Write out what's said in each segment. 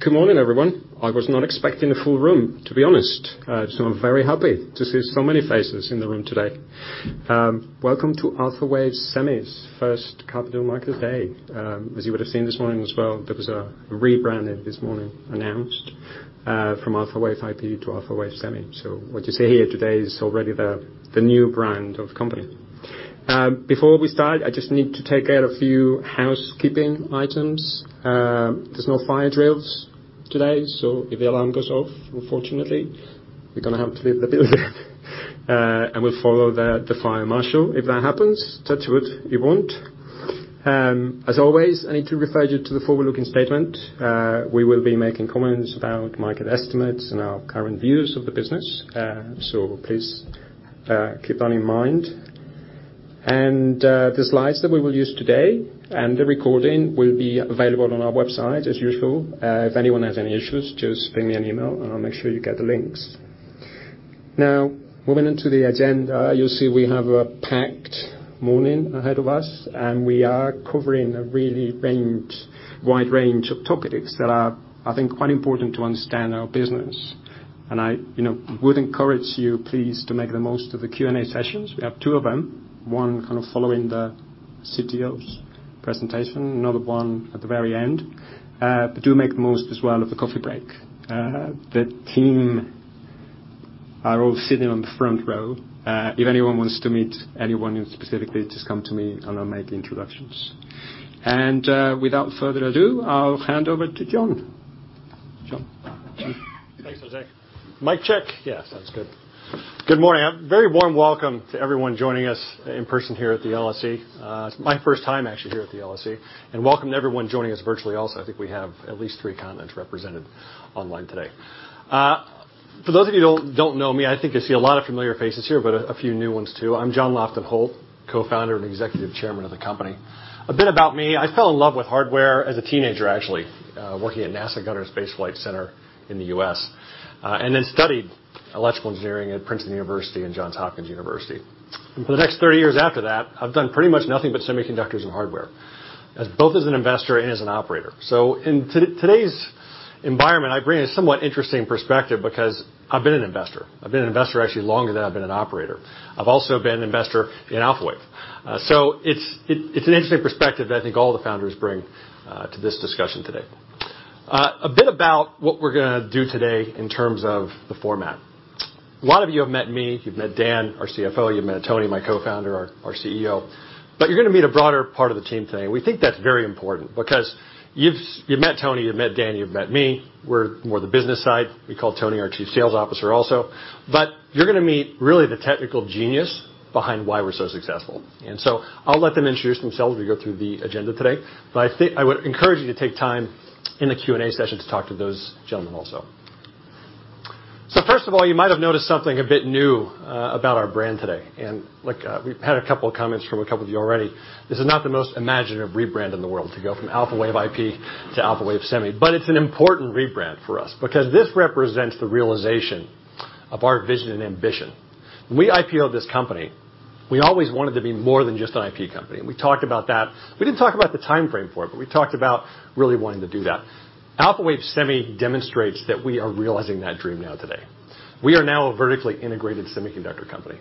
Good morning, everyone. I was not expecting a full room, to be honest. I'm very happy to see so many faces in the room today. Welcome to Alphawave Semi's first Capital Market Day. As you would have seen this morning as well, there was a rebranding this morning announced from Alphawave IP to Alphawave Semi. What you see here today is already the new brand of company. Before we start, I just need to take care of a few housekeeping items. There's no fire drills today, if the alarm goes off, unfortunately, we're gonna have to leave the building. We'll follow the fire marshal if that happens. Touch wood, it won't. As always, I need to refer you to the forward-looking statement. We will be making comments about market estimates and our current views of the business. Please keep that in mind. The slides that we will use today and the recording will be available on our website as usual. If anyone has any issues, just send me an email and I'll make sure you get the links. Now, moving into the agenda, you'll see we have a packed morning ahead of us, and we are covering a really wide range of topics that are, I think, quite important to understand our business. I, you know, would encourage you please, to make the most of the Q&A sessions. We have two of them. One kind of following the CTO's presentation, another one at the very end. Do make the most as well of the coffee break. The team are all sitting on the front row. If anyone wants to meet anyone specifically, just come to me and I'll make the introductions. Without further ado, I'll hand over to John. Thanks, Jose. Mic check. Yes, that was good. Good morning. A very warm welcome to everyone joining us in person here at the LSE. It's my first time actually here at the LSE. Welcome to everyone joining us virtually also. I think we have at least three continents represented online today. For those of you who don't know me, I think I see a lot of familiar faces here, but a few new ones, too. I'm John Lofton Holt, co-founder and Executive Chairman of the company. A bit about me. I fell in love with hardware as a teenager, actually, working at NASA Goddard Space Flight Center in the U.S. I studied electrical engineering at Princeton University and Johns Hopkins University. For the next 30 years after that, I've done pretty much nothing but semiconductors and hardware, as both an investor and as an operator. In today's environment, I bring a somewhat interesting perspective because I've been an investor. I've been an investor actually longer than I've been an operator. I've also been an investor in Alphawave. It's an interesting perspective that I think all the founders bring to this discussion today. A bit about what we're gonna do today in terms of the format. A lot of you have met me, you've met Dan, our CFO, you've met Tony, my co-founder, our CEO, you're gonna meet a broader part of the team today. We think that's very important because you've met Tony, you've met Dan, you've met me. We're more the business side. We call Tony our Chief Sales Officer also. You're going to meet really the technical genius behind why we're so successful. I'll let them introduce themselves as we go through the agenda today. I would encourage you to take time in the Q&A session to talk to those gentlemen also. First of all, you might have noticed something a bit new about our brand today. Look, we've had a couple of comments from a couple of you already. This is not the most imaginative rebrand in the world to go from Alphawave IP to Alphawave Semi, but it's an important rebrand for us because this represents the realization of our vision and ambition. When we IPO'd this company, we always wanted to be more than just an IP company. We talked about that. We didn't talk about the timeframe for it, but we talked about really wanting to do that. Alphawave Semi demonstrates that we are realizing that dream now today. We are now a vertically integrated semiconductor company.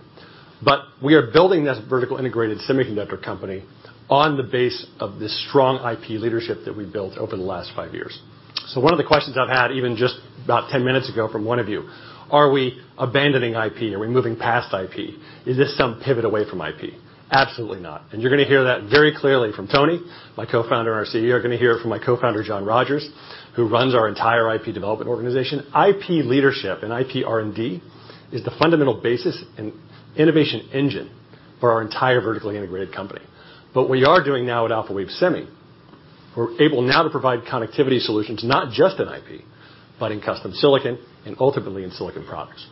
We are building this vertical integrated semiconductor company on the base of this strong IP leadership that we built over the last five years. One of the questions I've had, even just about 10 minutes ago from one of you, are we abandoning IP? Are we moving past IP? Is this some pivot away from IP? Absolutely not. You're gonna hear that very clearly from Tony, my co-founder and our CEO. You're gonna hear from my co-founder, Jon Rogers, who runs our entire IP development organization. IP leadership and IP R&D is the fundamental basis and innovation engine for our entire vertically integrated company. We are doing now at Alphawave Semi, we're able now to provide connectivity solutions not just in IP, but in custom silicon and ultimately in silicon products.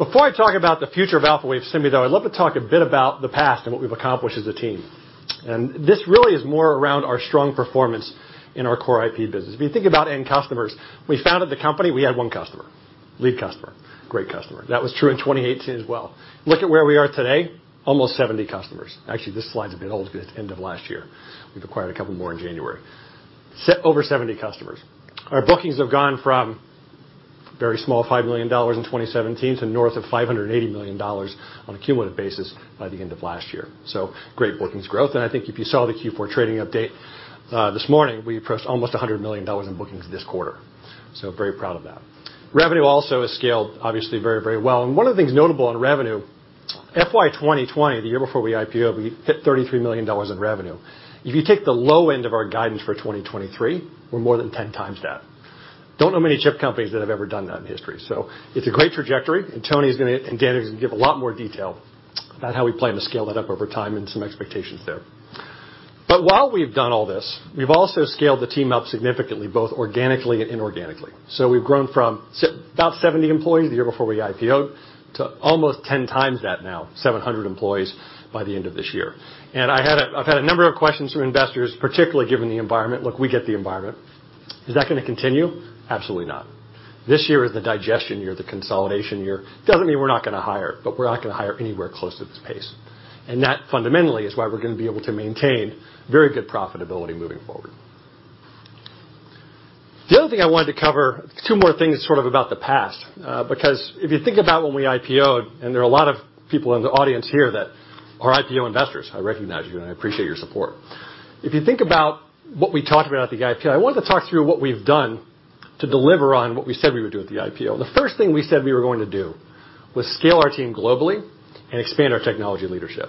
Before I talk about the future of Alphawave Semi, though, I'd love to talk a bit about the past and what we've accomplished as a team. This really is more around our strong performance in our core IP business. If you think about end customers, when we founded the company, we had one customer, lead customer, great customer. That was true in 2018 as well. Look at where we are today, almost 70 customers. Actually, this slide's a bit old 'cause end of last year, we've acquired a couple more in January. Over 70 customers. Our bookings have gone from very small, $5 million in 2017 to north of $580 million on a cumulative basis by the end of last year. Great bookings growth. I think if you saw the Q4 trading update this morning, we approached almost $100 million in bookings this quarter. Very proud of that. Revenue also has scaled obviously very, very well. One of the things notable on revenue, FY 2020, the year before we IPO'd, we hit $33 million in revenue. If you take the low end of our guidance for 2023, we're more than 10xthat. Don't know many chip companies that have ever done that in history. It's a great trajectory, and Dan is gonna give a lot more detail about how we plan to scale that up over time and some expectations there. While we've done all this, we've also scaled the team up significantly, both organically and inorganically. We've grown from about 70 employees the year before we IPO'd to almost 10x that now, 700 employees by the end of this year. I've had a number of questions from investors, particularly given the environment. Look, we get the environment. Is that gonna continue? Absolutely not. This year is the digestion year, the consolidation year. Doesn't mean we're not gonna hire, but we're not gonna hire anywhere close to this pace. That, fundamentally, is why we're gonna be able to maintain very good profitability moving forward. The other thing I wanted to cover, two more things sort of about the past, because if you think about when we IPO'd, there are a lot of people in the audience here that are IPO investors, I recognize you, and I appreciate your support. If you think about what we talked about at the IPO, I wanted to talk through what we've done to deliver on what we said we would do at the IPO. The first thing we said we were going to do was scale our team globally and expand our technology leadership.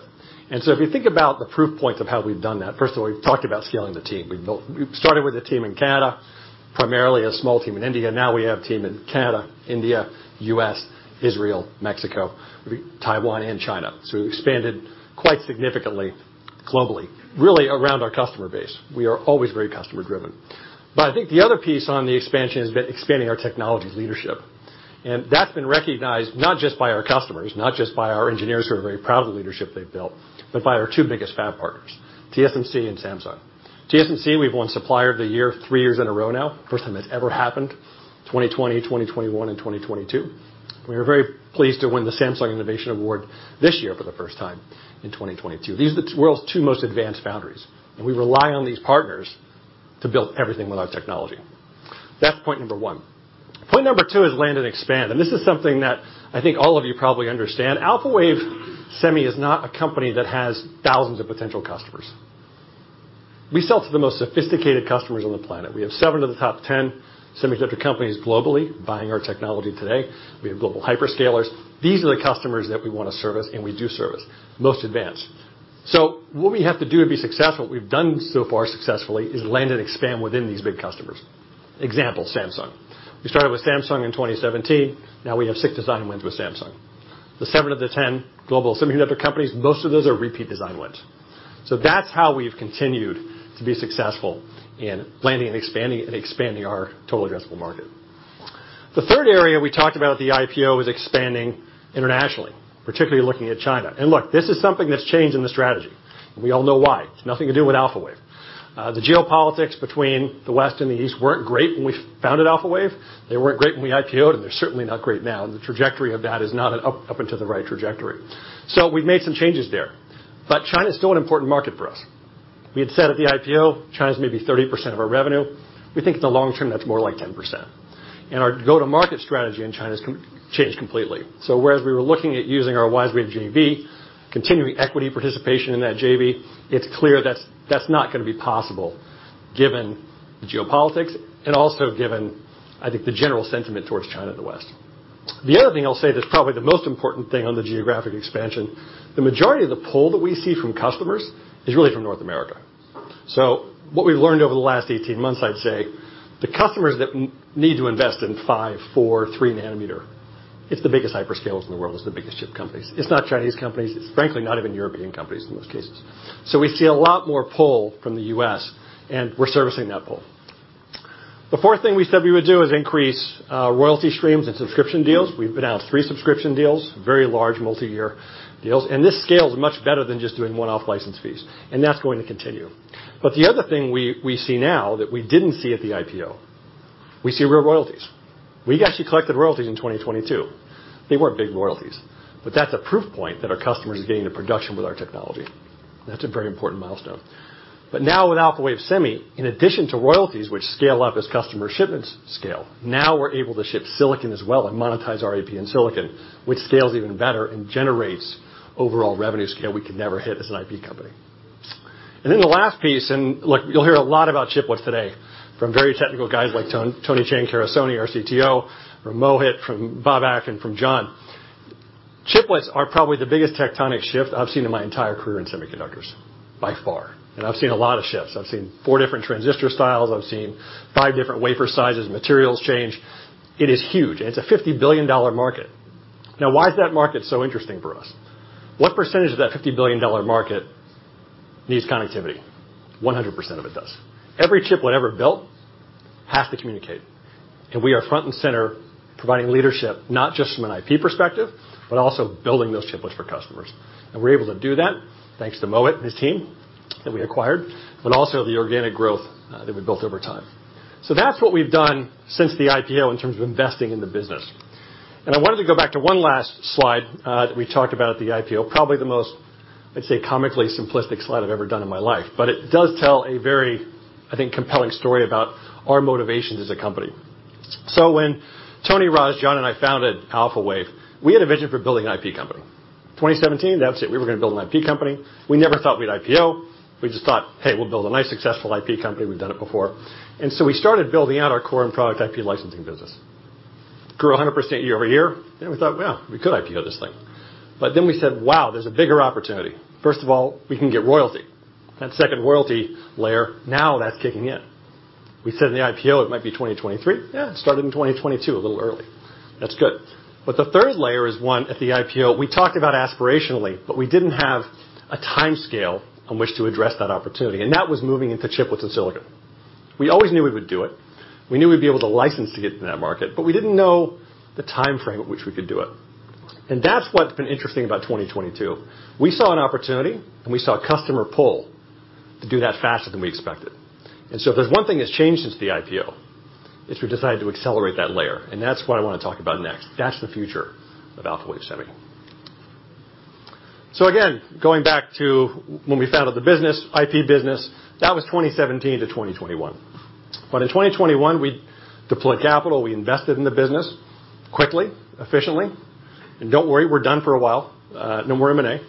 If you think about the proof points of how we've done that, first of all, we've talked about scaling the team. We started with a team in Canada, primarily a small team in India. Now we have team in Canada, India, U.S., Israel, Mexico, Taiwan, and China. We've expanded quite significantly globally, really around our customer base. We are always very customer driven. I think the other piece on the expansion has been expanding our technology leadership. That's been recognized not just by our customers, not just by our engineers who are very proud of the leadership they've built, but by our two biggest fab partners, TSMC and Samsung. TSMC, we've won Supplier of the Year three years in a row now. First time that's ever happened, 2020, 2021, and 2022. We are very pleased to win the Samsung Innovation Award this year for the first time in 2022. These are the world's two most advanced foundries, and we rely on these partners to build everything with our technology. That's point number one. Point number two is land and expand, this is something that I think all of you probably understand. Alphawave Semi is not a company that has thousands of potential customers. We sell to the most sophisticated customers on the planet. We have seven of the top ten semiconductor companies globally buying our technology today. We have global hyperscalers. These are the customers that we wanna service and we do service. Most advanced. What we have to do to be successful, what we've done so far successfully, is land and expand within these big customers. Example, Samsung. We started with Samsung in 2017. Now we have six design wins with Samsung. The seven of the 10 global semiconductor companies, most of those are repeat design wins. That's how we've continued to be successful in landing and expanding, and expanding our total addressable market. The third area we talked about at the IPO is expanding internationally, particularly looking at China. Look, this is something that's changed in the strategy. We all know why. It's nothing to do with Alphawave. The geopolitics between the West and the East weren't great when we founded Alphawave. They weren't great when we IPO'd, and they're certainly not great now. The trajectory of that is not an up and to the right trajectory. We've made some changes there, but China is still an important market for us. We had said at the IPO, China's maybe 30% of our revenue. We think in the long term, that's more like 10%. Our go-to-market strategy in China's changed completely. Whereas we were looking at using our WiseWave JV, continuing equity participation in that JV, it's clear that's not going to be possible given the geopolitics and also given, I think, the general sentiment towards China in the West. The other thing I'll say that's probably the most important thing on the geographic expansion, the majority of the pull that we see from customers is really from North America. What we've learned over the last 18 months, I'd say, the customers that need to invest in 5 nm, 4nm, 3 nm, it's the biggest hyperscalers in the world. It's the biggest chip companies. It's not Chinese companies. It's frankly not even European companies in most cases. We see a lot more pull from the U.S., and we're servicing that pull. The fourth thing we said we would do is increase royalty streams and subscription deals. We've announced three subscription deals, very large multiyear deals. This scale is much better than just doing one-off license fees, and that's going to continue. The other thing we see now that we didn't see at the IPO, we see real royalties. We actually collected royalties in 2022. They weren't big royalties. That's a proof point that our customers are getting to production with our technology. That's a very important milestone. Now with Alphawave Semi, in addition to royalties, which scale up as customer shipments scale, now we're able to ship silicon as well and monetize our IP in silicon, which scales even better and generates overall revenue scale we could never hit as an IP company. The last piece, look, you'll hear a lot about chiplets today from very technical guys like Tony Chan Carusone, our CTO, from Mohit, from Babak, and from Jon. Chiplets are probably the biggest tectonic shift I've seen in my entire career in semiconductors, by far, and I've seen a lot of shifts. I've seen four different transistor styles. I've seen five different wafer sizes, materials change. It is huge, and it's a $50 billion market. Why is that market so interesting for us? What percentage of that $50 billion market needs connectivity? 100% of it does. Every chiplet ever built has to communicate, and we are front and center providing leadership, not just from an IP perspective, but also building those chiplets for customers. We're able to do that, thanks to Mohit and his team that we acquired, but also the organic growth that we built over time. That's what we've done since the IPO in terms of investing in the business. I wanted to go back to one last slide that we talked about at the IPO, probably the most, I'd say, comically simplistic slide I've ever done in my life, but it does tell a very, I think, compelling story about our motivations as a company. When Tony, Raj, Jon, and I founded Alphawave, we had a vision for building an IP company. 2017, that was it. We were gonna build an IP company. We never thought we'd IPO. We just thought, "Hey, we'll build a nice successful IP company. We've done it before. We started building out our core and product IP licensing business. Grew 100% year-over-year, we thought, "Well, we could IPO this thing." We said, "Wow, there's a bigger opportunity. First of all, we can get royalty." That second royalty layer, now that's kicking in. We said in the IPO it might be 2023. Yeah, it started in 2022, a little early. That's good. The third layer is one at the IPO we talked about aspirationally, but we didn't have a timescale on which to address that opportunity, and that was moving into chiplets and silicon. We always knew we would do it. We knew we'd be able to license to get to that market, but we didn't know the timeframe at which we could do it. That's what's been interesting about 2022. We saw an opportunity and we saw customer pull to do that faster than we expected. If there's one thing that's changed since the IPO, it's we've decided to accelerate that layer, and that's what I want to talk about next. That's the future of Alphawave Semi. Again, going back to when we founded the business, IP business, that was 2017 to 2021. In 2021, we deployed capital, we invested in the business quickly, efficiently. Don't worry, we're done for a while, no more M&A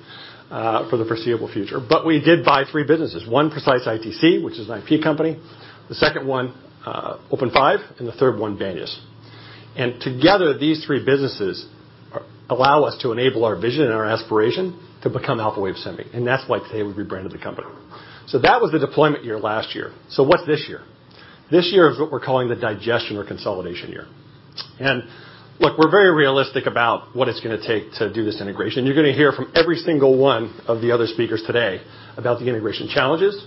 for the foreseeable future. We did buy three businesses. One, Precise-ITC, which is an IP company, the second one, OpenFive, and the third one, Banias. Together, these three businesses allow us to enable our vision and our aspiration to become Alphawave Semi, and that's why today we rebranded the company. That was the deployment year last year. What's this year? This year is what we're calling the digestion or consolidation year. Look, we're very realistic about what it's gonna take to do this integration. You're gonna hear from every single one of the other speakers today about the integration challenges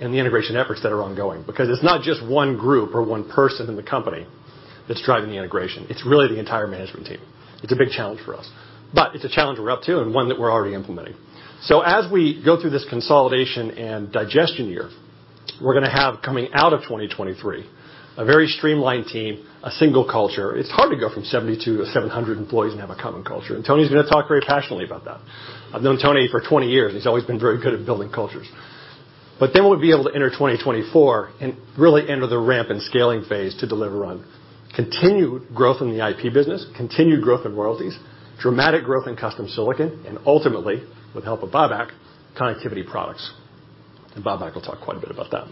and the integration efforts that are ongoing, because it's not just one group or one person in the company that's driving the integration. It's really the entire management team. It's a big challenge for us. It's a challenge we're up to, and one that we're already implementing. As we go through this consolidation and digestion year, we're gonna have, coming out of 2023, a very streamlined team, a single culture. It's hard to go from 70 to 700 employees and have a common culture, and Tony's gonna talk very passionately about that. I've known Tony for 20 years, and he's always been very good at building cultures. We'll be able to enter 2024 and really enter the ramp and scaling phase to deliver on continued growth in the IP business, continued growth in royalties, dramatic growth in custom silicon, and ultimately, with help of Babak, Connectivity Products. Babak will talk quite a bit about that.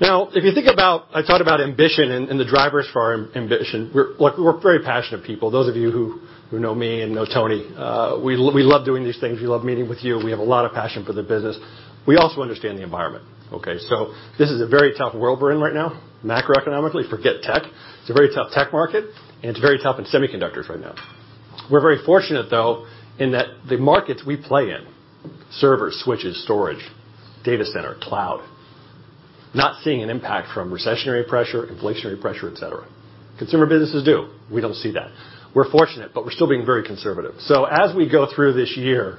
I thought about ambition and the drivers for our ambition. We're very passionate people. Those of you who know me and know Tony, we love doing these things. We love meeting with you. We have a lot of passion for the business. We also understand the environment, okay? This is a very tough world we're in right now. Macroeconomically, forget tech. It's a very tough tech market, and it's very tough in semiconductors right now. We're very fortunate, though, in that the markets we play in, servers, switches, storage, data center, cloud, not seeing an impact from recessionary pressure, inflationary pressure, et cetera. Consumer businesses do. We don't see that. We're fortunate, but we're still being very conservative. As we go through this year,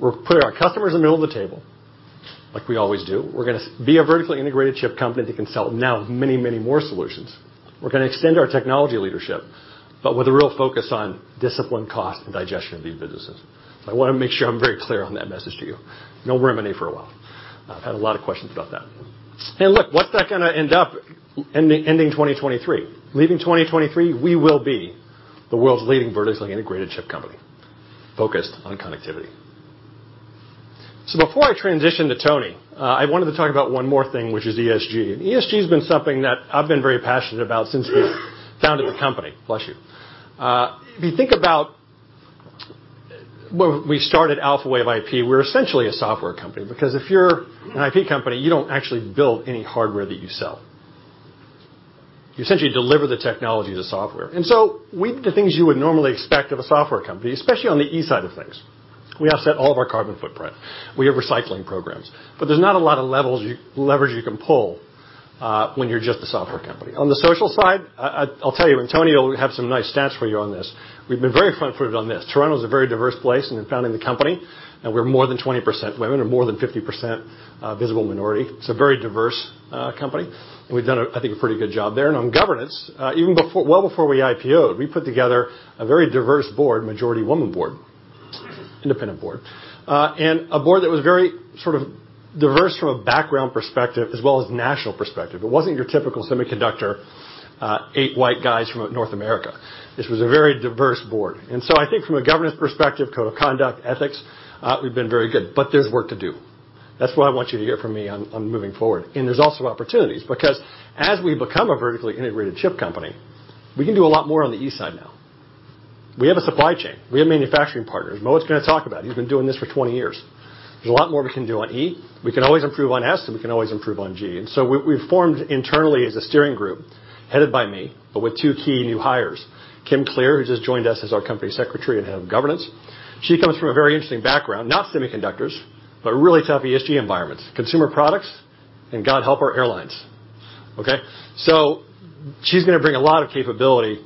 we're putting our customers in the middle of the table, like we always do. We're gonna be a vertically integrated chip company that can sell now many, many more solutions. We're gonna extend our technology leadership, but with a real focus on disciplined cost and digestion of these businesses. I wanna make sure I'm very clear on that message to you. No more M&A for a while. I've had a lot of questions about that. Look, what's that gonna end up ending 2023? Leaving 2023, we will be the world's leading vertically integrated chip company, focused on connectivity. Before I transition to Tony, I wanted to talk about one more thing, which is ESG. ESG has been something that I've been very passionate about since we founded the company. Bless you. If you think about when we started Alphawave IP, we're essentially a software company because if you're an IP company, you don't actually build any hardware that you sell. You essentially deliver the technology, the software. The things you would normally expect of a software company, especially on the E side of things. We offset all of our carbon footprint. We have recycling programs. But there's not a lot of levers you can pull, when you're just a software company. On the social side, I'll tell you, and Tony will have some nice stats for you on this, we've been very front and center on this. Toronto is a very diverse place in founding the company, and we're more than 20% women and more than 50% visible minority. It's a very diverse company, and we've done a, I think, a pretty good job there. On governance, even before well before we IPO'd, we put together a very diverse board, majority woman board, independent board, and a board that was very sort of diverse from a background perspective as well as national perspective. It wasn't your typical semiconductor, eight white guys from North America. This was a very diverse board. I think from a governance perspective, code of conduct, ethics, we've been very good, but there's work to do. That's what I want you to hear from me on moving forward. There's also opportunities, because as we become a vertically integrated chip company, we can do a lot more on the E side now. We have a supply chain. We have manufacturing partners. Mo is gonna talk about it. He's been doing this for 20 years. There's a lot more we can do on E. We can always improve on S, and we can always improve on G. So we've formed internally as a steering group, headed by me, but with two key new hires. Kim Clear, who just joined us as our Company Secretary and Head of Governance. She comes from a very interesting background. Not semiconductors, but really tough ESG environments. Consumer products, and God help her, airlines. Okay. She's gonna bring a lot of capability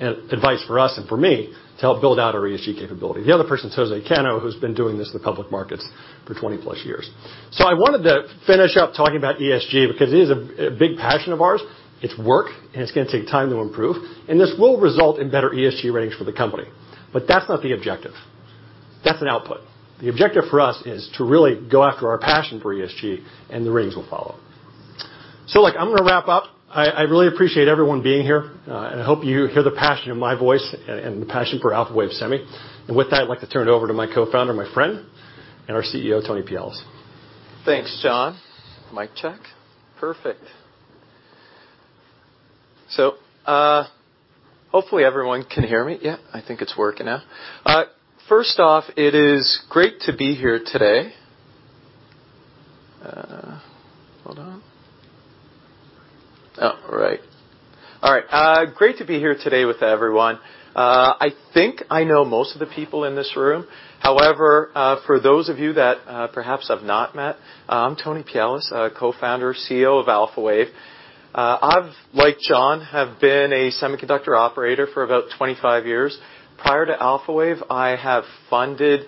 and advice for us and for me to help build out our ESG capability. The other person, Jose Cano, who's been doing this in the public markets for 20+ years. I wanted to finish up talking about ESG because it is a big passion of ours. It's work, and it's gonna take time to improve, and this will result in better ESG ratings for the company. That's not the objective. That's an output. The objective for us is to really go after our passion for ESG, and the ratings will follow. Look, I'm gonna wrap up. I really appreciate everyone being here, and I hope you hear the passion in my voice and the passion for Alphawave Semi. With that, I'd like to turn it over to my co-founder, my friend, and our CEO, Tony Pialis. Thanks, John. Mic check. Perfect. Hopefully everyone can hear me. I think it's working now. First off, it is great to be here today. All right. Great to be here today with everyone. I think I know most of the people in this room. For those of you that perhaps I've not met, I'm Tony Pialis, co-founder, CEO of Alphawave. Like John, been a semiconductor operator for about 25 years. Prior to Alphawave, I have funded,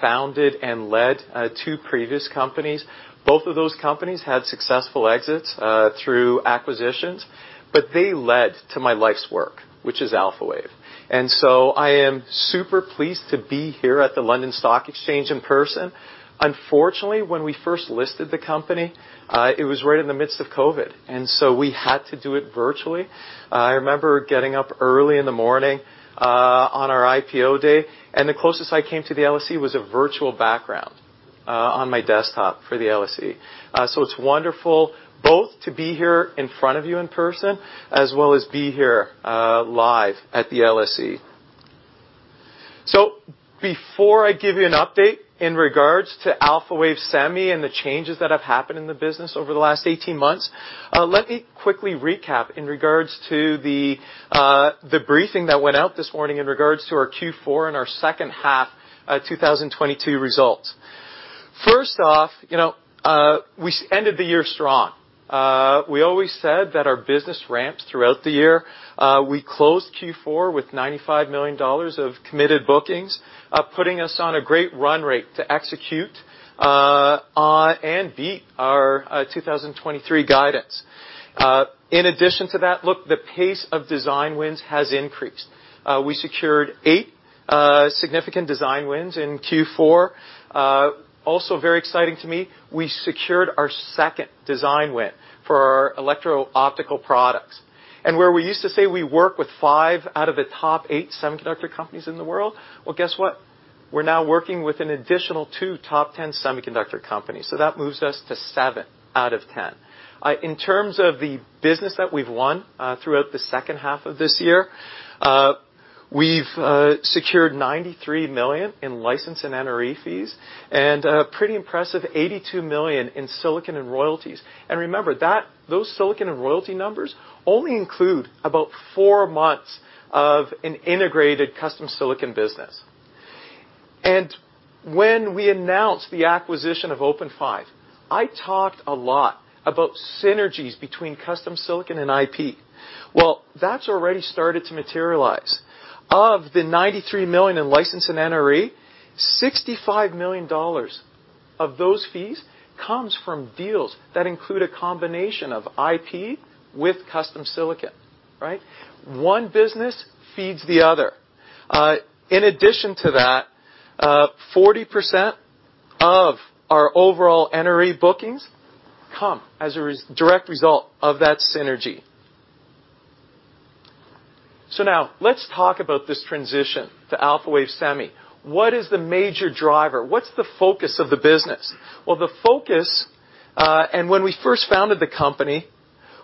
founded, and led two previous companies. Both of those companies had successful exits through acquisitions, they led to my life's work, which is Alphawave. I am super pleased to be here at the London Stock Exchange in person. Unfortunately, when we first listed the company, it was right in the midst of COVID. We had to do it virtually. I remember getting up early in the morning on our IPO day, and the closest I came to the LSE was a virtual background on my desktop for the LSE. It's wonderful both to be here in front of you in person as well as be here live at the LSE. Before I give you an update in regards to Alphawave Semi and the changes that have happened in the business over the last 18 months, let me quickly recap in regards to the briefing that went out this morning in regards to our Q4 and our second half 2022 results. First off, you know, we ended the year strong. We always said that our business ramps throughout the year. We closed Q4 with $95 million of committed bookings, putting us on a great run rate to execute, and beat our 2023 guidance. In addition to that, look, the pace of design wins has increased. We secured eight significant design wins in Q4. Also very exciting to me, we secured our second design win for our electro-optical products. Where we used to say we work with five out of the top eight semiconductor companies in the world, well, guess what? We're now working with an additional two top 10 semiconductor companies, so that moves us to seven out of 10. In terms of the business that we've won, throughout the second half of this year, we've secured $93 million in license and NRE fees and a pretty impressive $82 million in silicon and royalties. Remember those silicon and royalty numbers only include about four months of an integrated custom silicon business. When we announced the acquisition of OpenFive, I talked a lot about synergies between custom silicon and IP. That's already started to materialize. Of the $93 million in license and NRE, $65 million of those fees comes from deals that include a combination of IP with custom silicon, right? One business feeds the other. In addition to that, 40% of our overall NRE bookings come as a direct result of that synergy. Let's talk about this transition to Alphawave Semi. What is the major driver? What's the focus of the business? Well, the focus, and when we first founded the company,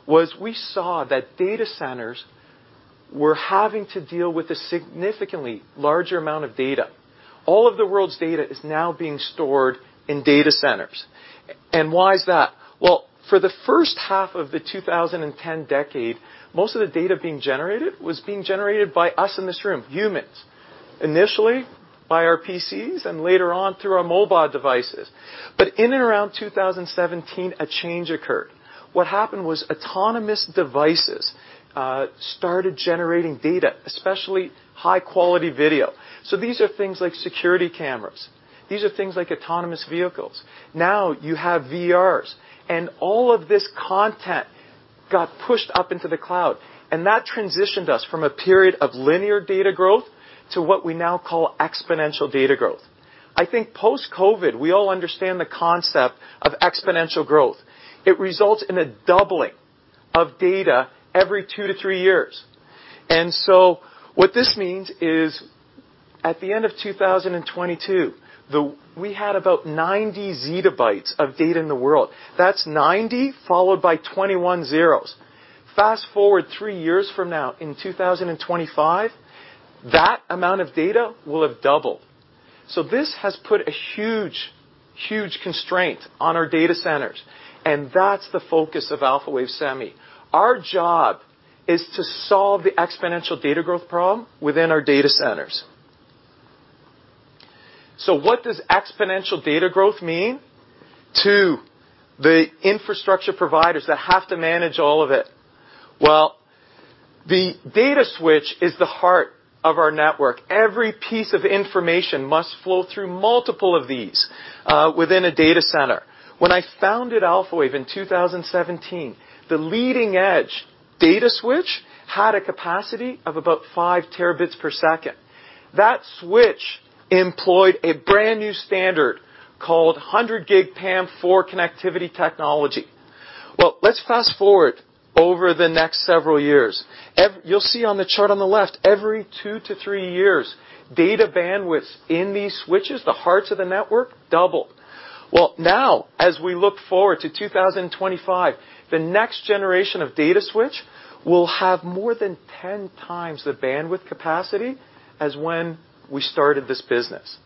was we saw that data centers were having to deal with a significantly larger amount of data. All of the world's data is now being stored in data centers. Why is that? Well, for the first half of the 2010 decade, most of the data being generated was being generated by us in this room, humans. Initially by our PCs and later on through our mobile devices. In and around 2017, a change occurred. What happened was autonomous devices started generating data, especially high-quality video. These are things like security cameras. These are things like autonomous vehicles. Now you have VRs, all of this content got pushed up into the cloud, that transitioned us from a period of linear data growth to what we now call exponential data growth. I think post-COVID, we all understand the concept of exponential growth. It results in a doubling of data every two to three years. What this means is, at the end of 2022, we had about 90 ZB of data in the world. That's 90 followed by 21 zeros. Fast-forward three years from now, in 2025, that amount of data will have doubled. This has put a huge constraint on our data centers, and that's the focus of Alphawave Semi. Our job is to solve the exponential data growth problem within our data centers. What does exponential data growth mean to the infrastructure providers that have to manage all of it? The data switch is the heart of our network. Every piece of information must flow through multiple of these within a data center. When I founded Alphawave in 2017, the leading-edge data switch had a capacity of about 5 TBps. That switch employed a brand-new standard called 100 Gb PAM4 connectivity technology. Let's fast-forward over the next several years. You'll see on the chart on the left, every two to three years, data bandwidth in these switches, the hearts of the network, double. Now as we look forward to 2025, the next generation of data switch will have more than 10x the bandwidth capacity as when we started this business.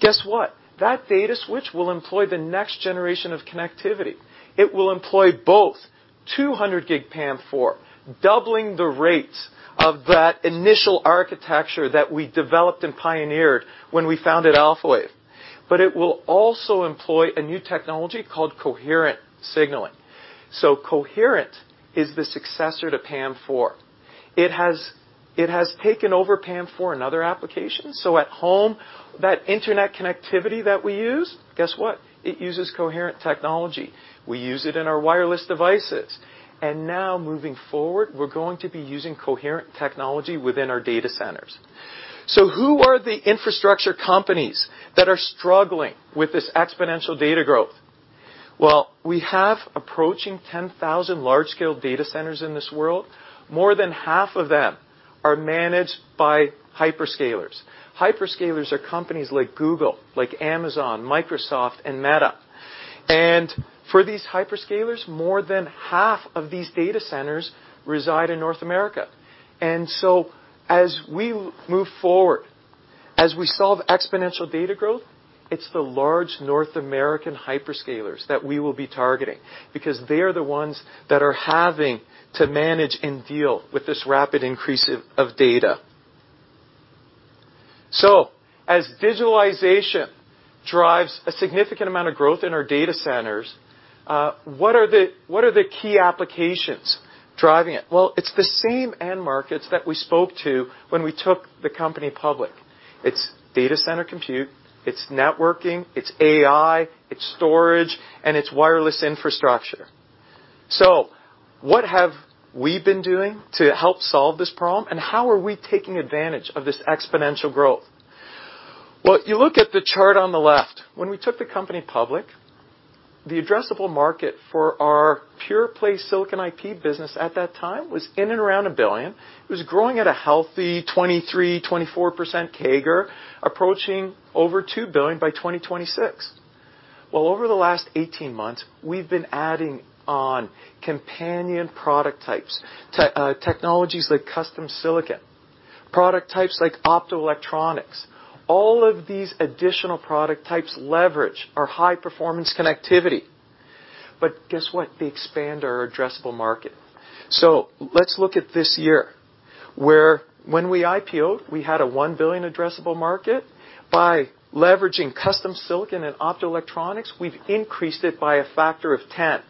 Guess what? That data switch will employ the next generation of connectivity. It will employ both 200 Gb PAM4, doubling the rates of that initial architecture that we developed and pioneered when we founded Alphawave. It will also employ a new technology called coherent signaling. Coherent is the successor to PAM4. It has taken over PAM4 in other applications. At home, that internet connectivity that we use, guess what? It uses coherent technology. We use it in our wireless devices. Now moving forward, we're going to be using coherent technology within our data centers. Who are the infrastructure companies that are struggling with this exponential data growth? Well, we have approaching 10,000 large-scale data centers in this world. More than half of them are managed by hyperscalers. Hyperscalers are companies like Google, like Amazon, Microsoft, and Meta. For these hyperscalers, more than half of these data centers reside in North America. As we move forward, as we solve exponential data growth, it's the large North American hyperscalers that we will be targeting because they are the ones that are having to manage and deal with this rapid increase of data. As visualization drives a significant amount of growth in our data centers, what are the key applications driving it? Well, it's the same end markets that we spoke to when we took the company public. It's data center compute, it's networking, it's AI, it's storage, and it's wireless infrastructure. What have we been doing to help solve this problem, and how are we taking advantage of this exponential growth? Well, if you look at the chart on the left, when we took the company public, the addressable market for our pure play silicon IP business at that time was in and around $1 billion. It was growing at a healthy 23%-24% CAGR, approaching over $2 billion by 2026. Well, over the last 18 months we've been adding on companion product types, technologies like custom silicon, product types like optoelectronics. All of these additional product types leverage our high-performance connectivity. Guess what? They expand our addressable market. Let's look at this year, where when we IPO'd, we had a $1 billion addressable market. By leveraging custom silicon and optoelectronics, we've increased it by a factor of 10.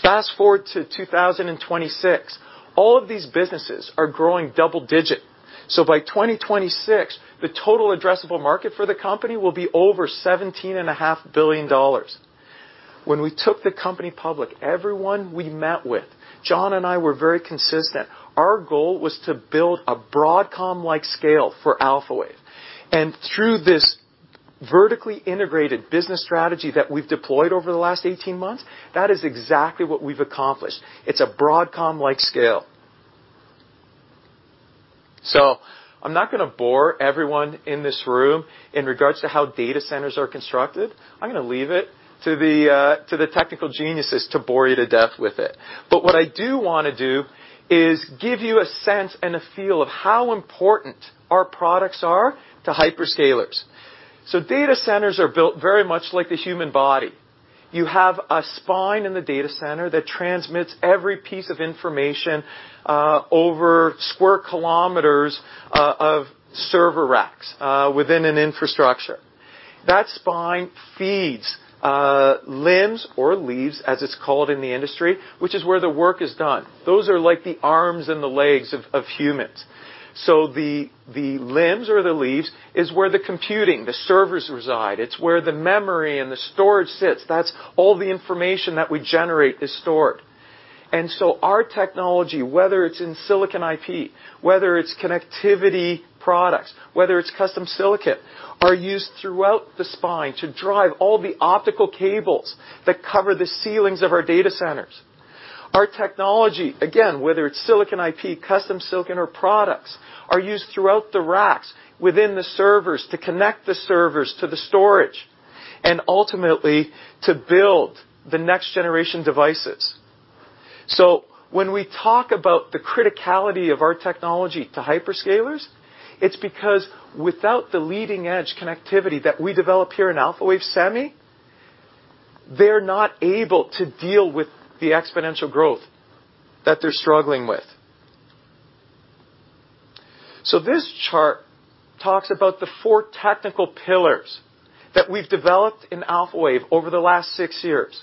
Fast-forward to 2026, all of these businesses are growing double digit. By 2026, the total addressable market for the company will be over $17.5 billion. When we took the company public, everyone we met with, John and I were very consistent. Our goal was to build a Broadcom-like scale for Alphawave. Through this vertically integrated business strategy that we've deployed over the last 18 months, that is exactly what we've accomplished. It's a Broadcom-like scale. I'm not gonna bore everyone in this room in regards to how data centers are constructed. I'm gonna leave it to the to the technical geniuses to bore you to death with it. What I do wanna do is give you a sense and a feel of how important our products are to hyperscalers. Data centers are built very much like the human body. You have a spine in the data center that transmits every piece of information over square kilometers of server racks within an infrastructure. That spine feeds limbs or leaves, as it's called in the industry, which is where the work is done. Those are like the arms and the legs of humans. The limbs or the leaves is where the computing, the servers reside. It's where the memory and the storage sits. That's all the information that we generate is stored. Our technology, whether it's in silicon IP, whether it's Connectivity Products, whether it's custom silicon, are used throughout the spine to drive all the optical cables that cover the ceilings of our data centers. Our technology, again, whether it's silicon IP, custom silicon, or products, are used throughout the racks within the servers to connect the servers to the storage, and ultimately, to build the next generation devices. When we talk about the criticality of our technology to hyperscalers, it's because without the leading-edge connectivity that we develop here in Alphawave Semi, they're not able to deal with the exponential growth that they're struggling with. This chart talks about the four technical pillars that we've developed in Alphawave over the last six years.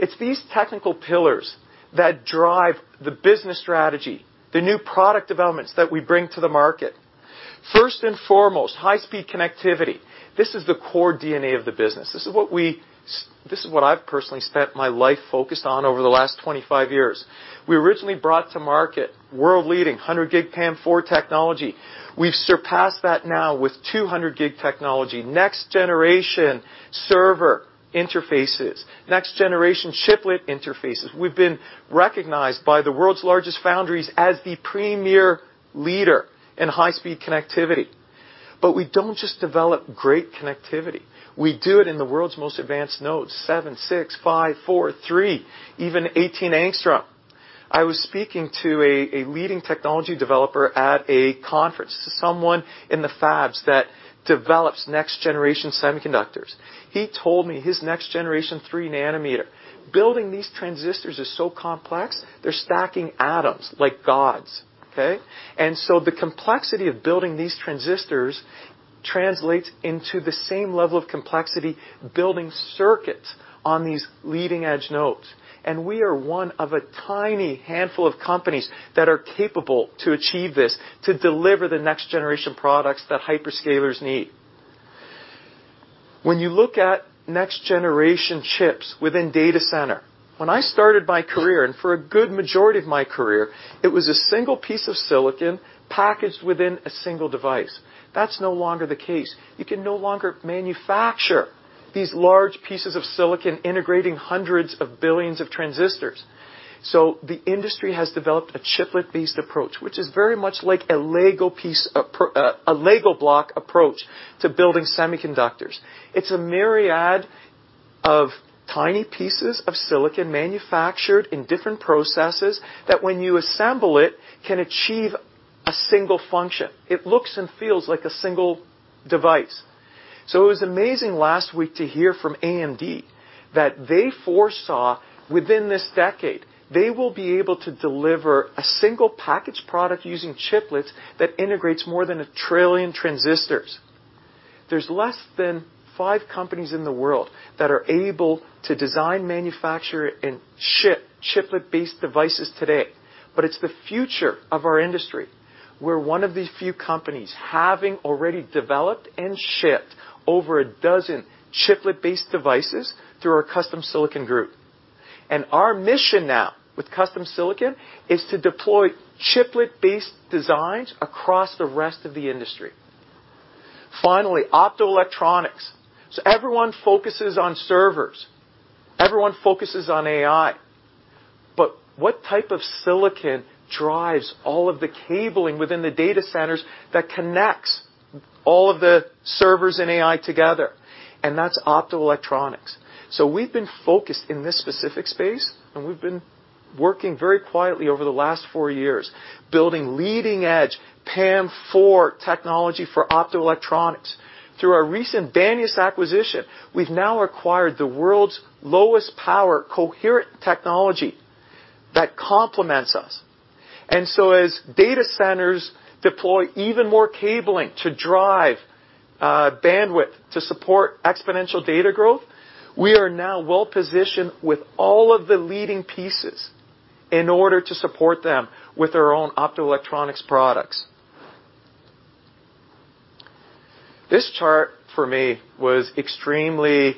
It's these technical pillars that drive the business strategy, the new product developments that we bring to the market. First and foremost, high-speed connectivity. This is the core DNA of the business. This is what I've personally spent my life focused on over the last 25 years. We originally brought to market world-leading 100 Gb PAM4 technology. We've surpassed that now with 200 Gb technology, next-generation server interfaces, next-generation chiplet interfaces. We've been recognized by the world's largest foundries as the premier leader in high-speed connectivity. We don't just develop great connectivity. We do it in the world's most advanced nodes, 7 nm, 6 nm, 5 nm, 4 nm, 3 nm, even 18 Å. I was speaking to a leading technology developer at a conference, someone in the fabs that develops next-generation semiconductors. He told me his next-generation 3 nm, building these transistors is so complex, they're stacking atoms like gods, okay? The complexity of building these transistors translates into the same level of complexity building circuits on these leading-edge nodes. We are one of a tiny handful of companies that are capable to achieve this, to deliver the next generation products that hyperscalers need. When you look at next generation chips within data center, when I started my career, and for a good majority of my career, it was a single piece of silicon packaged within a single device. That's no longer the case. You can no longer manufacture these large pieces of silicon integrating hundreds of billions of transistors. The industry has developed a chiplet-based approach, which is very much like a Lego block approach to building semiconductors. It's a myriad of tiny pieces of silicon manufactured in different processes that when you assemble it, can achieve a single function. It looks and feels like a single device. It was amazing last week to hear from AMD that they foresaw within this decade, they will be able to deliver a single packaged product using chiplets that integrates more than a trillion transistors. There's less than five companies in the world that are able to design, manufacture, and ship chiplet-based devices today, but it's the future of our industry. We're one of the few companies having already developed and shipped over 12 chiplet-based devices through our Custom Silicon Group. Our mission now with Custom Silicon is to deploy chiplet-based designs across the rest of the industry. Finally, optoelectronics. Everyone focuses on servers. Everyone focuses on AI. What type of silicon drives all of the cabling within the data centers that connects all of the servers and AI together? That's optoelectronics. We've been focused in this specific space, we've been working very quietly over the last four years, building leading edge PAM4 technology for optoelectronics. Through our recent Banias acquisition, we've now acquired the world's lowest power coherent technology that complements us. As data centers deploy even more cabling to drive bandwidth to support exponential data growth, we are now well positioned with all of the leading pieces in order to support them with our own optoelectronics products. This chart, for me, was extremely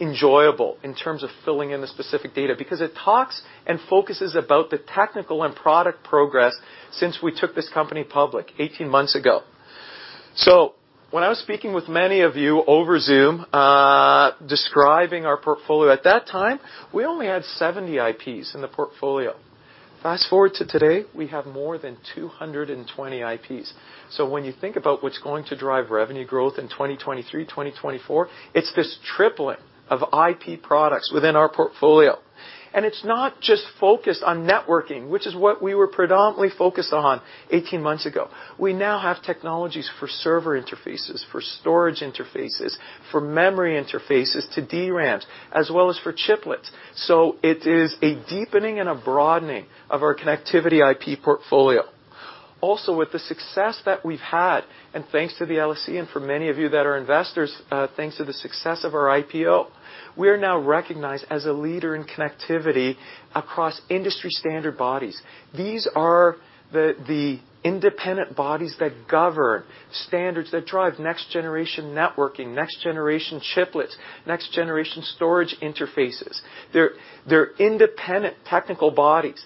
enjoyable in terms of filling in the specific data because it talks and focuses about the technical and product progress since we took this company public 18 months ago. When I was speaking with many of you over Zoom, describing our portfolio at that time, we only had 70 IPs in the portfolio. Fast-forward to today, we have more than 220 IPs. When you think about what's going to drive revenue growth in 2023, 2024, it's this tripling of IP products within our portfolio. It's not just focused on networking, which is what we were predominantly focused on 18 months ago. We now have technologies for server interfaces, for storage interfaces, for memory interfaces to DRAMs, as well as for chiplets. It is a deepening and a broadening of our connectivity IP portfolio. Also, with the success that we've had, and thanks to the LSE and for many of you that are investors, thanks to the success of our IPO, we are now recognized as a leader in connectivity across industry standard bodies. These are the independent bodies that govern standards that drive next generation networking, next generation chiplets, next generation storage interfaces. They're independent technical bodies.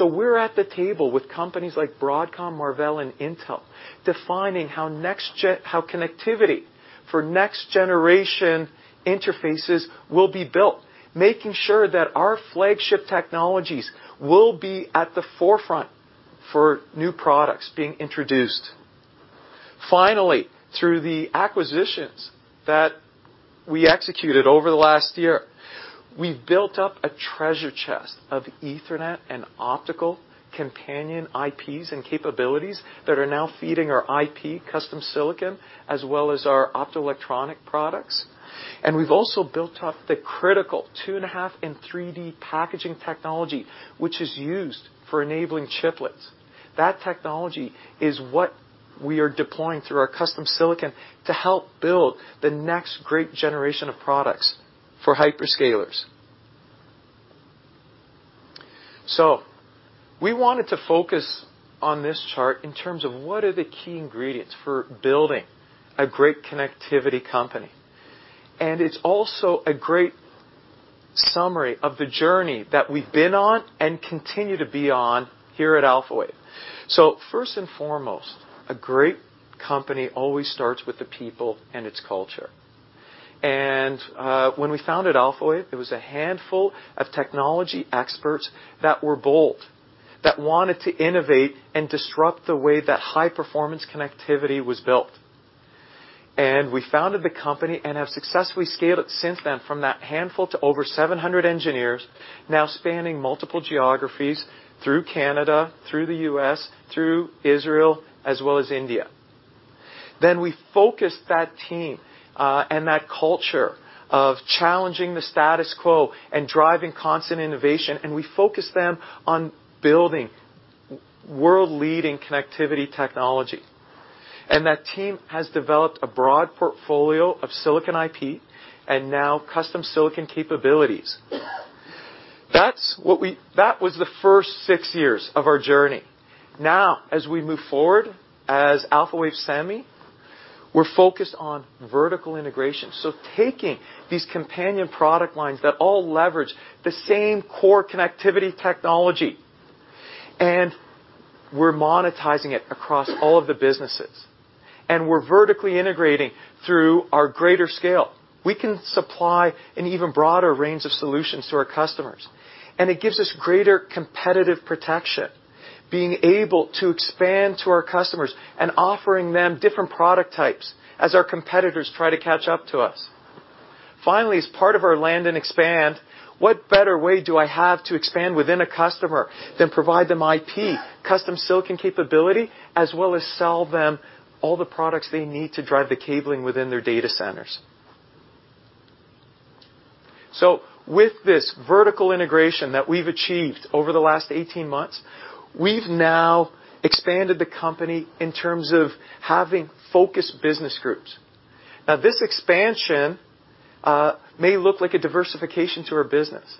We're at the table with companies like Broadcom, Marvell, and Intel, defining how connectivity for next generation interfaces will be built, making sure that our flagship technologies will be at the forefront for new products being introduced. Finally, through the acquisitions that we executed over the last year, we've built up a treasure chest of Ethernet and optical companion IPs and capabilities that are now feeding our IP custom silicon, as well as our optoelectronic products. We've also built up the critical 2.5D and 3D packaging technology, which is used for enabling chiplets. That technology is what we are deploying through our custom silicon to help build the next great generation of products for hyperscalers. We wanted to focus on this chart in terms of what are the key ingredients for building a great connectivity company. It's also a great summary of the journey that we've been on and continue to be on here at Alphawave. First and foremost, a great company always starts with the people and its culture. When we founded Alphawave, it was a handful of technology experts that were bold, that wanted to innovate and disrupt the way that high-performance connectivity was built. We founded the company and have successfully scaled it since then from that handful to over 700 engineers, now spanning multiple geographies through Canada, through the U.S., through Israel, as well as India. We focused that team and that culture of challenging the status quo and driving constant innovation, and we focused them on building world-leading connectivity technology. That team has developed a broad portfolio of silicon IP and now custom silicon capabilities. That was the first six years of our journey. As we move forward as Alphawave Semi, we're focused on vertical integration, so taking these companion product lines that all leverage the same core connectivity technology. We're monetizing it across all of the businesses. We're vertically integrating through our greater scale. We can supply an even broader range of solutions to our customers. It gives us greater competitive protection, being able to expand to our customers and offering them different product types as our competitors try to catch up to us. Finally, as part of our land and expand, what better way do I have to expand within a customer than provide them IP, custom silicon capability, as well as sell them all the products they need to drive the cabling within their data centers? With this vertical integration that we've achieved over the last 18 months, we've now expanded the company in terms of having focused business groups. This expansion may look like a diversification to our business,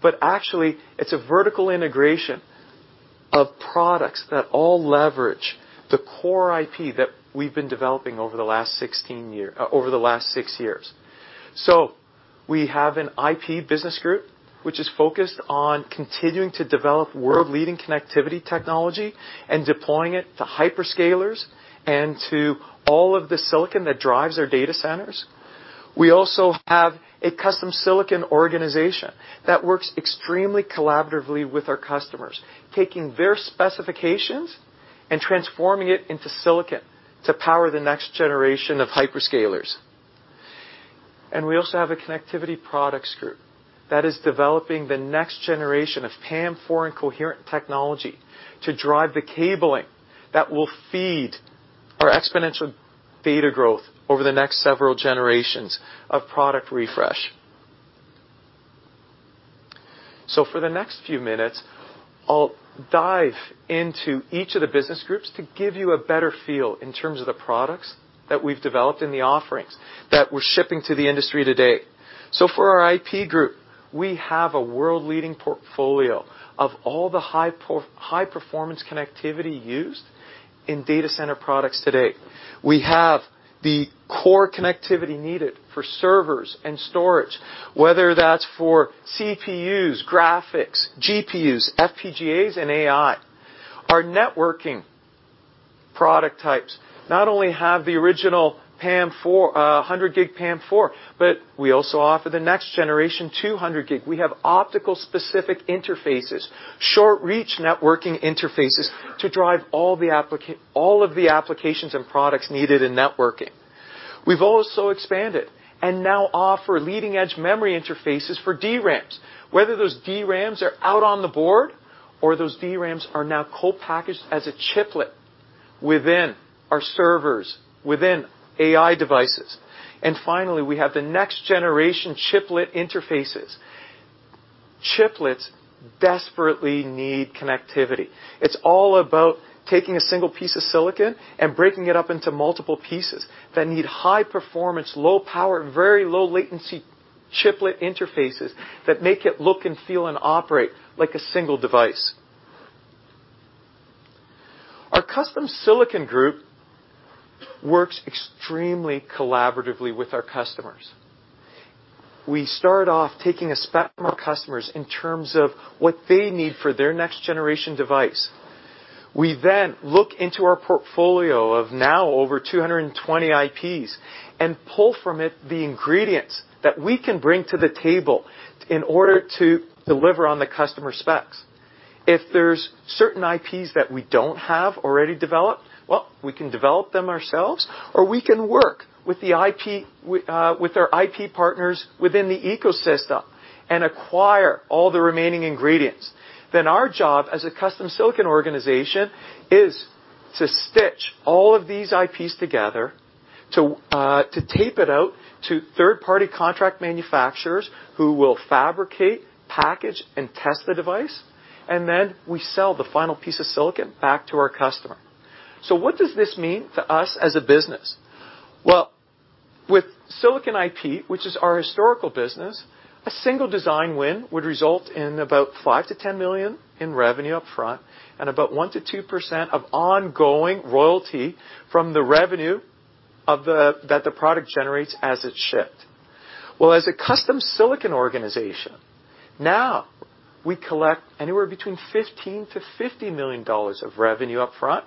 but actually it's a vertical integration of products that all leverage the core IP that we've been developing over the last six years. We have an IP business group, which is focused on continuing to develop world-leading connectivity technology and deploying it to hyperscalers and to all of the silicon that drives our data centers. We also have a custom silicon organization that works extremely collaboratively with our customers, taking their specifications and transforming it into silicon to power the next generation of hyperscalers. We also have Connectivity Products Group that is developing the next generation of PAM4 and coherent technology to drive the cabling that will feed our exponential data growth over the next several generations of product refresh. For the next few minutes, I'll dive into each of the business groups to give you a better feel in terms of the products that we've developed and the offerings that we're shipping to the industry today. For our IP group, we have a world-leading portfolio of all the high-performance connectivity used in data center products today. We have the core connectivity needed for servers and storage, whether that's for CPUs, GPUs, FPGAs, and AI. Our networking product types not only have the original 100 Gb PAM4, but we also offer the next generation, 200 Gb. We have optical-specific interfaces, short-reach networking interfaces to drive all of the applications and products needed in networking. We've also expanded and now offer leading-edge memory interfaces for DRAMs, whether those DRAMs are out on the board or those DRAMs are now co-packaged as a chiplet within our servers, within AI devices. Finally, we have the next-generation chiplet interfaces. Chiplets desperately need connectivity. It's all about taking a single piece of silicon and breaking it up into multiple pieces that need high performance, low power, and very low latency chiplet interfaces that make it look and feel and operate like a single device. Our Custom Silicon Group works extremely collaboratively with our customers. We start off taking a spec from our customers in terms of what they need for their next-generation device. We then look into our portfolio of now over 220 IPs and pull from it the ingredients that we can bring to the table in order to deliver on the customer specs. If there's certain IPs that we don't have already developed, well, we can develop them ourselves, or we can work with our IP partners within the ecosystem and acquire all the remaining ingredients. Our job as a custom silicon organization is to stitch all of these IPs together, to tape it out to third-party contract manufacturers who will fabricate, package, and test the device, and then we sell the final piece of silicon back to our customer. What does this mean to us as a business? With silicon IP, which is our historical business, a single design win would result in about $5 million-$10 million in revenue up front and about 1%-2% of ongoing royalty from the revenue that the product generates as it's shipped. As a custom silicon organization, now we collect anywhere between $15 million-$50 million of revenue up front,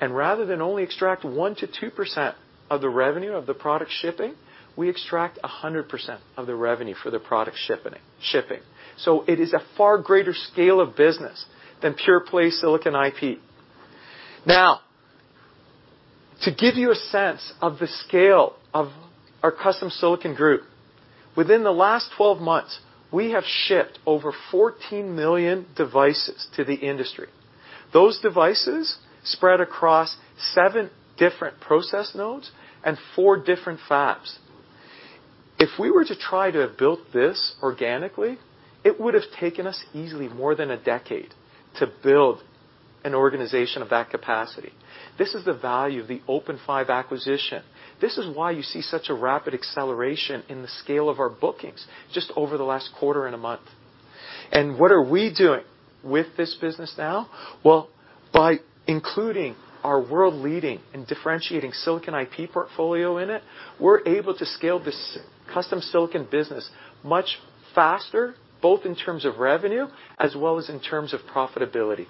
and rather than only extract 1%-2% of the revenue of the product shipping, we extract 100% of the revenue for the product shipping. It is a far greater scale of business than pure play silicon IP. To give you a sense of the scale of our custom silicon group. Within the last 12 months, we have shipped over 14 million devices to the industry. Those devices spread across seven different process nodes and four different fabs. If we were to try to have built this organically, it would have taken us easily more than a decade to build an organization of that capacity. This is the value of the OpenFive acquisition. This is why you see such a rapid acceleration in the scale of our bookings just over the last quarter and a month. What are we doing with this business now? Well, by including our world-leading and differentiating silicon IP portfolio in it, we're able to scale this custom silicon business much faster, both in terms of revenue as well as in terms of profitability.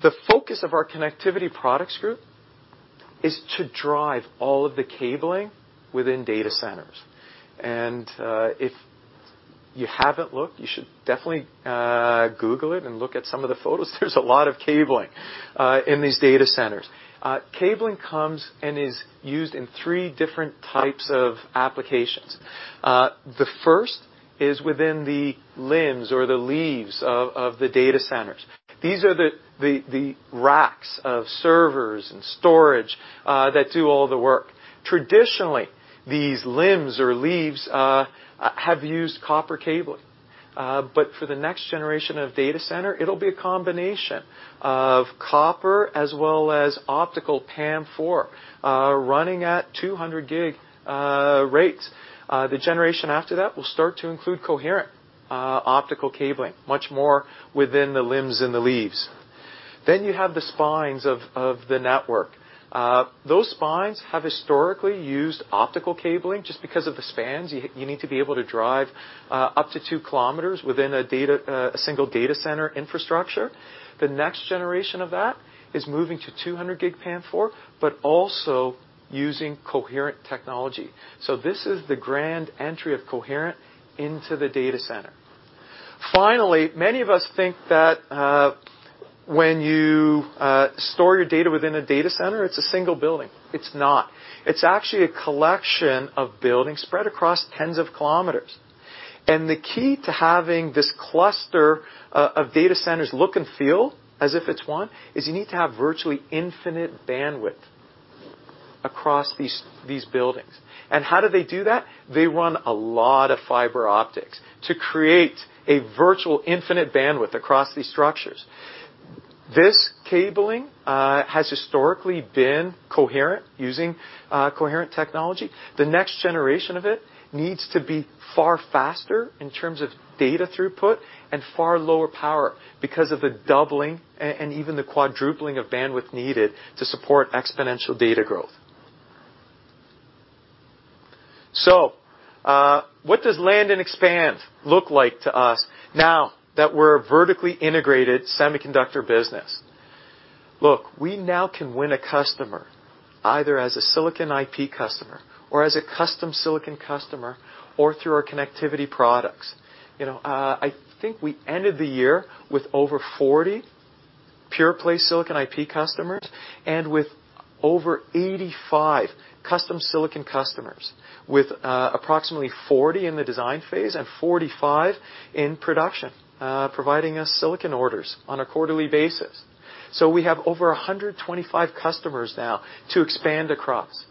The focus of Connectivity Products Group is to drive all of the cabling within data centers. If you haven't looked, you should definitely Google it and look at some of the photos. There's a lot of cabling in these data centers. Cabling comes and is used in three different types of applications. The first is within the limbs or the leaves of the data centers. These are the racks of servers and storage that do all the work. Traditionally, these limbs or leaves have used copper cabling. For the next generation of data center, it'll be a combination of copper as well as optical PAM4 running at 200 Gb rates. The generation after that will start to include coherent optical cabling much more within the limbs and the leaves. You have the spines of the network. Those spines have historically used optical cabling. Just because of the spans, you need to be able to drive up to 2 km within a single data center infrastructure. The next generation of that is moving to 200 Gb PAM4, also using coherent technology. This is the grand entry of coherent into the data center. Finally, many of us think that when you store your data within a data center, it's a single building. It's not. It's actually a collection of buildings spread across tens of kilometers. The key to having this cluster of data centers look and feel as if it's one, is you need to have virtually infinite bandwidth across these buildings. How do they do that? They run a lot of fiber optics to create a virtual infinite bandwidth across these structures. This cabling has historically been coherent using coherent technology. The next generation of it needs to be far faster in terms of data throughput and far lower power because of the doubling and even the quadrupling of bandwidth needed to support exponential data growth. What does land and expand look like to us now that we're a vertically integrated semiconductor business? Look, we now can win a customer either as a silicon IP customer or as a custom silicon customer or through our Connectivity Products. You know, I think we ended the year with over 40 pure play silicon IP customers and with over 85 custom silicon customers with approximately 40 in the design phase and 45 in production, providing us silicon orders on a quarterly basis. We have over 125 customers now to expand across.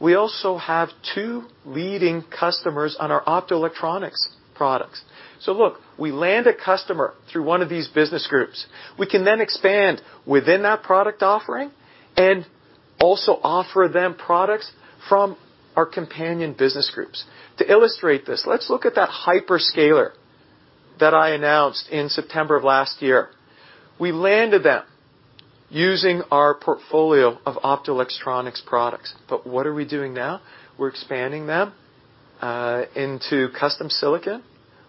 We also have two leading customers on our optoelectronics products. Look, we land a customer through one of these business groups. We can expand within that product offering and also offer them products from our companion business groups. To illustrate this, let's look at that hyperscaler that I announced in September of last year. We landed them using our portfolio of optoelectronics products. What are we doing now? We're expanding them into custom silicon,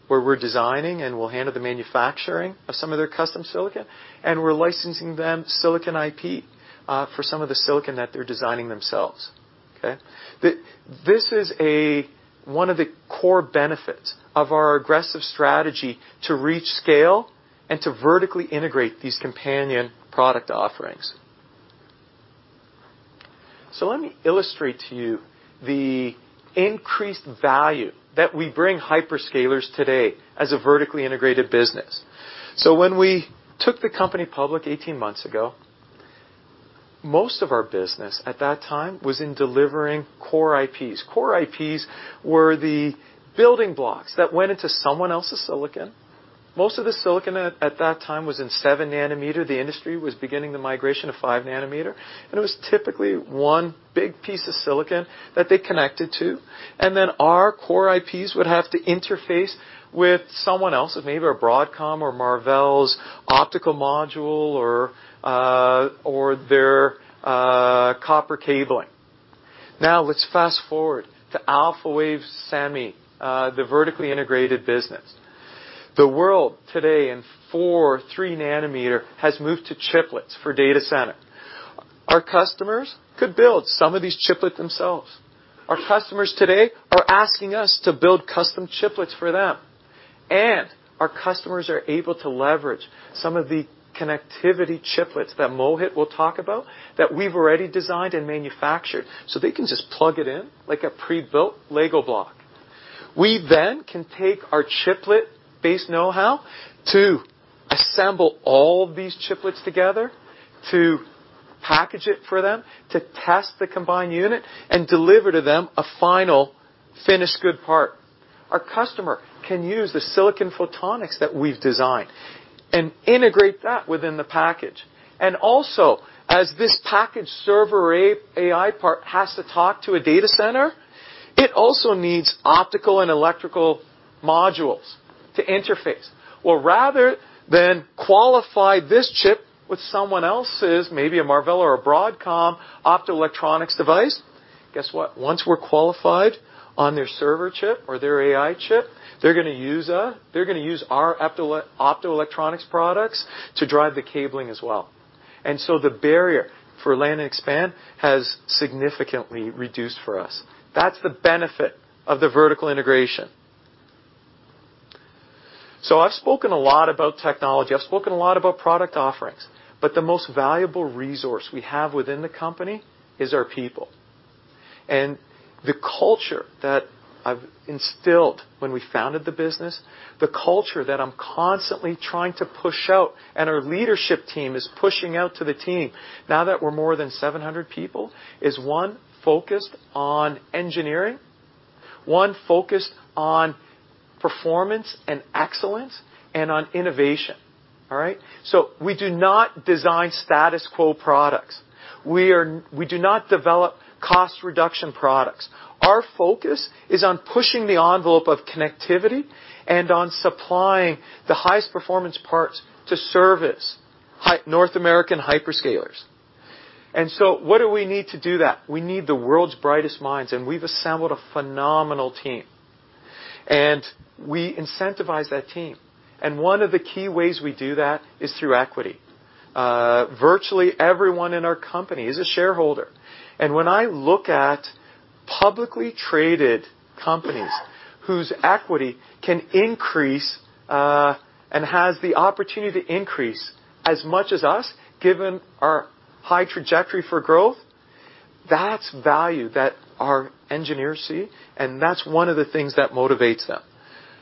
where we're designing and we'll handle the manufacturing of some of their custom silicon, and we're licensing them silicon IP for some of the silicon that they're designing themselves. Okay? This is one of the core benefits of our aggressive strategy to reach scale and to vertically integrate these companion product offerings. Let me illustrate to you the increased value that we bring hyperscalers today as a vertically integrated business. When we took the company public 18 months ago, most of our business at that time was in delivering core IPs. Core IPs were the building blocks that went into someone else's silicon. Most of the silicon at that time was in 7 nm. The industry was beginning the migration of 5 nm, and it was typically one big piece of silicon that they connected to. Then our core IPs would have to interface with someone else's, maybe a Broadcom or Marvell's optical module or their copper cabling. Let's fast-forward to Alphawave Semi, the vertically integrated business. The world today in 4 nm, 3 nm has moved to chiplets for data center. Our customers could build some of these chiplets themselves. Our customers today are asking us to build custom Chiplets for them. Our customers are able to leverage some of the connectivity Chiplets that Mohit will talk about that we've already designed and manufactured. They can just plug it in like a pre-built Lego block. We can take our Chiplet-based know-how to assemble all these Chiplets together to package it for them, to test the combined unit, and deliver to them a final finished good part. Our customer can use the silicon photonics that we've designed and integrate that within the package. Also, as this package server AI part has to talk to a data center, it also needs optical and electrical modules to interface. Well, rather than qualify this chip with someone else's, maybe a Marvell or a Broadcom optoelectronics device, guess what? Once we're qualified on their server chip or their AI chip, they're gonna use, they're gonna use our optoelectronics products to drive the cabling as well. The barrier for land and expand has significantly reduced for us. That's the benefit of the vertical integration. I've spoken a lot about technology, I've spoken a lot about product offerings, but the most valuable resource we have within the company is our people. The culture that I've instilled when we founded the business, the culture that I'm constantly trying to push out and our leadership team is pushing out to the team now that we're more than 700 people, is one focused on engineering, one focused on performance and excellence, and on innovation. All right? We do not design status quo products. We do not develop cost reduction products. Our focus is on pushing the envelope of connectivity and on supplying the highest performance parts to service North American hyperscalers. What do we need to do that? We need the world's brightest minds, and we've assembled a phenomenal team. We incentivize that team. One of the key ways we do that is through equity. Virtually everyone in our company is a shareholder. When I look at publicly traded companies whose equity can increase and has the opportunity to increase as much as us, given our high trajectory for growth, that's value that our engineers see, and that's one of the things that motivates them.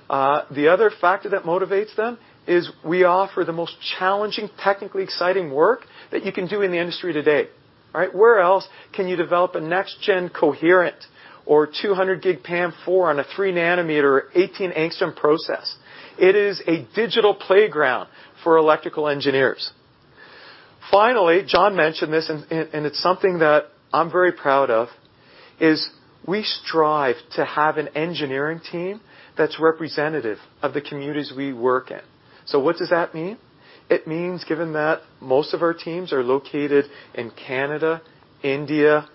The other factor that motivates them is we offer the most challenging, technically exciting work that you can do in the industry today. All right? Where else can you develop a next-gen coherent or 200 Gb PAM4 on a 3 nm 18 Å process? It is a digital playground for electrical engineers. Finally, John mentioned this and it's something that I'm very proud of, is we strive to have an engineering team that's representative of the communities we work in. What does that mean? It means, given that most of our teams are located in Canada, India,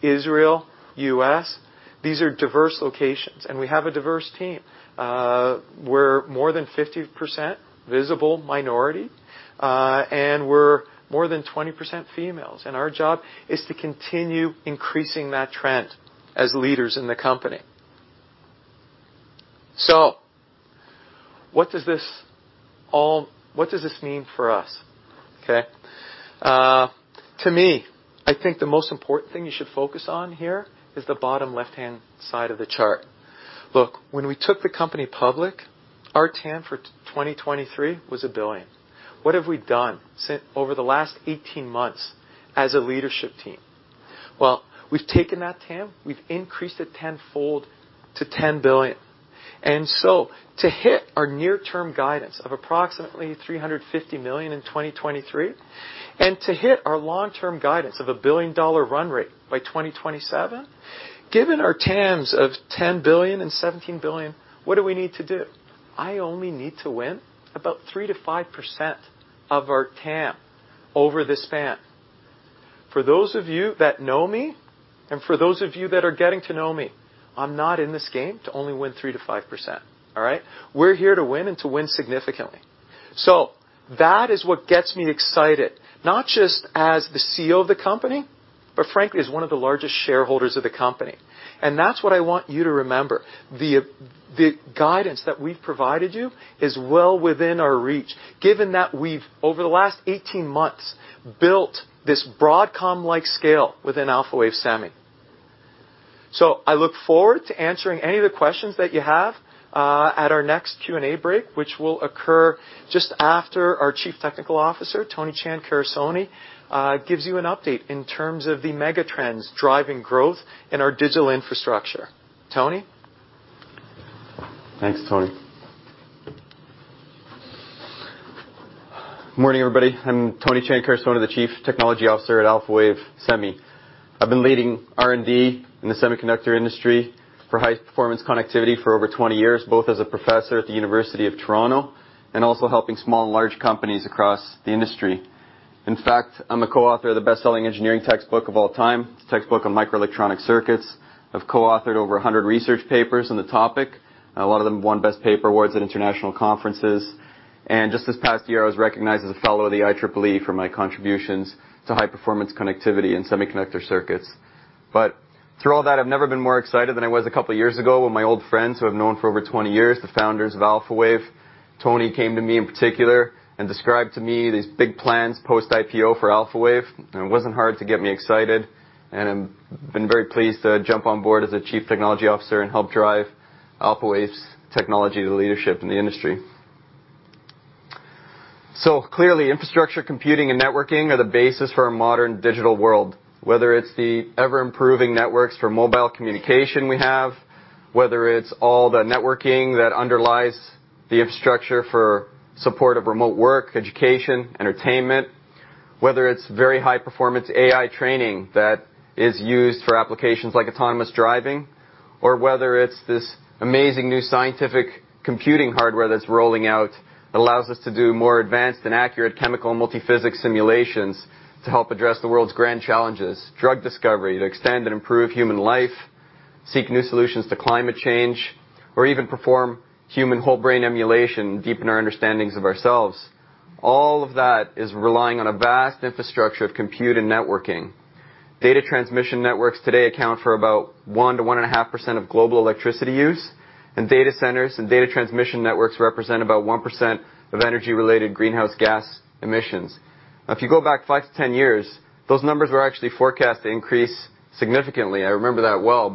Israel, U.S., these are diverse locations, and we have a diverse team. We're more than 50% visible minority, and we're more than 20% females, and our job is to continue increasing that trend as leaders in the company. What does this mean for us? Okay. To me, I think the most important thing you should focus on here is the bottom left-hand side of the chart. Look, when we took the company public, our TAM for 2023 was $1 billion. What have we done since over the last 18 months as a leadership team? Well, we've taken that TAM, we've increased it 10-fold to $10 billion. To hit our near-term guidance of approximately $350 million in 2023, and to hit our long-term guidance of a $1 billion run rate by 2027, given our TAMs of $10 billion and $17 billion, what do we need to do? I only need to win about 3%-5% of our TAM over the span. For those of you that know me, and for those of you that are getting to know me, I'm not in this game to only win 3%-5%. All right? We're here to win and to win significantly. That is what gets me excited, not just as the CEO of the company, but frankly, as one of the largest shareholders of the company. That's what I want you to remember. The guidance that we've provided you is well within our reach, given that we've, over the last 18 months, built this Broadcom-like scale within Alphawave Semi. I look forward to answering any of the questions that you have at our next Q&A break, which will occur just after our Chief Technical Officer, Tony Chan Carusone, gives you an update in terms of the mega trends driving growth in our digital infrastructure. Tony? Thanks, Tony. Morning, everybody. I'm Tony Chan Carusone, the Chief Technology Officer at Alphawave Semi. I've been leading R&D in the semiconductor industry for high performance connectivity for over 20 years, both as a professor at the University of Toronto and also helping small and large companies across the industry. In fact, I'm a co-author of the best-selling engineering textbook of all time, Textbook on Microelectronic Circuits. I've co-authored over 100 research papers on the topic. A lot of them won best paper awards at international conferences. Just this past year, I was recognized as a fellow of the IEEE for my contributions to high performance connectivity in semiconductor circuits. Through all that, I've never been more excited than I was a couple years ago when my old friends who I've known for over 20 years, the founders of Alphawave, Tony came to me in particular and described to me these big plans post-IPO for Alphawave. It wasn't hard to get me excited, and I'm been very pleased to jump on board as the chief technology officer and help drive Alphawave's technology to leadership in the industry. Clearly, infrastructure, computing, and networking are the basis for a modern digital world. Whether it's the ever-improving networks for mobile communication we have, whether it's all the networking that underlies the infrastructure for support of remote work, education, entertainment, whether it's very high-performance AI training that is used for applications like autonomous driving, or whether it's this amazing new scientific computing hardware that's rolling out that allows us to do more advanced and accurate chemical multiphysics simulations to help address the world's grand challenges: drug discovery to extend and improve human life, seek new solutions to climate change, or even perform human whole brain emulation, deepen our understandings of ourselves. All of that is relying on a vast infrastructure of compute and networking. Data transmission networks today account for about 1%-1.5% of global electricity use, and data centers and data transmission networks represent about 1% of energy-related greenhouse gas emissions. If you go back five to 10 years, those numbers were actually forecast to increase significantly. I remember that well.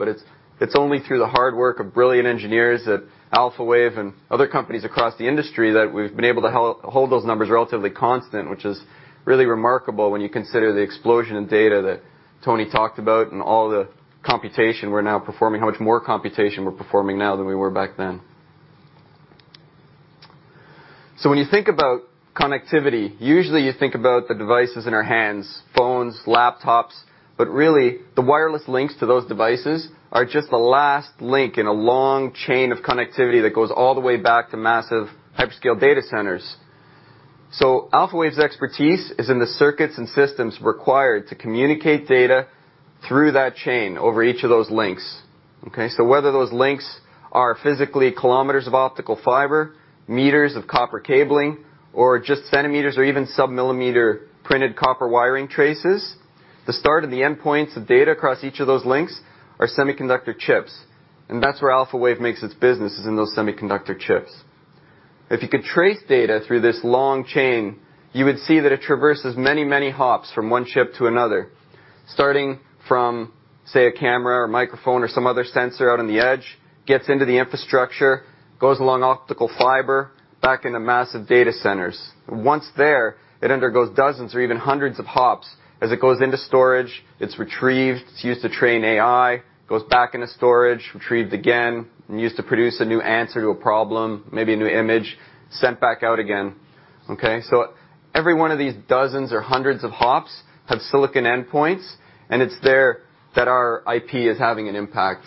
It's only through the hard work of brilliant engineers at Alphawave and other companies across the industry that we've been able to hold those numbers relatively constant, which is really remarkable when you consider the explosion in data that Tony talked about and all the computation we're now performing, how much more computation we're performing now than we were back then. When you think about connectivity, usually you think about the devices in our hands, phones, laptops, but really the wireless links to those devices are just the last link in a long chain of connectivity that goes all the way back to massive hyperscale data centers. Alphawave's expertise is in the circuits and systems required to communicate data through that chain over each of those links. Okay? Whether those links are physically kilometers of optical fiber, meters of copper cabling, or just centimeters or even sub-millimeter printed copper wiring traces, the start and the endpoints of data across each of those links are semiconductor chips. That's where Alphawave makes its business, is in those semiconductor chips. If you could trace data through this long chain, you would see that it traverses many hops from one chip to another, starting from, say, a camera or microphone or some other sensor out on the edge, gets into the infrastructure, goes along optical fiber back into massive data centers. Once there, it undergoes dozens or even hundreds of hops as it goes into storage, it's retrieved, it's used to train AI, goes back into storage, retrieved again, and used to produce a new answer to a problem, maybe a new image, sent back out again. Okay? Every one of these dozens or hundreds of hops have silicon endpoints, and it's there that our IP is having an impact.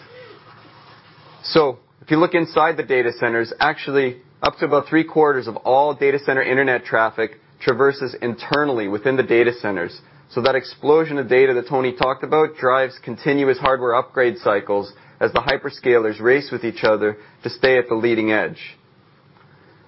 If you look inside the data centers, actually up to about three-quarters of all data center internet traffic traverses internally within the data centers. That explosion of data that Tony talked about drives continuous hardware upgrade cycles as the hyperscalers race with each other to stay at the leading edge.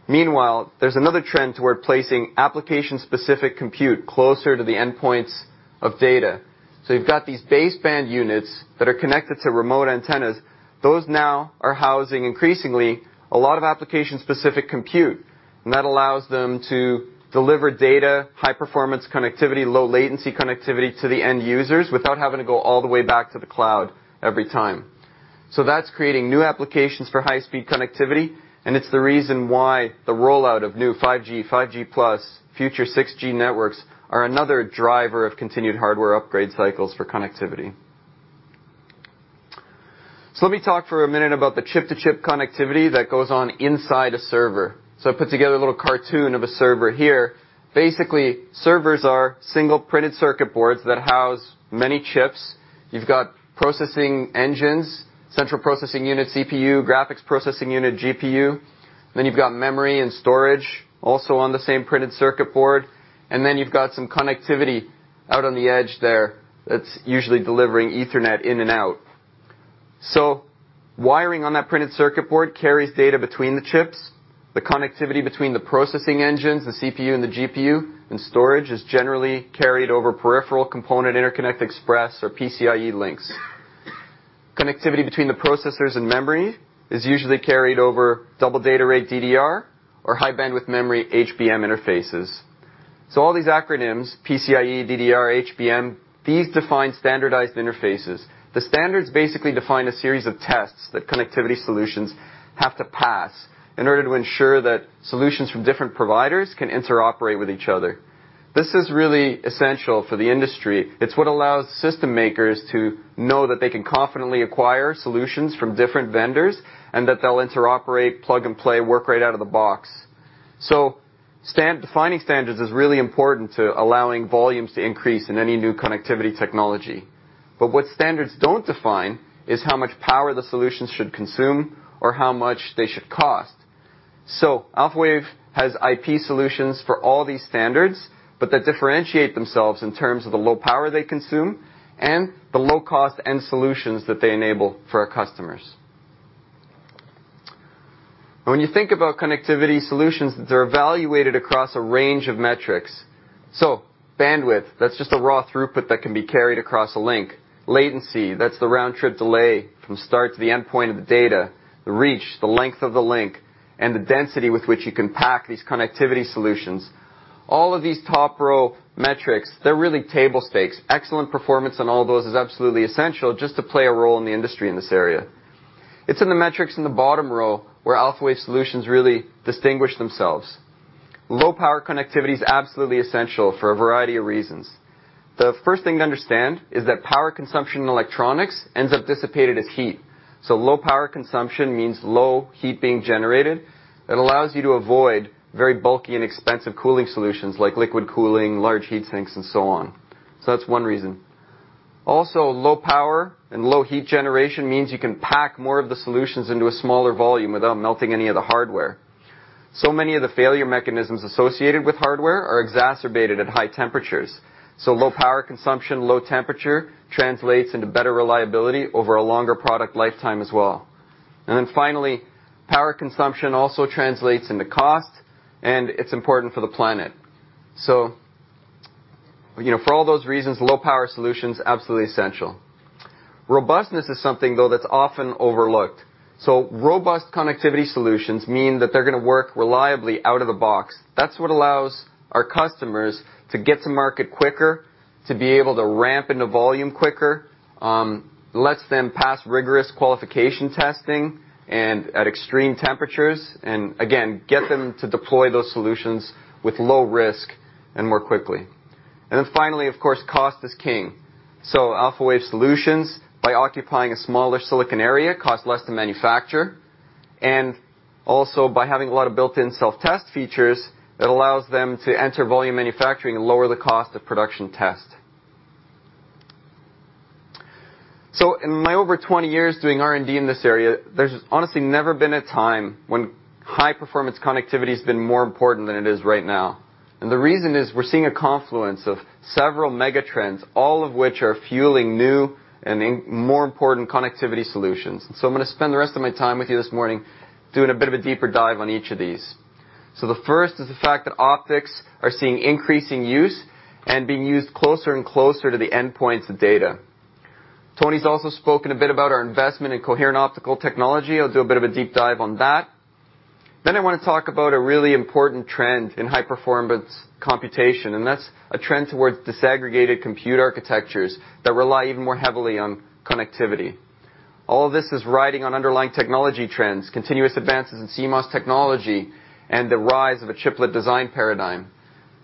Meanwhile, there's another trend toward placing application-specific compute closer to the endpoints of data. You've got these baseband units that are connected to remote antennas. Those now are housing increasingly a lot of application-specific compute, That allows them to deliver data, high-performance connectivity, low-latency connectivity to the end users without having to go all the way back to the cloud every time. That's creating new applications for high-speed connectivity, and it's the reason why the rollout of new 5G+, future 6G networks are another driver of continued hardware upgrade cycles for connectivity. Let me talk for a minute about the chip-to-chip connectivity that goes on inside a server. I put together a little cartoon of a server here. Basically, servers are single printed circuit boards that house many chips. You've got processing engines, central processing unit, CPU, graphics processing unit, GPU. You've got memory and storage also on the same printed circuit board. You've got some connectivity out on the edge there that's usually delivering Ethernet in and out. Wiring on that printed circuit board carries data between the chips. The connectivity between the processing engines, the CPU and the GPU, and storage is generally carried over Peripheral Component Interconnect Express or PCIe links. Connectivity between the processors and memory is usually carried over Double Data Rate, DDR, or High Bandwidth Memory, HBM interfaces. All these acronyms, PCIe, DDR, HBM, these define standardized interfaces. The standards basically define a series of tests that connectivity solutions have to pass in order to ensure that solutions from different providers can interoperate with each other. This is really essential for the industry. It's what allows system makers to know that they can confidently acquire solutions from different vendors and that they'll interoperate, plug and play, work right out of the box. Defining standards is really important to allowing volumes to increase in any new connectivity technology. What standards don't define is how much power the solutions should consume or how much they should cost. Alphawave has IP solutions for all these standards, but that differentiate themselves in terms of the low power they consume and the low cost end solutions that they enable for our customers. When you think about connectivity solutions, they're evaluated across a range of metrics. Bandwidth, that's just a raw throughput that can be carried across a link. Latency, that's the round-trip delay from start to the endpoint of the data. The reach, the length of the link, and the density with which you can pack these connectivity solutions. All of these top row metrics, they're really table stakes. Excellent performance on all those is absolutely essential just to play a role in the industry in this area. It's in the metrics in the bottom row where Alphawave solutions really distinguish themselves. Low power connectivity is absolutely essential for a variety of reasons. The first thing to understand is that power consumption in electronics ends up dissipated as heat. Low power consumption means low heat being generated that allows you to avoid very bulky and expensive cooling solutions like liquid cooling, large heat sinks, and so on. That's one reason. Also, low power and low heat generation means you can pack more of the solutions into a smaller volume without melting any of the hardware. Many of the failure mechanisms associated with hardware are exacerbated at high temperatures. Low power consumption, low temperature translates into better reliability over a longer product lifetime as well. Finally, power consumption also translates into cost, and it's important for the planet. You know, for all those reasons, low power solutions, absolutely essential. Robustness is something, though, that's often overlooked. Robust connectivity solutions mean that they're going to work reliably out of the box. That's what allows our customers to get to market quicker, to be able to ramp into volume quicker, lets them pass rigorous qualification testing and at extreme temperatures, and again, get them to deploy those solutions with low risk and more quickly. Finally, of course, cost is king. Alphawave solutions, by occupying a smaller silicon area, cost less to manufacture. Also by having a lot of built-in self-test features, it allows them to enter volume manufacturing and lower the cost of production test. In my over 20 years doing R&D in this area, there's honestly never been a time when high-performance connectivity has been more important than it is right now. The reason is we're seeing a confluence of several mega trends, all of which are fueling new and more important connectivity solutions. I'm going to spend the rest of my time with you this morning doing a bit of a deeper dive on each of these. The first is the fact that optics are seeing increasing use and being used closer and closer to the endpoints of data. Tony's also spoken a bit about our investment in coherent optical technology. I'll do a bit of a deep dive on that. I want to talk about a really important trend in high-performance computation, and that's a trend towards disaggregated compute architectures that rely even more heavily on connectivity. All of this is riding on underlying technology trends, continuous advances in CMOS technology, and the rise of a chiplet design paradigm.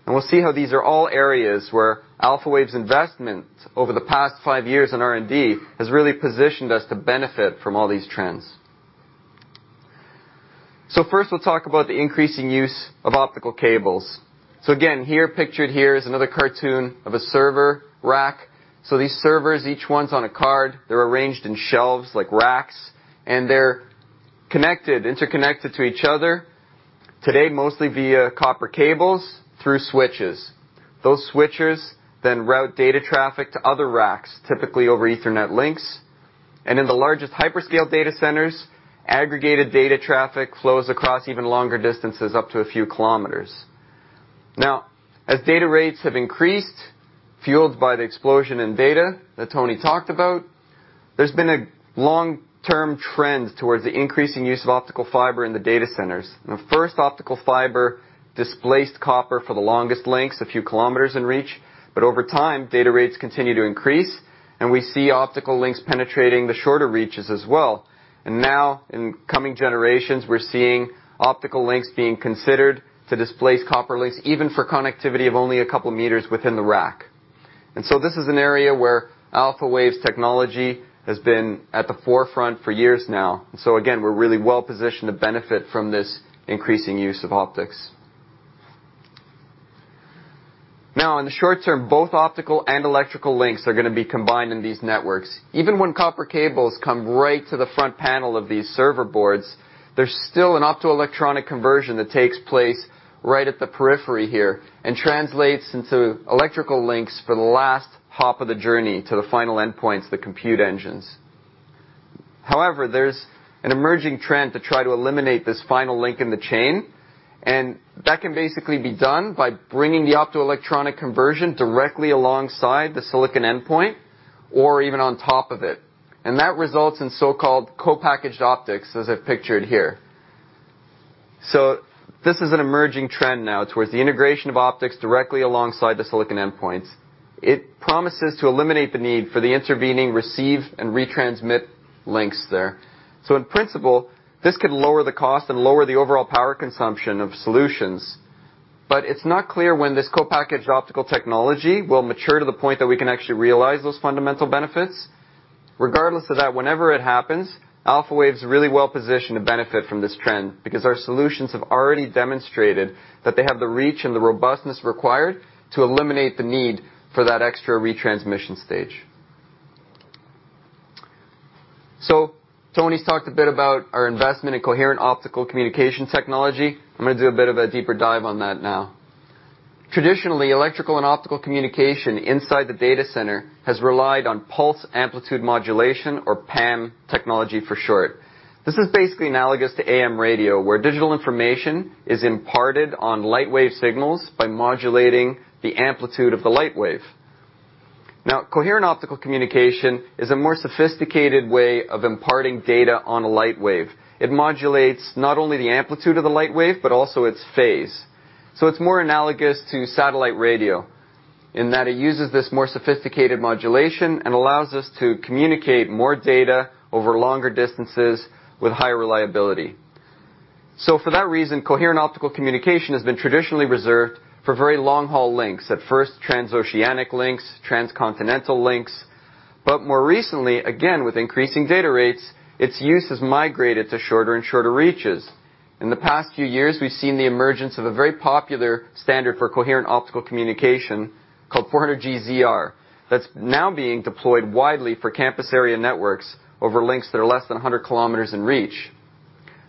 We'll see how these are all areas where Alphawave's investment over the past five years in R&D has really positioned us to benefit from all these trends. First, we'll talk about the increasing use of optical cables. Again, here pictured here is another cartoon of a server rack. These servers, each one's on a card. They're arranged in shelves like racks, and they're interconnected to each other, today, mostly via copper cables through switches. Those switches then route data traffic to other racks, typically over Ethernet links. In the largest hyperscale data centers, aggregated data traffic flows across even longer distances, up to a few kilometers. As data rates have increased, fueled by the explosion in data that Tony talked about, there's been a long-term trend towards the increasing use of optical fiber in the data centers. The first optical fiber displaced copper for the longest lengths, a few kilometers in reach. Over time, data rates continue to increase, and we see optical links penetrating the shorter reaches as well. Now in coming generations, we're seeing optical links being considered to displace copper links, even for connectivity of only a couple of meters within the rack. This is an area where Alphawave's technology has been at the forefront for years now. Again, we're really well-positioned to benefit from this increasing use of optics. In the short term, both optical and electrical links are going to be combined in these networks. Even when copper cables come right to the front panel of these server boards, there's still an optoelectronic conversion that takes place right at the periphery here and translates into electrical links for the last hop of the journey to the final endpoints, the compute engines. However, there's an emerging trend to try to eliminate this final link in the chain, and that can basically be done by bringing the optoelectronic conversion directly alongside the silicon endpoint or even on top of it. That results in so-called co-packaged optics, as I've pictured here. This is an emerging trend now towards the integration of optics directly alongside the silicon endpoints. It promises to eliminate the need for the intervening receive and retransmit links there. In principle, this could lower the cost and lower the overall power consumption of solutions. It's not clear when this co-packaged optical technology will mature to the point that we can actually realize those fundamental benefits. Regardless of that, whenever it happens, Alphawave is really well-positioned to benefit from this trend because our solutions have already demonstrated that they have the reach and the robustness required to eliminate the need for that extra retransmission stage. Tony's talked a bit about our investment in coherent optical communication technology. I'm going to do a bit of a deeper dive on that now. Traditionally, electrical and optical communication inside the data center has relied on Pulse Amplitude Modulation or PAM technology for short. This is basically analogous to AM radio, where digital information is imparted on light wave signals by modulating the amplitude of the light wave. Coherent optical communication is a more sophisticated way of imparting data on a light wave. It modulates not only the amplitude of the light wave but also its phase. It's more analogous to satellite radio in that it uses this more sophisticated modulation and allows us to communicate more data over longer distances with higher reliability. For that reason, coherent optical communication has been traditionally reserved for very long-haul links. At first, transoceanic links, transcontinental links. More recently, again, with increasing data rates, its use has migrated to shorter and shorter reaches. In the past few years, we've seen the emergence of a very popular standard for coherent optical communication called 400ZR, that's now being deployed widely for campus area networks over links that are less than 100 km in reach.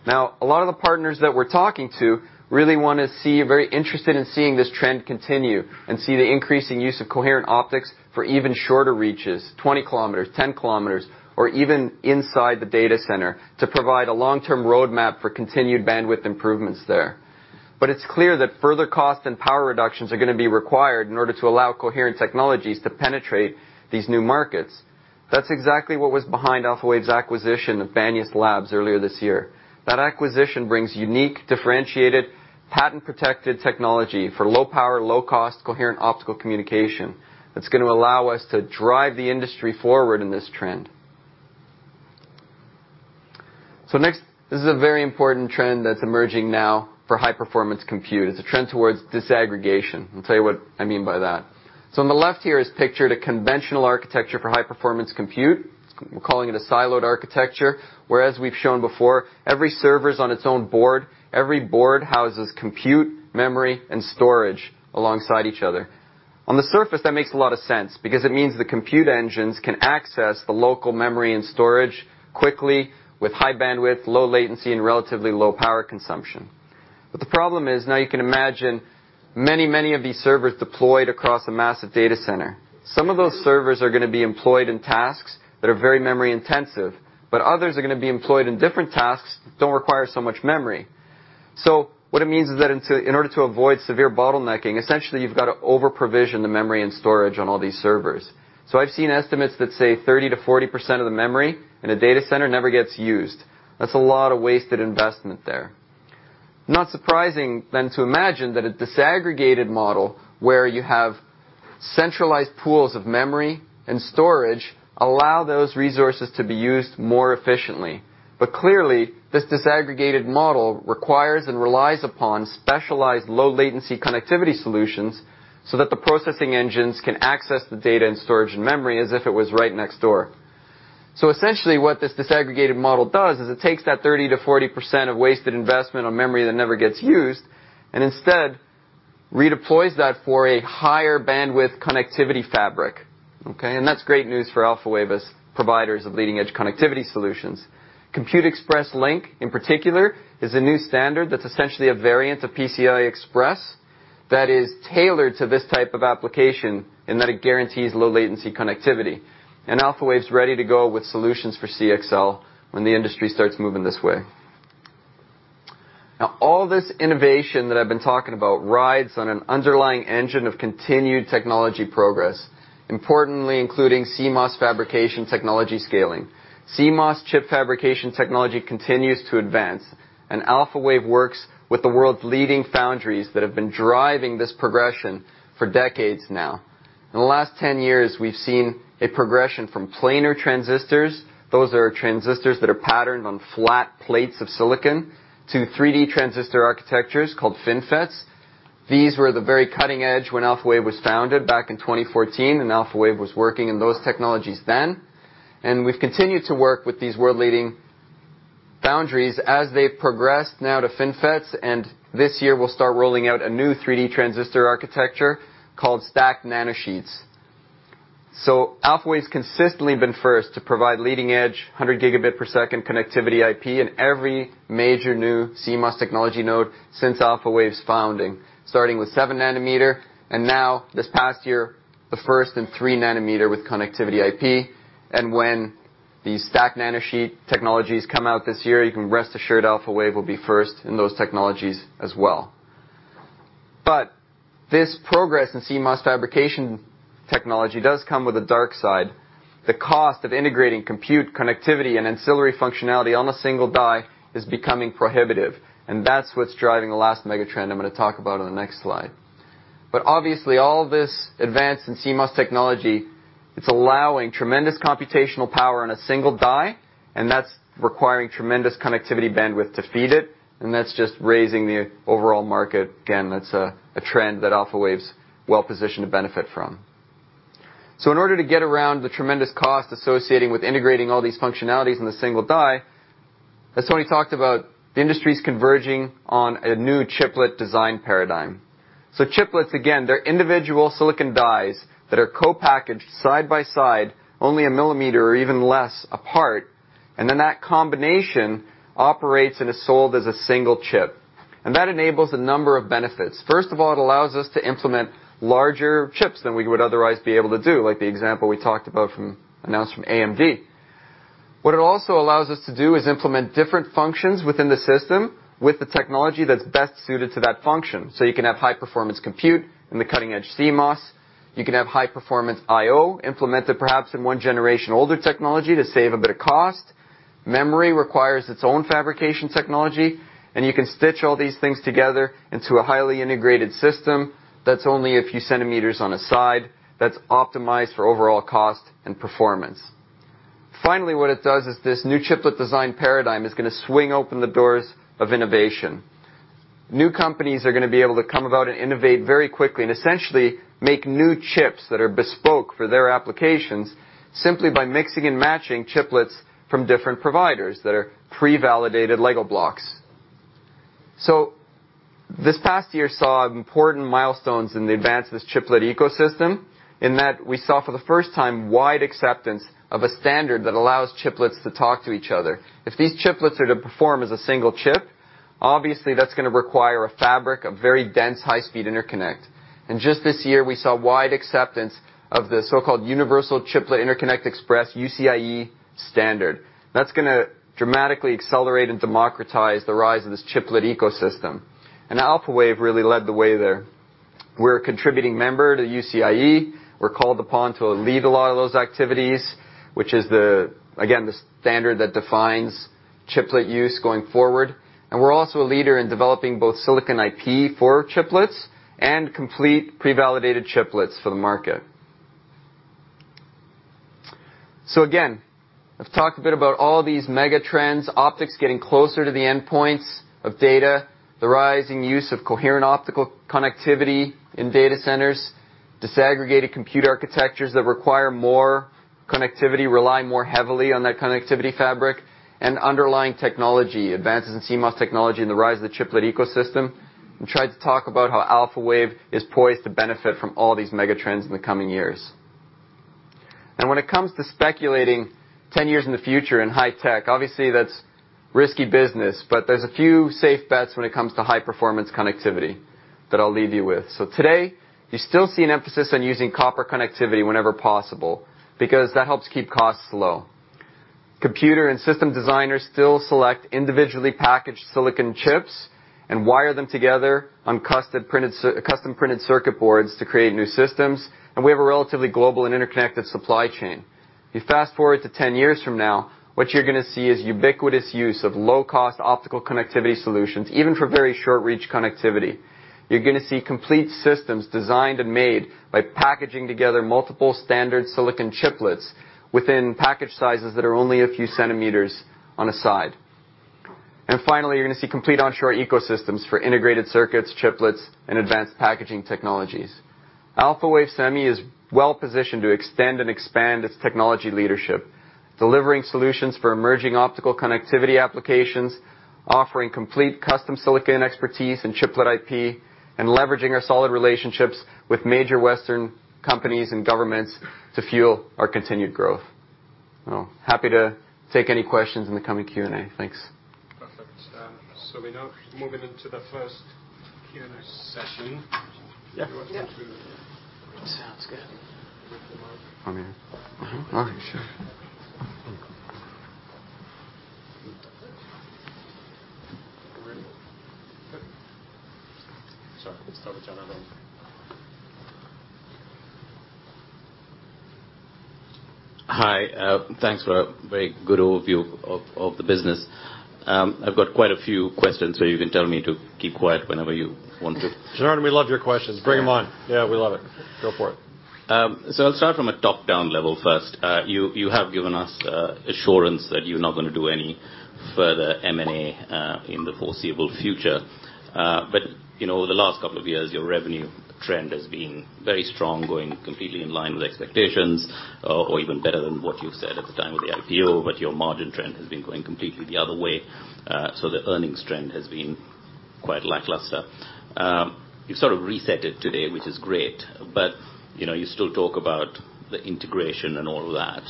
A lot of the partners that we're talking to really want to see, very interested in seeing this trend continue and see the increasing use of coherent optics for even shorter reaches, 20 km, 10 km, or even inside the data center to provide a long-term roadmap for continued bandwidth improvements there. It's clear that further cost and power reductions are going to be required in order to allow coherent technologies to penetrate these new markets. That's exactly what was behind Alphawave's acquisition of Banias Labs earlier this year. That acquisition brings unique, differentiated, patent-protected technology for low power, low cost, coherent optical communication that's going to allow us to drive the industry forward in this trend. Next, this is a very important trend that's emerging now for high-performance compute. It's a trend towards disaggregation. I'll tell you what I mean by that. On the left here is pictured a conventional architecture for high-performance compute. We're calling it a siloed architecture, where, as we've shown before, every server's on its own board. Every board houses compute, memory, and storage alongside each other. On the surface, that makes a lot of sense because it means the compute engines can access the local memory and storage quickly with high bandwidth, low latency, and relatively low power consumption. The problem is, now you can imagine many of these servers deployed across a massive data center. Some of those servers are going to be employed in tasks that are very memory-intensive, but others are going to be employed in different tasks that don't require so much memory. What it means is that in order to avoid severe bottlenecking, essentially you've got to overprovision the memory and storage on all these servers. I've seen estimates that say 30%-40% of the memory in a data center never gets used. That's a lot of wasted investment there. Not surprising then to imagine that a disaggregated model where you have centralized pools of memory and storage allow those resources to be used more efficiently. Clearly, this disaggregated model requires and relies upon specialized low-latency connectivity solutions so that the processing engines can access the data and storage and memory as if it was right next door. Essentially, what this disaggregated model does is it takes that 30%-40% of wasted investment on memory that never gets used, and instead redeploys that for a higher bandwidth connectivity fabric, okay? That's great news for Alphawave as providers of leading-edge connectivity solutions. Compute Express Link, in particular, is a new standard that's essentially a variant of PCI Express that is tailored to this type of application in that it guarantees low latency connectivity. Alphawave's ready to go with solutions for CXL when the industry starts moving this way. All this innovation that I've been talking about rides on an underlying engine of continued technology progress, importantly, including CMOS fabrication technology scaling. CMOS chip fabrication technology continues to advance, and Alphawave works with the world's leading foundries that have been driving this progression for decades now. In the last 10 years, we've seen a progression from planar transistors, those are transistors that are patterned on flat plates of silicon, to 3D transistor architectures called FinFETs. These were the very cutting edge when Alphawave was founded back in 2014, and Alphawave was working in those technologies then. We've continued to work with these world-leading foundries as they've progressed now to FinFETs, and this year we'll start rolling out a new 3D transistor architecture called Stacked Nanosheets. Alphawave's consistently been first to provide leading-edge 100 Gbps connectivity IP in every major new CMOS technology node since Alphawave's founding. Starting with 7 nm, and now this past year, the first in 3 nm with connectivity IP. When these Stacked Nanosheet technologies come out this year, you can rest assured Alphawave will be first in those technologies as well. This progress in CMOS fabrication technology does come with a dark side. The cost of integrating compute, connectivity, and ancillary functionality on a single die is becoming prohibitive, and that's what's driving the last mega trend I'm going to talk about on the next slide. Obviously, all this advance in CMOS technology, it's allowing tremendous computational power on a single die, and that's requiring tremendous connectivity bandwidth to feed it, and that's just raising the overall market. Again, that's a trend that Alphawave's well positioned to benefit from. In order to get around the tremendous cost associating with integrating all these functionalities in a single die, as Tony talked about, the industry's converging on a new chiplet design paradigm. Chiplets, again, they're individual silicon dies that are co-packaged side by side, only a millimeter or even less apart. That combination operates and is sold as a single chip. That enables a number of benefits. First of all, it allows us to implement larger chips than we would otherwise be able to do, like the example we talked about announced from AMD. What it also allows us to do is implement different functions within the system with the technology that's best suited to that function. You can have high-performance compute in the cutting-edge CMOS. You can have high-performance IO implemented perhaps in one generation older technology to save a bit of cost. Memory requires its own fabrication technology, and you can stitch all these things together into a highly integrated system that's only a few centimeters on a side, that's optimized for overall cost and performance. Finally, what it does is this new chiplet design paradigm is going to swing open the doors of innovation. New companies are going to be able to come about and innovate very quickly and essentially make new chips that are bespoke for their applications simply by mixing and matching chiplets from different providers that are pre-validated Lego blocks. This past year saw important milestones in the advance of this chiplet ecosystem in that we saw for the first time wide acceptance of a standard that allows chiplets to talk to each other. If these chiplets are to perform as a single chip, obviously that's going to require a fabric of very dense, high-speed interconnect. Just this year, we saw wide acceptance of the so-called Universal Chiplet Interconnect Express, UCIe standard. That's going to dramatically accelerate and democratize the rise of this chiplet ecosystem. Alphawave really led the way there. We're a contributing member to UCIe. We're called upon to lead a lot of those activities, which is the, again, the standard that defines chiplet use going forward. We're also a leader in developing both silicon IP for chiplets and complete pre-validated chiplets for the market. Again, I've talked a bit about all these mega trends, optics getting closer to the endpoints of data, the rising use of coherent optical connectivity in data centers, disaggregated compute architectures that require more connectivity, rely more heavily on that connectivity fabric, and underlying technology, advances in CMOS technology, and the rise of the chiplet ecosystem. We tried to talk about how Alphawave is poised to benefit from all these mega trends in the coming years. When it comes to speculating 10 years in the future in high tech, obviously, that's risky business, but there's a few safe bets when it comes to high-performance connectivity that I'll leave you with. Today, you still see an emphasis on using copper connectivity whenever possible because that helps keep costs low. Computer and system designers still select individually packaged silicon chips and wire them together on custom printed circuit boards to create new systems. We have a relatively global and interconnected supply chain. You fast-forward to 10 years from now, what you're going to see is ubiquitous use of low-cost optical connectivity solutions, even for very short-reach connectivity. You're going to see complete systems designed and made by packaging together multiple standard silicon chiplets within package sizes that are only a few centimeters on a side. Finally, you're going to see complete onshore ecosystems for integrated circuits, chiplets, and advanced packaging technologies. Alphawave Semi is well-positioned to extend and expand its technology leadership, delivering solutions for emerging optical connectivity applications, offering complete custom silicon expertise and chiplet IP, and leveraging our solid relationships with major Western companies and governments to fuel our continued growth. Happy to take any questions in the coming Q&A. Thanks. Perfect. We're now moving into the first Q&A session. On here. All right. Sure. We're ready? Okay. Let's start with Janardan then. Hi. Thanks for a very good overview of the business. I've got quite a few questions, you can tell me to keep quiet whenever you want to. Janardan, we love your questions. Bring them on. Yeah, we love it. Go for it. I'll start from a top-down level first. You have given us assurance that you're not going to do any further M&A in the foreseeable future. You know, over the last couple of years, your revenue trend has been very strong, going completely in line with expectations or even better than what you said at the time of the IPO, but your margin trend has been going completely the other way. The earnings trend has been quite lackluster. You've sort of reset it today, which is great. You know, you still talk about the integration and all that.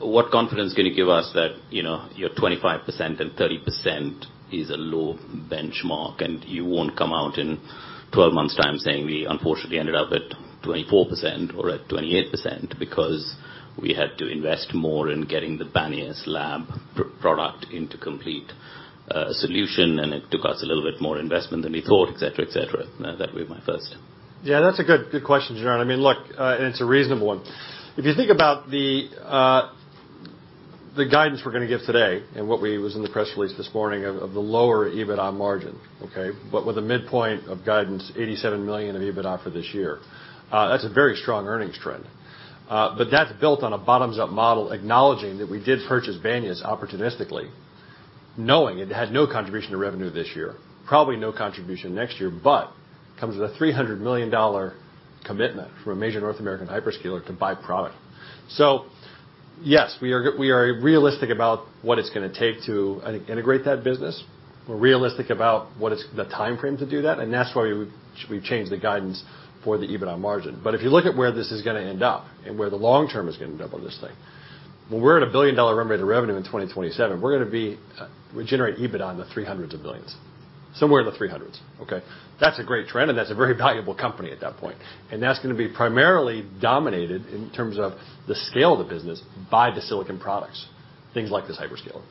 What confidence can you give us that, you know, your 25% and 30% is a low benchmark and you won't come out in 12 months' time saying, "We unfortunately ended up at 24% or at 28% because we had to invest more in getting the Banias Labs product into complete solution, and it took us a little bit more investment than we thought," et cetera. That would be my first. Yeah, that's a good question, Janardan. I mean, look, it's a reasonable one. If you think about the guidance we're going to give today and what was in the press release this morning of the lower EBITDA margin, okay, with a midpoint of guidance, $87 million of EBITDA for this year, that's a very strong earnings trend. That's built on a bottoms-up model, acknowledging that we did purchase Banias opportunistically, knowing it had no contribution to revenue this year, probably no contribution next year, but comes with a $300 million commitment from a major North American hyperscaler to buy product. Yes, we are realistic about what it's going to take to, I think, integrate that business. We're realistic about what is the timeframe to do that's why we've changed the guidance for the EBITDA margin. If you look at where this is going to end up and where the long term is going to end up on this thing, when we're at a billion-dollar run rate of revenue in 2027, we're going to be, we generate EBITDA in the $300 of millions. Somewhere in the $300s million, okay. That's a great trend, and that's a very valuable company at that point. That's gonna be primarily dominated in terms of the scale of the business by the silicon products, things like this hyperscaler.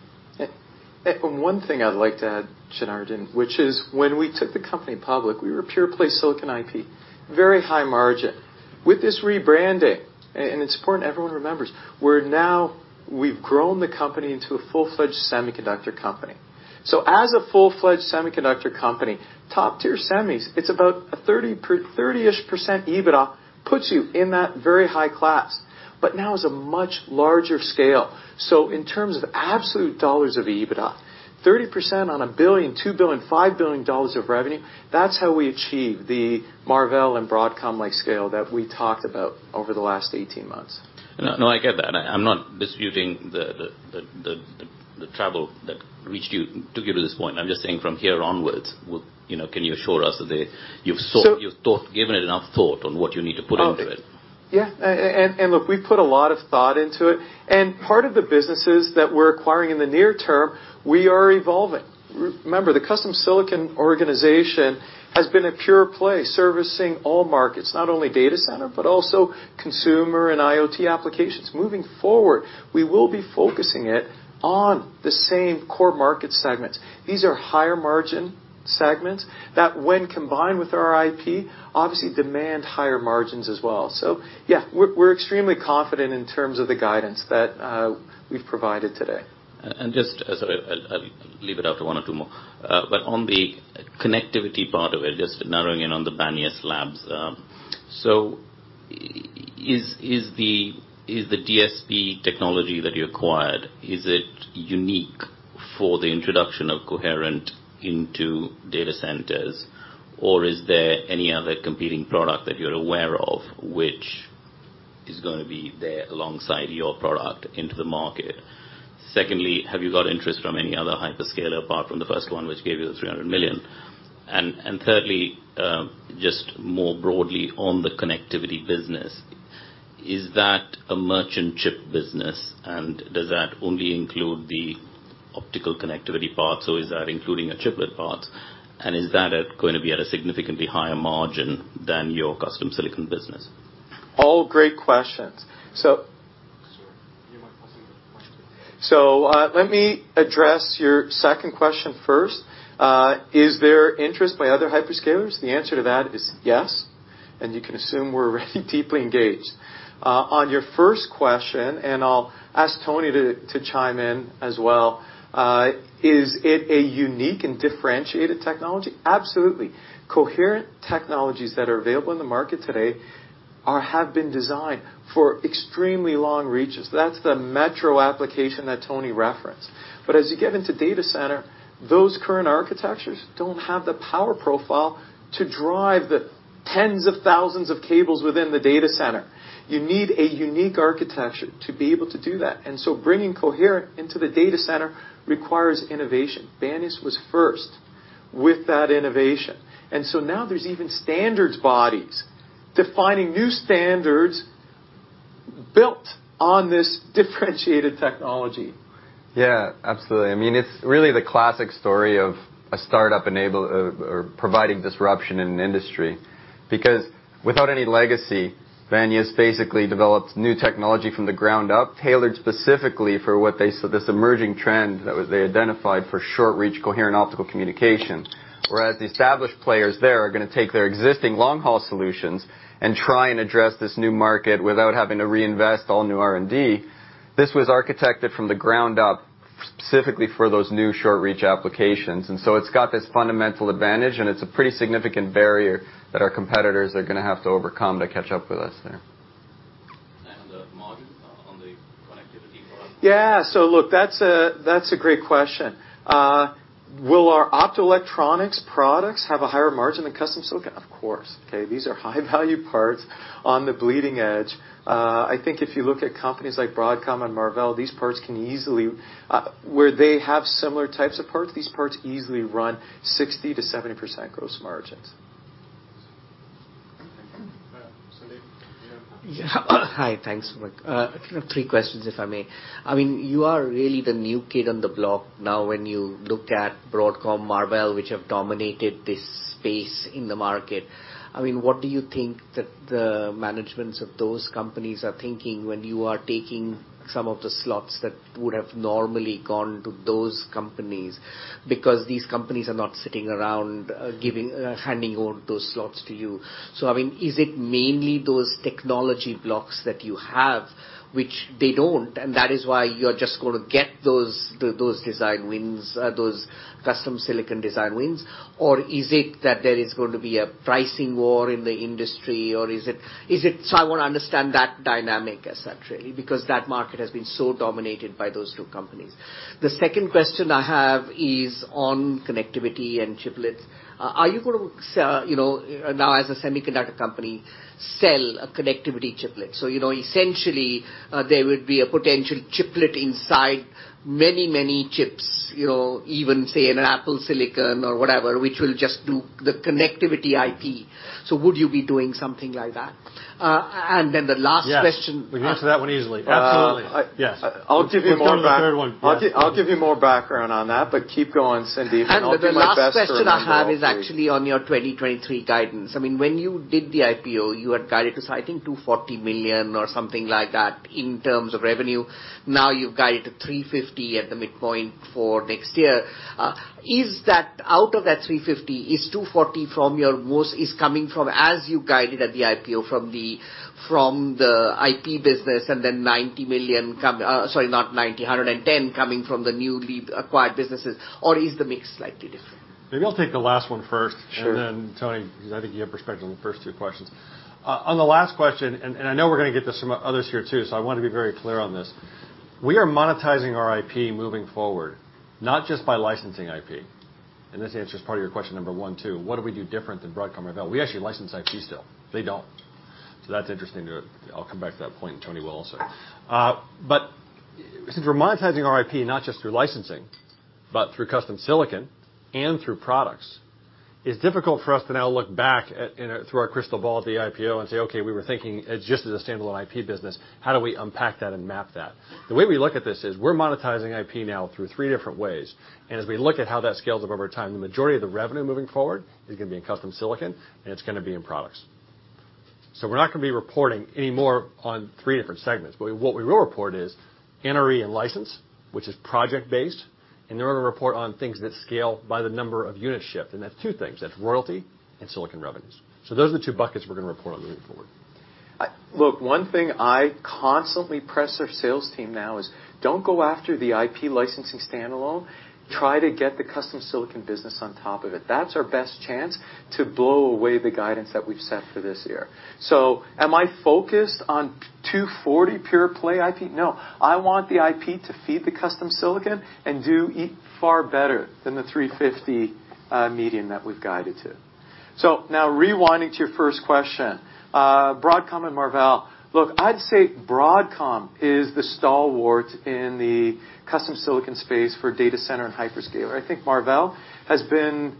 One thing I'd like to add, Janardan, which is when we took the company public, we were pure play silicon IP, very high margin. With this rebranding, and it's important everyone remembers, we've grown the company into a full-fledged semiconductor company. As a full-fledged semiconductor company, top-tier semis, it's about a 30-ish% EBITDA puts you in that very high class. Now is a much larger scale. In terms of absolute dollars of EBITDA, 30% on a $1 billion, $2 billion, $5 billion of revenue, that's how we achieve the Marvell and Broadcom-like scale that we talked about over the last 18 months. No, no, I get that. I'm not disputing the, the, the travel that reached you to get to this point. I'm just saying from here onwards, you know, can you assure us? You've given enough thought on what you need to put into it. Yeah. Look, we put a lot of thought into it. Part of the businesses that we're acquiring in the near term, we are evolving. Remember, the custom silicon organization has been a pure play, servicing all markets, not only data center, but also consumer and IoT applications. Moving forward, we will be focusing it on the same core market segments. These are higher margin segments that when combined with our IP, obviously demand higher margins as well. Yeah, we're extremely confident in terms of the guidance that we've provided today. Just as I'll leave it after one or two more. On the connectivity part of it, just narrowing in on the Banias Labs. Is the DSP technology that you acquired, is it unique for the introduction of coherent into data centers, or is there any other competing product that you're aware of which is gonna be there alongside your product into the market? Secondly, have you got interest from any other hyperscaler apart from the first one which gave you the $300 million? Thirdly, just more broadly on the connectivity business, is that a merchant chip business, does that only include the optical connectivity parts, or is that including chiplet parts? Is that gonna be at a significantly higher margin than your custom silicon business? All great questions. Let me address your second question first. Is there interest by other hyperscalers? The answer to that is yes, and you can assume we're already deeply engaged. On your first question, and I'll ask Tony to chime in as well, is it a unique and differentiated technology? Absolutely. Coherent technologies that are available in the market today have been designed for extremely long reaches. That's the metro application that Tony referenced. As you get into data center, those current architectures don't have the power profile to drive the tens of thousands of cables within the data center. You need a unique architecture to be able to do that. Bringing coherent into the data center requires innovation. Banias was first with that innovation. Now there's even standards bodies defining new standards built on this differentiated technology. Yeah, absolutely. I mean, it's really the classic story of a startup or providing disruption in an industry. Because without any legacy, Banias basically developed new technology from the ground up, tailored specifically for what this emerging trend that they identified for short reach coherent optical communication. Whereas the established players there are gonna take their existing long-haul solutions and try and address this new market without having to reinvest all new R&D. This was architected from the ground up specifically for those new short reach applications. It's got this fundamental advantage, and it's a pretty significant barrier that our competitors are gonna have to overcome to catch up with us there. The margin on the connectivity product? Look, that's a great question. Will our optoelectronics products have a higher margin than custom silicon? Of course. Okay? These are high value parts on the bleeding edge. I think if you look at companies like Broadcom and Marvell, where they have similar types of parts, these parts easily run 60%-70% gross margins. Thank you. Sandeep? Yeah. Hi. Thanks so much. Three questions, if I may. I mean, you are really the new kid on the block now when you look at Broadcom, Marvell, which have dominated this space in the market. I mean, what do you think that the managements of those companies are thinking when you are taking some of the slots that would have normally gone to those companies? Because these companies are not sitting around, giving, handing over those slots to you. I mean, is it mainly those technology blocks that you have which they don't, and that is why you're just gonna get those design wins, those custom silicon design wins? Or is it that there is going to be a pricing war in the industry? I wanna understand that dynamic as such, really, because that market has been so dominated by those two companies. The second question I have is on connectivity and Chiplets. Are you gonna sell, you know, now as a semiconductor company, sell a connectivity Chiplet? You know, essentially, there would be a potential Chiplet inside many, many chips, you know, even, say, in an Apple silicon or whatever, which will just do the connectivity IP. Would you be doing something like that? The last question... Yes. We can answer that one easily. Absolutely. Let's start with the third one. Yes. I'll give you more background on that. Keep going, Sandeep. I'll do my best to remember all three. The last question I have is actually on your 2023 guidance. I mean, when you did the IPO, you had guided to, I think, $240 million or something like that in terms of revenue. Now you've guided to $350 million at the midpoint for next year. Is that out of that $350 million, is $240 million from your most is coming from as you guided at the IPO from the IP business and then $90 million, sorry, not $90 million, $110 million coming from the newly acquired businesses, or is the mix slightly different? Maybe I'll take the last one first. Then Tony, because I think you have perspective on the first two questions. On the last question, and I know we're gonna get this from others here too, so I want to be very clear on this. We are monetizing our IP moving forward, not just by licensing IP. This answers part of your question number one too. What do we do different than Broadcom or Marvell? We actually license IP still. They don't. That's interesting I'll come back to that point, and Tony will also. Since we're monetizing our IP not just through licensing, but through custom silicon and through products, it's difficult for us to now look back at, and through our crystal ball at the IPO and say, "Okay, we were thinking just as a standalone IP business, how do we unpack that and map that?" The way we look at this is we're monetizing IP now through three different ways. As we look at how that scales up over time, the majority of the revenue moving forward is gonna be in custom silicon, and it's gonna be in products. We're not gonna be reporting any more on three different segments. What we will report is NRE and license, which is project-based, and then we're gonna report on things that scale by the number of units shipped, and that's two things. That's royalty and silicon revenues. Those are the two buckets we're gonna report on moving forward. Look, one thing I constantly press our sales team now is don't go after the IP licensing standalone. Try to get the custom silicon business on top of it. That's our best chance to blow away the guidance that we've set for this year. Am I focused on $240 million pure-play IP? No. I want the IP to feed the custom silicon and do far better than the $350 million median that we've guided to. Now rewinding to your first question, Broadcom and Marvell. Look, I'd say Broadcom is the stalwart in the custom silicon space for data center and hyperscaler. I think Marvell has been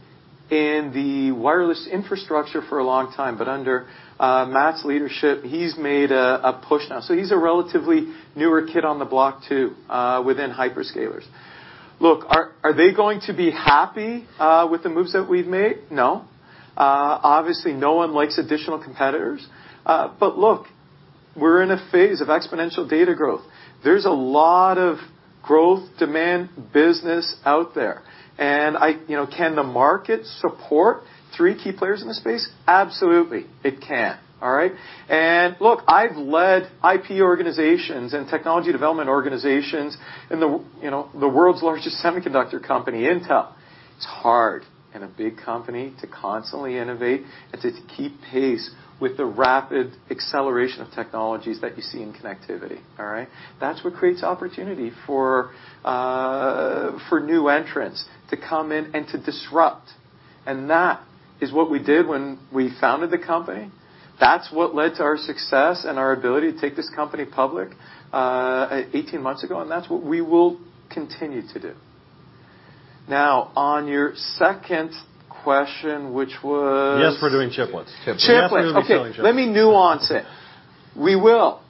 in the wireless infrastructure for a long time, but under Matt's leadership, he's made a push now. He's a relatively newer kid on the block, too, within hyperscalers. Look, are they going to be happy with the moves that we've made? No. Obviously, no one likes additional competitors. Look, we're in a phase of exponential data growth. There's a lot of growth demand business out there. You know, can the market support three key players in the space? Absolutely, it can. All right? Look, I've led IP organizations and technology development organizations in the, you know, the world's largest semiconductor company, Intel. It's hard in a big company to constantly innovate and to keep pace with the rapid acceleration of technologies that you see in connectivity, all right? That's what creates opportunity for new entrants to come in and to disrupt, and that is what we did when we founded the company. That's what led to our success and our ability to take this company public, 18 months ago. That's what we will continue to do. On your second question, which was chiplets. Yes, we'll be selling chiplets. Okay. Let me nuance it. We will,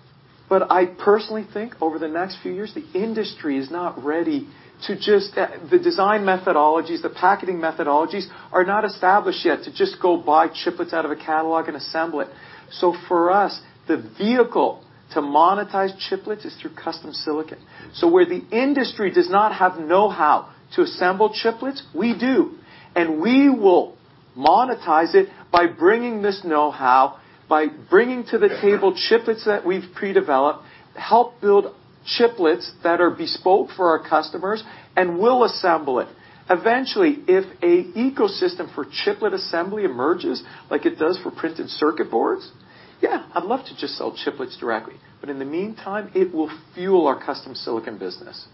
but I personally think over the next few years, the industry is not ready to just the design methodologies, the packaging methodologies are not established yet to just go buy chiplets out of a catalog and assemble it. For us, the vehicle to monetize chiplets is through custom silicon. Where the industry does not have know-how to assemble chiplets, we do. We will monetize it by bringing this know-how, by bringing to the table chiplets that we've pre-developed, help build chiplets that are bespoke for our customers, and we'll assemble it. Eventually, if a ecosystem for chiplet assembly emerges like it does for printed circuit boards, yeah, I'd love to just sell chiplets directly. In the meantime, it will fuel our custom silicon business.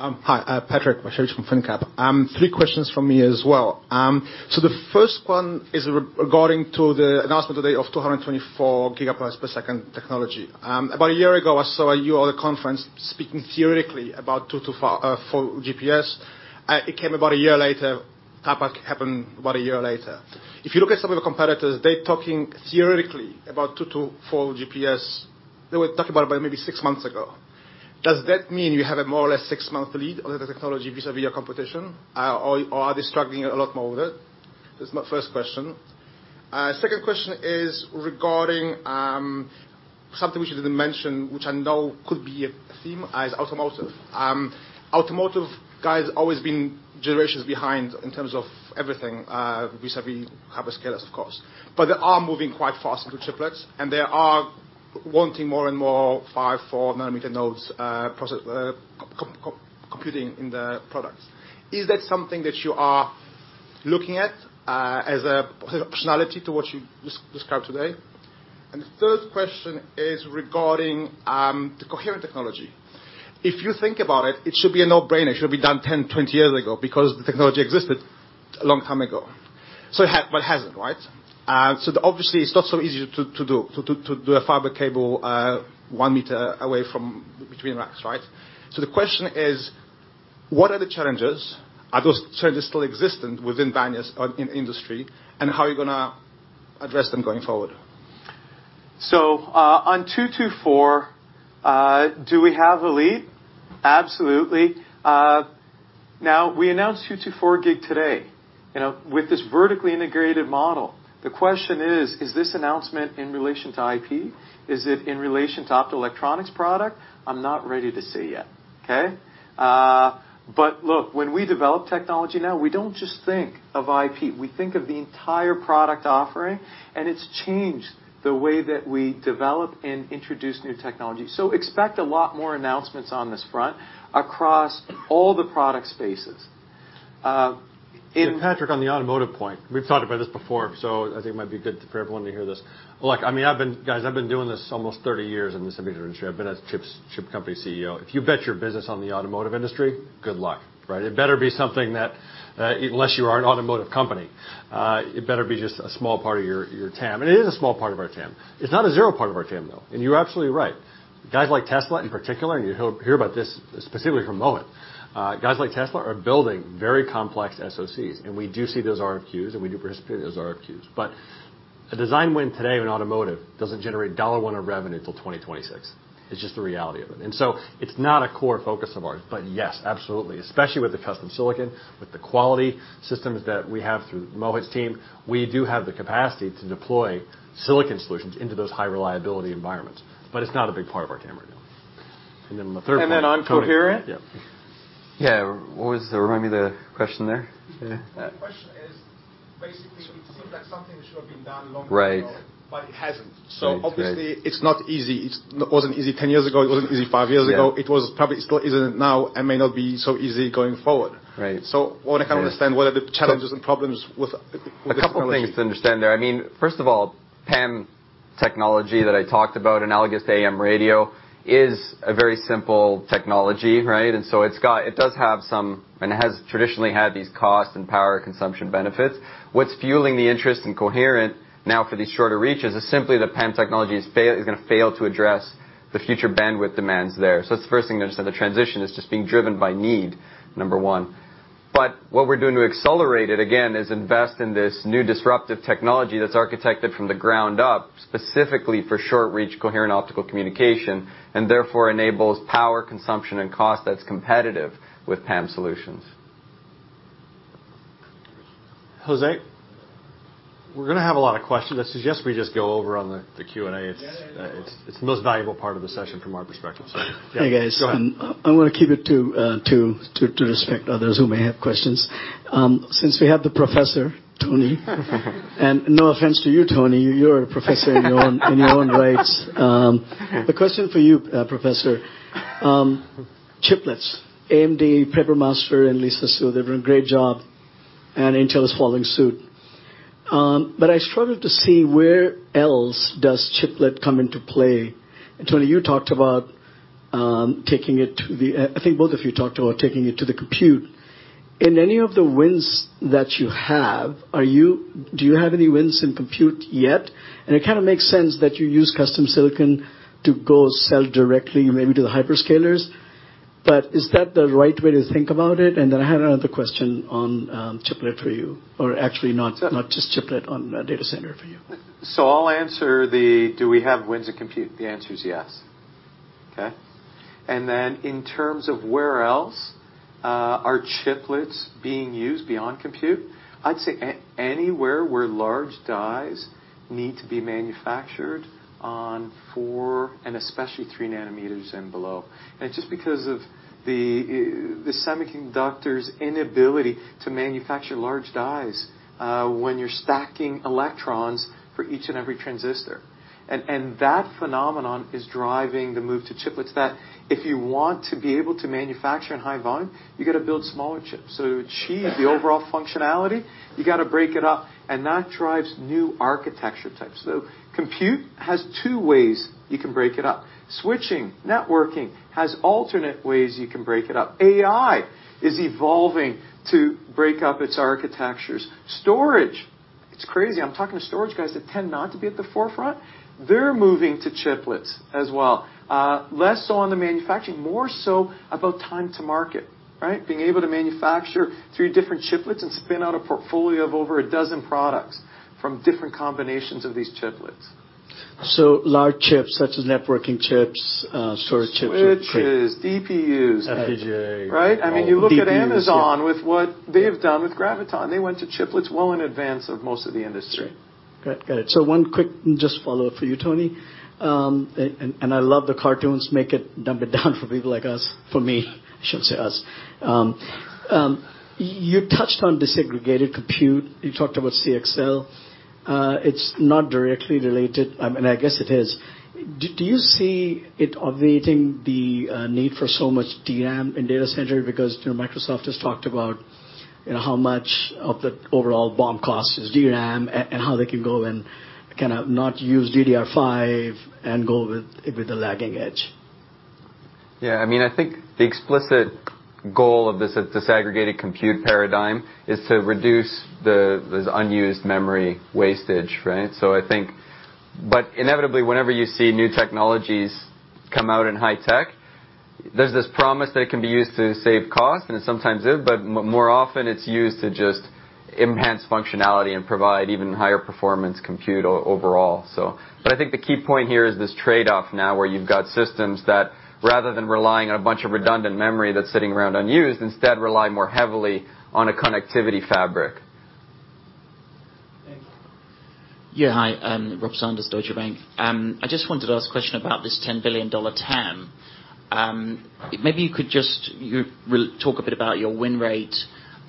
Hi. Patrick Basiewicz from finnCap. Three questions from me as well. The first one is regarding to the announcement today of 224 Gbps technology. About a year ago, I saw you at a conference speaking theoretically about 224 Gbps. It came about a year later. Tapas happened about a year later. If you look at some of the competitors, they're talking theoretically about 224 Gbps. They were talking about it maybe six months ago. Does that mean you have a more or less six-month lead on the technology vis-à-vis your competition? Or are they struggling a lot more with it? That's my first question. Second question is regarding something which you didn't mention, which I know could be a theme, is automotive. Automotive guys always been generations behind in terms of everything vis-à-vis hyperscalers, of course. They are moving quite fast into chiplets, and they are wanting more and more 5nm, 4 nm nodes process co-computing in the products. Is that something that you are looking at as a possibility to what you described today? The third question is regarding the coherent technology. If you think about it should be a no-brainer. It should be done 10, 20 years ago because the technology existed a long time ago. It hasn't, right? Obviously, it's not so easy to do a fiber cable 1 m away from between racks, right? The question is: What are the challenges? Are those challenges still existent within Banias Labs or in industry? How are you gonna address them going forward? On 224 Gbps, do we have a lead? Absolutely. Now, we announced 224G today. You know, with this vertically integrated model, the question is: Is this announcement in relation to IP? Is it in relation to Optoelectronics product? I'm not ready to say yet. Okay? But look, when we develop technology now, we don't just think of IP, we think of the entire product offering, and it's changed the way that we develop and introduce new technology. Expect a lot more announcements on this front across all the product spaces. Patrick, on the automotive point, we've talked about this before, so I think it might be good for everyone to hear this. Look, I mean, guys, I've been doing this almost 30 years in the semiconductor industry. I've been a chip company CEO. If you bet your business on the automotive industry, good luck, right? It better be something that, unless you are an automotive company, it better be just a small part of your TAM. It is a small part of our TAM. It's not a zero part of our TAM, though. You're absolutely right. Guys like Tesla in particular, you'll hear about this specifically from Mohit. Guys like Tesla are building very complex SoCs, and we do see those RFQs, and we do participate in those RFQs. A design win today in automotive doesn't generate $1 of revenue till 2026. It's just the reality of it. It's not a core focus of ours. Yes, absolutely, especially with the custom silicon, with the quality systems that we have through Mohit's team, we do have the capacity to deploy silicon solutions into those high reliability environments. It's not a big part of our TAM right now. The third point. On coherent. Yeah. Yeah. Remind me the question there? Yeah. The question is basically, it seems like something that should have been done long ago but it hasn't. Obviously it's not easy. It wasn't easy 10 years ago, it wasn't easy five years ago. It was probably still isn't now, and may not be so easy going forward. I wanna kind of understand what are the challenges and problems with this technology. A couple things to understand there. I mean, first of all, PAM technology that I talked about, analogous to AM radio, is a very simple technology, right? It does have some, and it has traditionally had these cost and power consumption benefits. What's fueling the interest in coherent now for these shorter reaches is simply that PAM technology is gonna fail to address the future bandwidth demands there. That's the first thing to understand. The transition is just being driven by need, number one. What we're doing to accelerate it, again, is invest in this new disruptive technology that's architected from the ground up specifically for short reach coherent optical communication, and therefore enables power, consumption and cost that's competitive with PAM solutions. Jose. We're gonna have a lot of questions. I suggest we just go over on the Q&A. It's the most valuable part of the session from our perspective. Yeah. Hey, guys. I'm gonna keep it to respect others who may have questions. Since we have the Professor Tony, and no offense to you, Tony, you're a professor in your own rights. The question for you, Professor, chiplets, AMD, Mark Papermaster and Lisa Su, they're doing a great job, and Intel is following suit. I struggled to see where else does chiplet come into play. Tony, you talked about taking it to the-- I think both of you talked about taking it to the compute. In any of the wins that you have, do you have any wins in compute yet? It kind of makes sense that you use custom silicon to go sell directly maybe to the hyperscalers. Is that the right way to think about it? I had another question on chiplet for you, or actually not just chiplet, on data center for you. I'll answer the, do we have wins in compute? The answer is yes. Okay? Then in terms of where else are chiplets being used beyond compute, I'd say anywhere where large dies need to be manufactured on four and especially 3 nm and below. It's just because of the semiconductor's inability to manufacture large dies when you're stacking electrons for each and every transistor. That phenomenon is driving the move to Chiplets that if you want to be able to manufacture in high volume, you gotta build smaller chips. To achieve the overall functionality, you gotta break it up, and that drives new architecture types. Compute has two ways you can break it up. Switching, networking has alternate ways you can break it up. AI is evolving to break up its architectures. Storage, it's crazy. I'm talking to storage guys that tend not to be at the forefront. They're moving to chiplets as well. Less so on the manufacturing, more so about time to market, right? Being able to manufacture three different chiplets and spin out a portfolio of over a dozen products from different combinations of these chiplets. Large chips such as networking chips, storage chips. Switches, DPUs. FPGA. Right? I mean, you look at Amazon with what they have done with Graviton. They went to chiplets well in advance of most of the industry. Got it. One quick just follow-up for you, Tony. And I love the cartoons, make it Dumb it down for people like us, for me. I shouldn't say us. You touched on disaggregated compute, you talked about CXL. It's not directly related. I mean, I guess it is. Do you see it obviating the need for so much DRAM in data center? Because, you know, Microsoft just talked about, you know, how much of the overall BOM cost is DRAM and how they can go and kinda not use DDR5 and go with the lagging edge. Yeah. I mean, I think the explicit goal of this disaggregated compute paradigm is to reduce the unused memory wastage, right? I think. Inevitably, whenever you see new technologies come out in high tech, there's this promise that it can be used to save cost, and it sometimes is, but more often it's used to just enhance functionality and provide even higher performance compute overall. I think the key point here is this trade-off now, where you've got systems that rather than relying on a bunch of redundant memory that's sitting around unused, instead rely more heavily on a connectivity fabric. Thank you. Yeah. Hi, Rob Sanders, Deutsche Bank. I just wanted to ask a question about this $10 billion TAM. Maybe you could talk a bit about your win rate,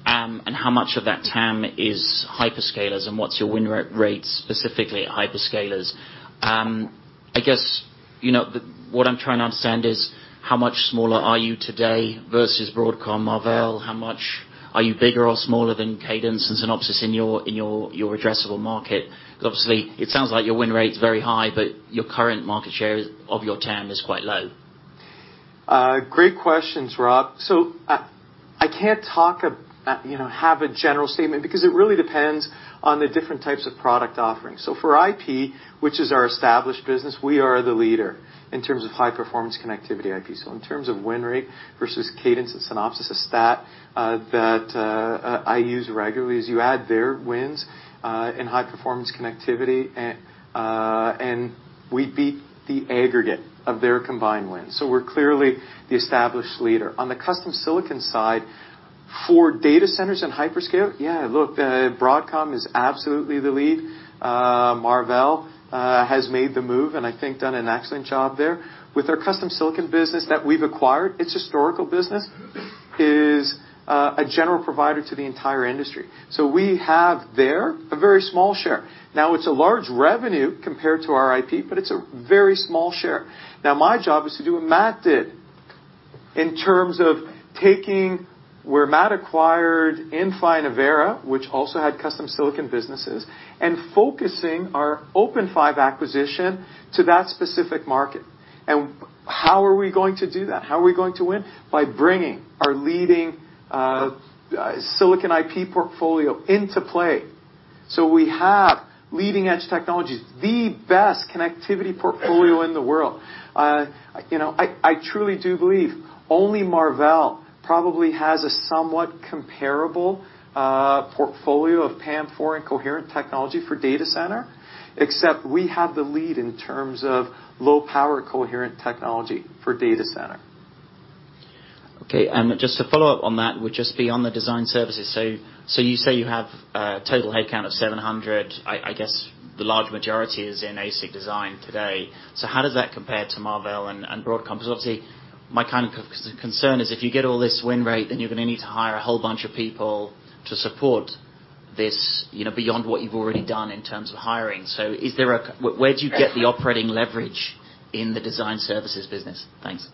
and how much of that TAM is hyperscalers, and what's your win rate specifically at hyperscalers? I guess, you know, what I'm trying to understand is how much smaller are you today versus Broadcom, Marvell? How much are you bigger or smaller than Cadence and Synopsys in your addressable market? Obviously it sounds like your win rate's very high, but your current market share of your TAM is quite low. Great questions, Rob. I can't, you know, have a general statement because it really depends on the different types of product offerings. For IP, which is our established business, we are the leader in terms of high-performance connectivity IP. In terms of win rate versus Cadence and Synopsys, a stat that I use regularly is you add their wins in high-performance connectivity and we beat the aggregate of their combined wins. We're clearly the established leader. On the custom silicon side, for data centers and hyperscale, yeah, look, Broadcom is absolutely the lead. Marvell has made the move and I think done an excellent job there. With our custom silicon business that we've acquired, its historical business is a general provider to the entire industry. We have there a very small share. It's a large revenue compared to our IP, but it's a very small share. My job is to do what Matt did in terms of taking where Matt acquired Inphi and Avera, which also had custom silicon businesses, and focusing our OpenFive acquisition to that specific market. How are we going to do that? How are we going to win? By bringing our leading silicon IP portfolio into play. We have leading-edge technologies, the best connectivity portfolio in the world. You know, I truly do believe only Marvell probably has a somewhat comparable portfolio of PAM4 and coherent technology for data center, except we have the lead in terms of low-power coherent technology for data center. Okay. Just to follow up on that with just beyond the design services. You say you have a total headcount of 700. I guess the large majority is in ASIC design today. How does that compare to Marvell and Broadcom? Because obviously my kind of concern is if you get all this win rate, then you're gonna need to hire a whole bunch of people to support this, you know, beyond what you've already done in terms of hiring. Is there Where do you get the operating leverage in the design services business? Thanks.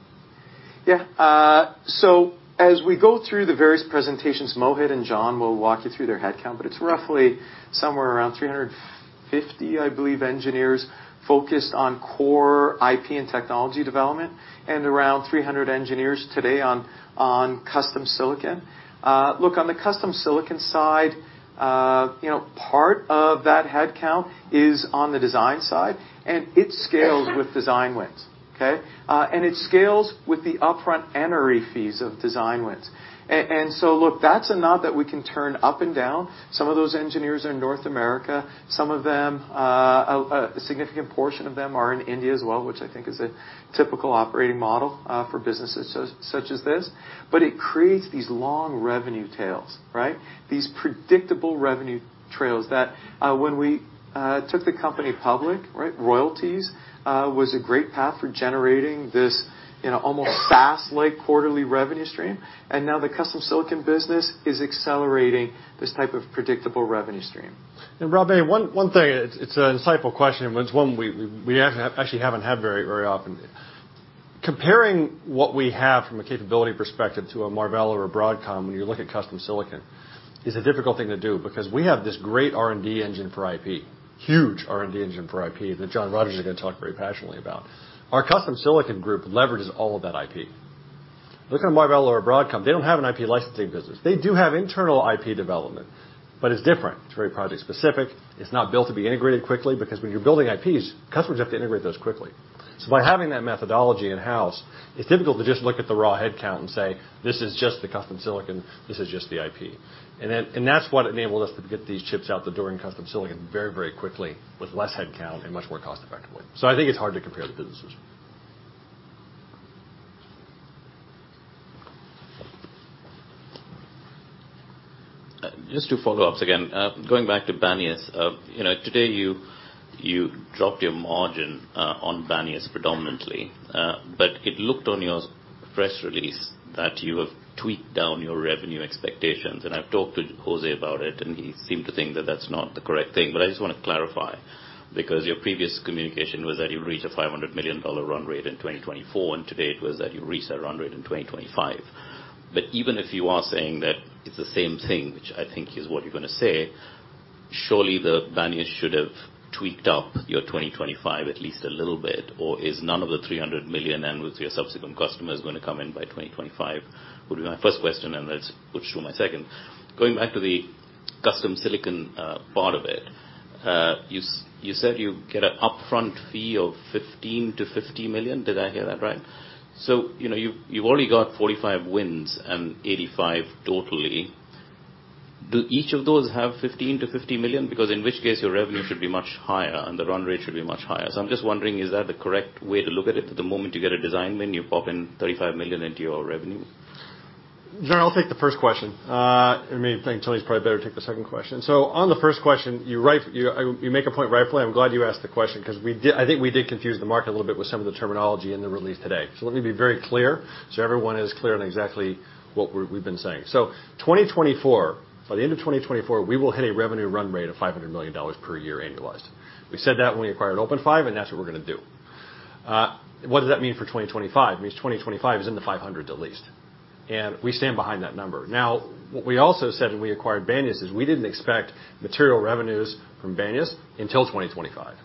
Yeah. So as we go through the various presentations, Mohit and Jon will walk you through their headcount, but it's roughly somewhere around 350, I believe, engineers focused on core IP and technology development, and around 300 engineers today on custom silicon. Look, on the custom silicon side, you know, part of that headcount is on the design side, and it scales with design wins, okay? So look, that's a knob that we can turn up and down. Some of those engineers are in North America. Some of them, a significant portion of them are in India as well, which I think is a typical operating model for businesses such as this. It creates these long revenue tails, right? These predictable revenue trails that, when we took the company public, right, royalties, was a great path for generating this, you know, almost SaaS-like quarterly revenue stream. Now the custom silicon business is accelerating this type of predictable revenue stream. Rob, one thing, it's an insightful question, but it's one we actually haven't had very often. Comparing what we have from a capability perspective to a Marvell or a Broadcom when you look at custom silicon is a difficult thing to do because we have this great R&D engine for IP, huge R&D engine for IP, that Jon Rogers is going to talk very passionately about. Our custom silicon group leverages all of that IP. Look at a Marvell or a Broadcom, they don't have an IP licensing business. They do have internal IP development, but it's different. It's very project specific. It's not built to be integrated quickly, because when you're building IPs, customers have to integrate those quickly. By having that methodology in-house, it's difficult to just look at the raw headcount and say, "This is just the custom silicon, this is just the IP." That's what enabled us to get these chips out the door in custom silicon very, very quickly with less headcount and much more cost effectively. I think it's hard to compare the businesses. Just 2 follow-ups again. Going back to Banias. You know, today you dropped your margin on Banias predominantly, but it looked on your press release that you have tweaked down your revenue expectations. I've talked to Jose about it, and he seemed to think that that's not the correct thing. I just wanna clarify, because your previous communication was that you'd reach a $500 million run rate in 2024, and today it was that you'll reach that run rate in 2025. Even if you are saying that it's the same thing, which I think is what you're gonna say, surely the Banias should have tweaked up your 2025 at least a little bit, or is none of the $300 million and with your subsequent customers gonna come in by 2025? Would be my first question. That which to my second. Going back to the custom silicon, part of it, you said you get an upfront fee of $15 million-$50 million. Did I hear that right? You know, you've only got 45 wins and 85 totally. Do each of those have $15 million-$50 million? Because in which case, your revenue should be much higher and the run rate should be much higher. I'm just wondering, is that the correct way to look at it? The moment you get a design win, you pop in $35 million into your revenue? Janardan, I'll take the first question. I mean, I think Tony's probably better take the second question. On the first question, you're right. You, you make a point rightfully. I'm glad you asked the question 'cause I think we did confuse the market a little bit with some of the terminology in the release today. Let me be very clear so everyone is clear on exactly what we've been saying. 2024, by the end of 2024, we will hit a revenue run rate of $500 million per year annualized. We said that when we acquired OpenFive, and that's what we're gonna do. What does that mean for 2025? It means 2025 is in the $500 million at least, and we stand behind that number. What we also said when we acquired Banias is we didn't expect material revenues from Banias until 2025.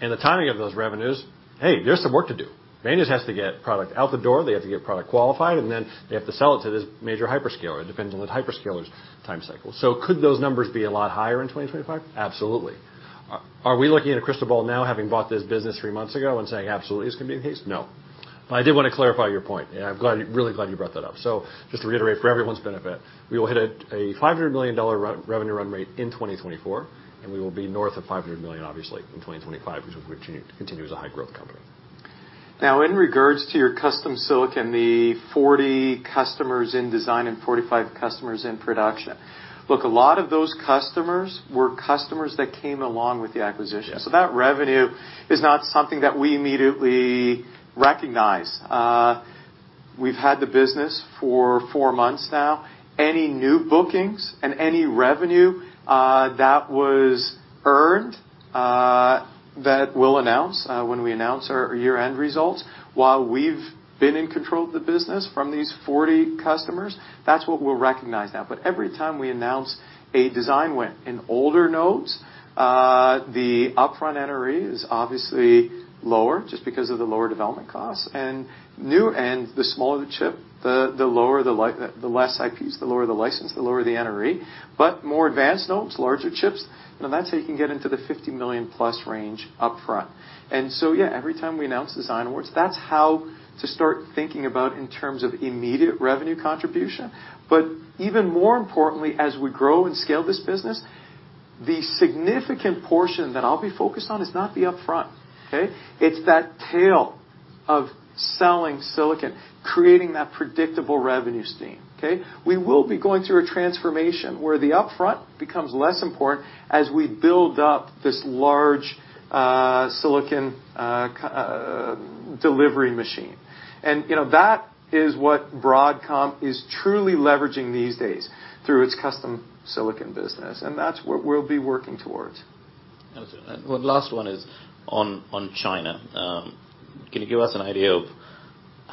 The timing of those revenues, hey, there's some work to do. Banias has to get product out the door, they have to get product qualified, and then they have to sell it to this major hyperscaler. It depends on the hyperscaler's time cycle. Could those numbers be a lot higher in 2025? Absolutely. Are we looking at a crystal ball now having bought this business three months ago and saying absolutely this can be the case? No. I did wanna clarify your point, and I'm glad you brought that up. Just to reiterate for everyone's benefit, we will hit a $500 million revenue run rate in 2024, we will be north of $500 million obviously in 2025, which we continue as a high growth company. In regards to your Custom Silicon, the 40 customers in design and 45 customers in production. A lot of those customers were customers that came along with the acquisition. That revenue is not something that we immediately recognize. We've had the business for four months now. Any new bookings and any revenue that was earned, that we'll announce when we announce our year-end results, while we've been in control of the business from these 40 customers, that's what we'll recognize now. Every time we announce a design win in older nodes, the upfront NRE is obviously lower just because of the lower development costs. New and the smaller the chip, the lower the less IPs, the lower the license, the lower the NRE. More advanced nodes, larger chips, you know, that's how you can get into the $50 million+ range upfront. Yeah, every time we announce design awards, that's how to start thinking about in terms of immediate revenue contribution. Even more importantly, as we grow and scale this business, the significant portion that I'll be focused on is not the upfront, okay. It's that tail of selling silicon, creating that predictable revenue stream, okay. We will be going through a transformation where the upfront becomes less important as we build up this large silicon delivery machine. You know, that is what Broadcom is truly leveraging these days through its custom silicon business, and that's what we'll be working towards. Okay. One last one is on China. Can you give us an idea of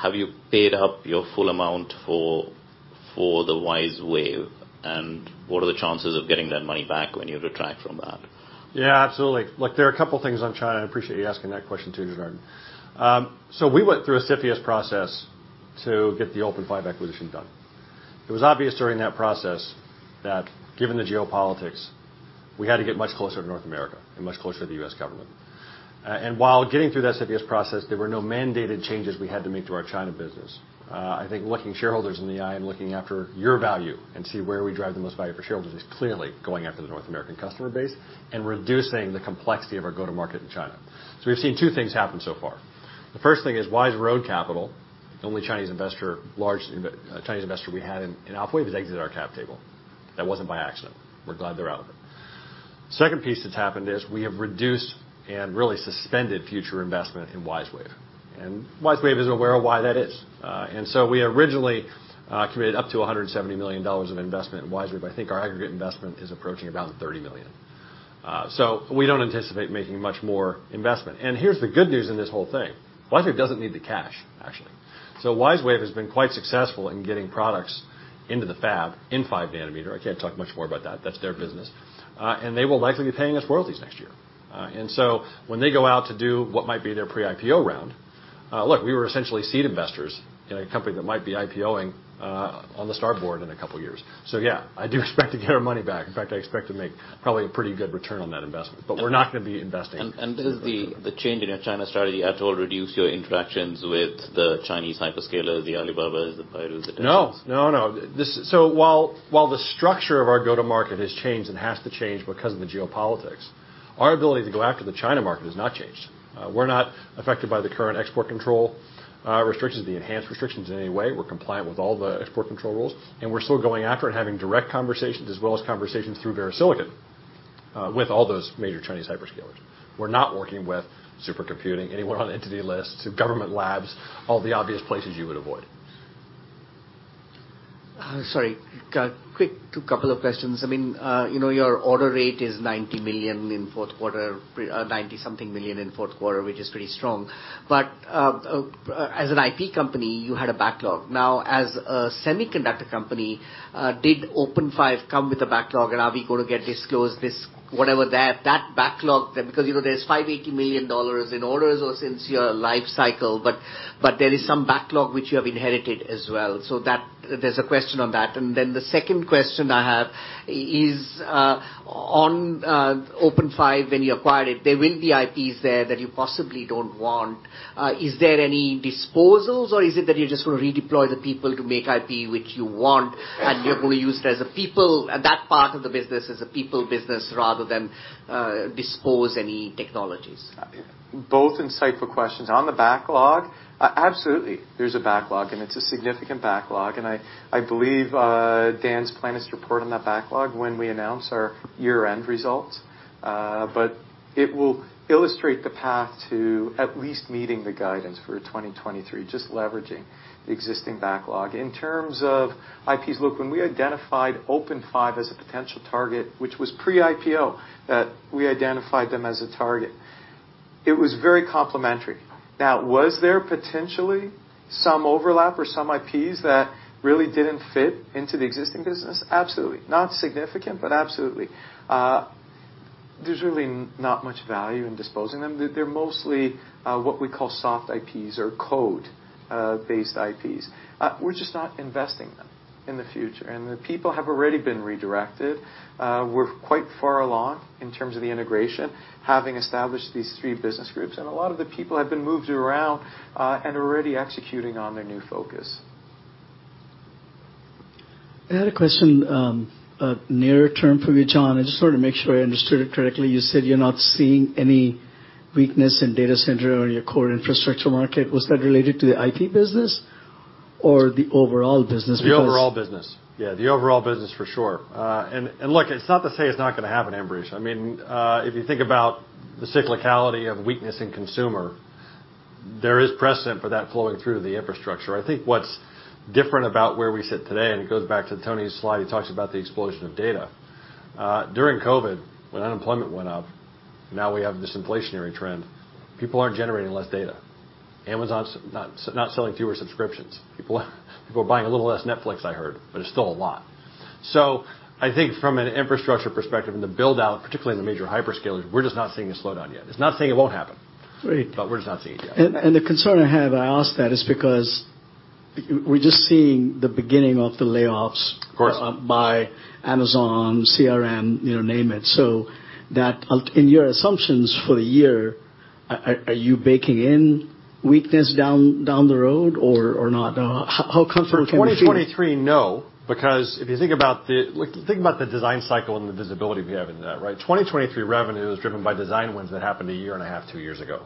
have you paid up your full amount for the WiseWave, and what are the chances of getting that money back when you retract from that? Yeah, absolutely. Look, there are a couple things on China. I appreciate you asking that question too, Janardan. We went through a CFIUS process to get the OpenFive acquisition done. It was obvious during that process that given the geopolitics, we had to get much closer to North America and much closer to the U.S. government. While getting through that CFIUS process, there were no mandated changes we had to make to our China business. I think looking shareholders in the eye and looking after your value and see where we drive the most value for shareholders is clearly going after the North American customer base and reducing the complexity of our go-to-market in China. We've seen two things happen so far. The first thing is Wise Road Capital, the only Chinese investor, large Chinese investor we had in Alphawave, has exited our cap table. That wasn't by accident. We're glad they're out of it. Second piece that's happened is we have reduced and really suspended future investment in WiseWave. WiseWave is aware of why that is. We originally committed up to $170 million of investment in WiseWave. I think our aggregate investment is approaching about $30 million. We don't anticipate making much more investment. Here's the good news in this whole thing. WiseWave doesn't need the cash, actually. WiseWave has been quite successful in getting products into the fab in 5 nm. I can't talk much more about that. That's their business. They will likely be paying us royalties next year. When they go out to do what might be their pre-IPO round, look, we were essentially seed investors in a company that might be IPO-ing, on the STAR Market in a couple years. Yeah, I do expect to get our money back. In fact, I expect to make probably a pretty good return on that investment, but we're not gonna be investing. Does the change in your China strategy at all reduce your interactions with the Chinese hyperscalers, the Alibabas, the Baidus, the Tencents? No. No, no. While, while the structure of our go-to-market has changed and has to change because of the geopolitics, our ability to go after the China market has not changed. We're not affected by the current export control, restrictions, the enhanced restrictions in any way. We're compliant with all the export control rules, and we're still going after it, having direct conversations as well as conversations through VeriSilicon, with all those major Chinese hyperscalers. We're not working with supercomputing, anyone on entity lists, government labs, all the obvious places you would avoid. Sorry. Got quick couple of questions. I mean, you know, your order rate is $90 million in fourth quarter, $90 something million in fourth quarter, which is pretty strong. As an IP company, you had a backlog. Now as a semiconductor company, did OpenFive come with a backlog and are we gonna get disclosed this whatever that backlog then, because there's $580 million in orders or since your life cycle, but there is some backlog which you have inherited as well. There's a question on that. The second question I have is on OpenFive when you acquired it, there will be IPs there that you possibly don't want. Is there any disposals, or is it that you just wanna redeploy the people to make IP which you want and you're gonna use it as a people, that part of the business as a people business rather than, dispose any technologies? Both insightful questions. On the backlog, absolutely, there's a backlog, and it's a significant backlog. I believe Dan's planning to report on that backlog when we announce our year-end results. It will illustrate the path to at least meeting the guidance for 2023, just leveraging the existing backlog. In terms of IPs, look, when we identified OpenFive as a potential target, which was pre-IPO that we identified them as a target. It was very complementary. Was there potentially some overlap or some IPs that really didn't fit into the existing business? Absolutely. Not significant, but absolutely. There's really not much value in disposing them. They're, they're mostly, what we call soft IPs or code, based IPs. We're just not investing them in the future, and the people have already been redirected. We're quite far along in terms of the integration, having established these three business groups, and a lot of the people have been moved around, and are already executing on their new focus. I had a question, nearer term for you, John. I just wanna make sure I understood it correctly. You said you're not seeing any weakness in data center or your core infrastructure market. Was that related to the IP business or the overall business? The overall business. Yeah, the overall business for sure. Look, it's not to say it's not gonna happen, Ambrish. I mean, if you think about the cyclicality of weakness in consumer, there is precedent for that flowing through to the infrastructure. I think what's different about where we sit today, and it goes back to Tony's slide, he talks about the explosion of data. During COVID, when unemployment went up, now we have this inflationary trend. People aren't generating less data. Amazon's not selling fewer subscriptions. People are buying a little less Netflix, I heard, but it's still a lot. I think from an infrastructure perspective and the build-out, particularly in the major hyperscalers, we're just not seeing a slowdown yet. It's not saying it won't happen. We're just not seeing it yet. The concern I have, I ask that is because we're just seeing the beginning of the layoffs by Amazon, CRM, you know, name it. That in your assumptions for the year, are you baking in weakness down the road or not? How comfortable can we feel? For 2023, no. If you think about the design cycle and the visibility we have in that, right? 2023 revenue is driven by design wins that happened a year and a half, two years ago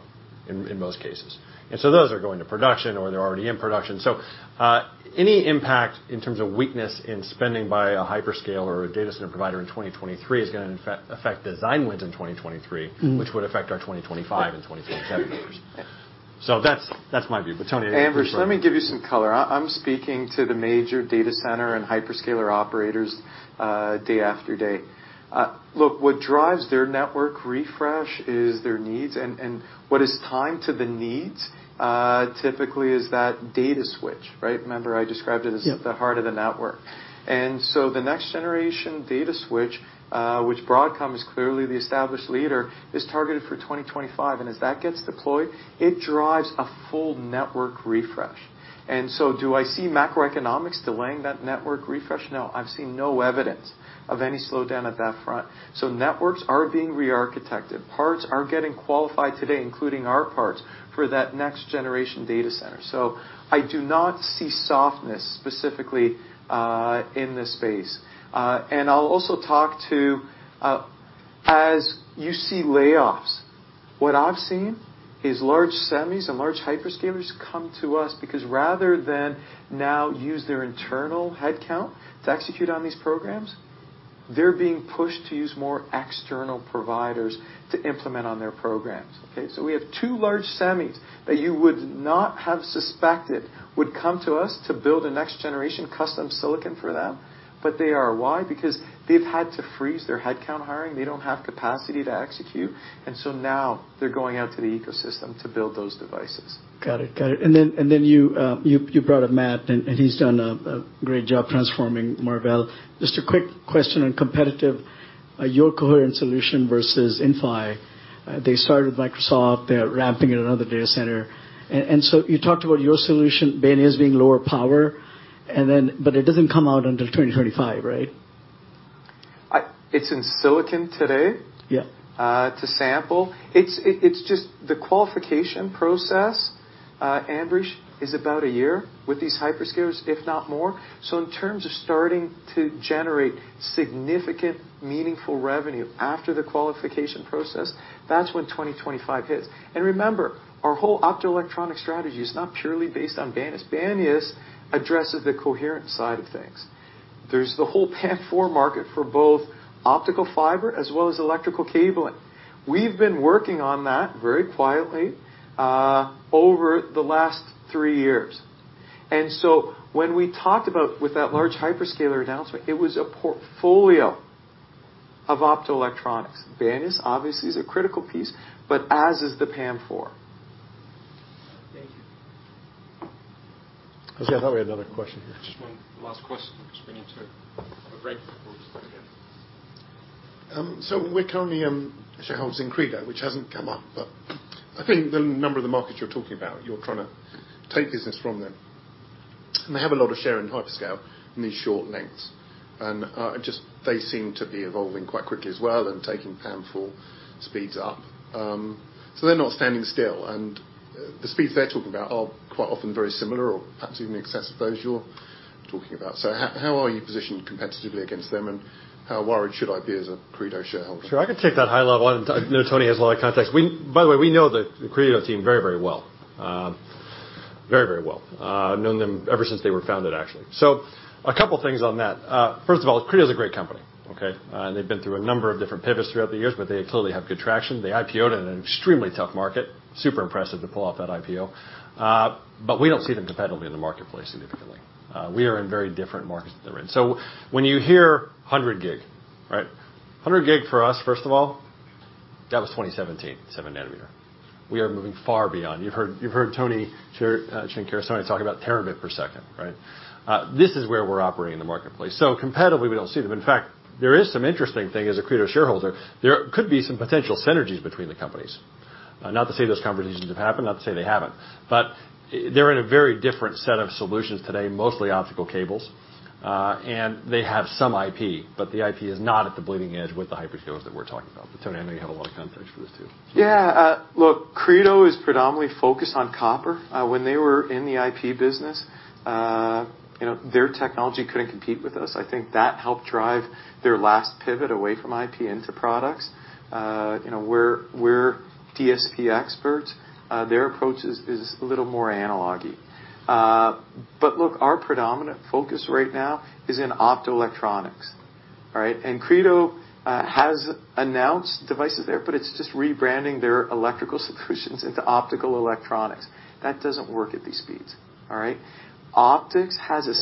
in most cases. Those are going to production or they're already in production. Any impact in terms of weakness in spending by a hyperscaler or a data center provider in 2023 is gonna in fact affect design wins in 2023, which would affect our 2025 and 2030 calendars. That's my view. Tony, I'm sure— Ambrish, let me give you some color. I'm speaking to the major data center and hyperscaler operators, day after day. Look, what drives their network refresh is their needs and what is timed to the needs, typically is that data switch, right? Remember I described it as the heart of the network. The next generation data switch, which Broadcom is clearly the established leader, is targeted for 2025, and as that gets deployed, it drives a full network refresh. Do I see macroeconomics delaying that network refresh? No, I'm seeing no evidence of any slowdown at that front. Networks are being rearchitected. Parts are getting qualified today, including our parts, for that next generation data center. I do not see softness specifically in this space. I'll also talk to, as you see layoffs, what I've seen is large semis and large hyperscalers come to us because rather than now use their internal headcount to execute on these programs, they're being pushed to use more external providers to implement on their programs, okay? We have two large semis that you would not have suspected would come to us to build a next generation custom silicon for them. They are. Why? They've had to freeze their headcount hiring. They don't have capacity to execute. Now they're going out to the ecosystem to build those devices. Got it. Got it. You brought up Matt, and he's done a great job transforming Marvell. Just a quick question on competitive, your coherent solution versus Inphi. They started with Microsoft. They're ramping in another data center. You talked about your solution, Banias, as being lower power, and then but it doesn't come out until 2025, right? It's in silicon today. Yeah. To sample. It's just the qualification process, Ambrish, is about a year with these hyperscalers, if not more. In terms of starting to generate significant, meaningful revenue after the qualification process, that's when 2025 hits. Remember, our whole optoelectronic strategy is not purely based on Banias. Banias addresses the coherent side of things. There's the whole PAM4 market for both optical fiber as well as electrical cabling. We've been working on that very quietly over the last three years. When we talked about with that large hyperscaler announcement, it was a portfolio of optoelectronics. Banias obviously is a critical piece, but as is the PAM4. Thank you. I thought we had another question here. Just one last question, because we need to break before we start again. So we're currently shareholders in Credo, which hasn't come up, but I think the number of the markets you're talking about, you're trying to take business from them, and they have a lot of share in hyperscale in these short lengths. Just they seem to be evolving quite quickly as well and taking PAM4 speeds up. They're not standing still, and the speeds they're talking about are quite often very similar or perhaps even in excess of those you're talking about. How, how are you positioned competitively against them, and how worried should I be as a Credo shareholder? Sure. I can take that high level. I know Tony has a lot of context. By the way, we know the Credo team very, very well. I've known them ever since they were founded, actually. A couple things on that. First of all, Credo's a great company, okay? They've been through a number of different pivots throughout the years. They clearly have good traction. They IPO'd in an extremely tough market. Super impressive to pull off that IPO. We don't see them competitively in the marketplace significantly. We are in very different markets than they're in. When you hear 100 Gb. Right. 100 Gb for us, first of all, that was 2017, 7 nm. We are moving far beyond. You've heard Tony Chan Carusone talk about terabit per second, right? This is where we're operating in the marketplace. Competitively, we don't see them. In fact, there is some interesting thing as a Credo shareholder. There could be some potential synergies between the companies. Not to say those conversations have happened, not to say they haven't. They're in a very different set of solutions today, mostly optical cables. They have some IP, but the IP is not at the bleeding edge with the hyperscalers that we're talking about. Tony, I know you have a lot of context for this too. Yeah. look, Credo is predominantly focused on copper. when they were in the IP business, you know, their technology couldn't compete with us. I think that helped drive their last pivot away from IP into products. you know, we're DSP experts. their approach is a little more analogy. but look, our predominant focus right now is in optoelectronics. All right? Credo has announced devices there, but it's just rebranding their electrical solutions into optical electronics. That doesn't work at these speeds. All right? Optics has a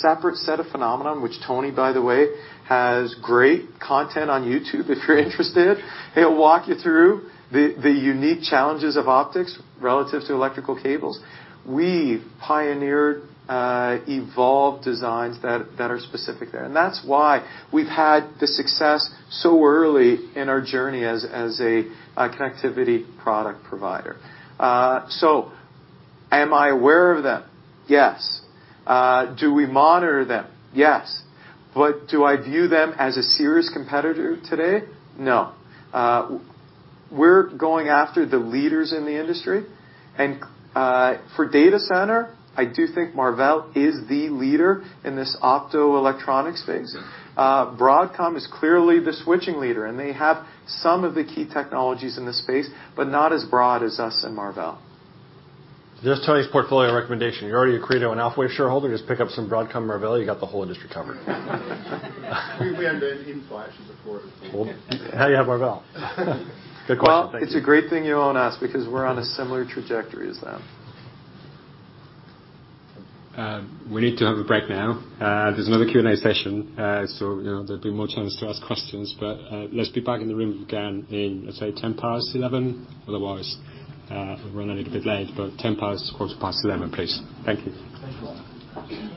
separate set of phenomenon, which Tony, by the way, has great content on YouTube, if you're interested. He'll walk you through the unique challenges of optics relative to electrical cables. We've pioneered evolved designs that are specific there. That's why we've had the success so early in our journey as a connectivity product provider. Am I aware of them? Yes. Do we monitor them? Yes. Do I view them as a serious competitor today? No. We're going after the leaders in the industry. For data center, I do think Marvell is the leader in this optoelectronic space. Broadcom is clearly the switching leader, and they have some of the key technologies in the space, but not as broad as us and Marvell. Just Tony's portfolio recommendation. You're already a Credo and Alphawave shareholder, just pick up some Broadcom, Marvell, you got the whole industry covered. We owned it in flashes before. Well, how do you have Marvell? Good question. Thank you. It's a great thing you own us because we're on a similar trajectory as them. We need to have a break now. There's another Q&A session, so you know there'll be more chance to ask questions. Let's be back in the room again in, let's say, 11:10 A.M. Otherwise, we'll run a little bit late, but 11:10 A.M. 11:15 A.M., please. Thank you. Thank you.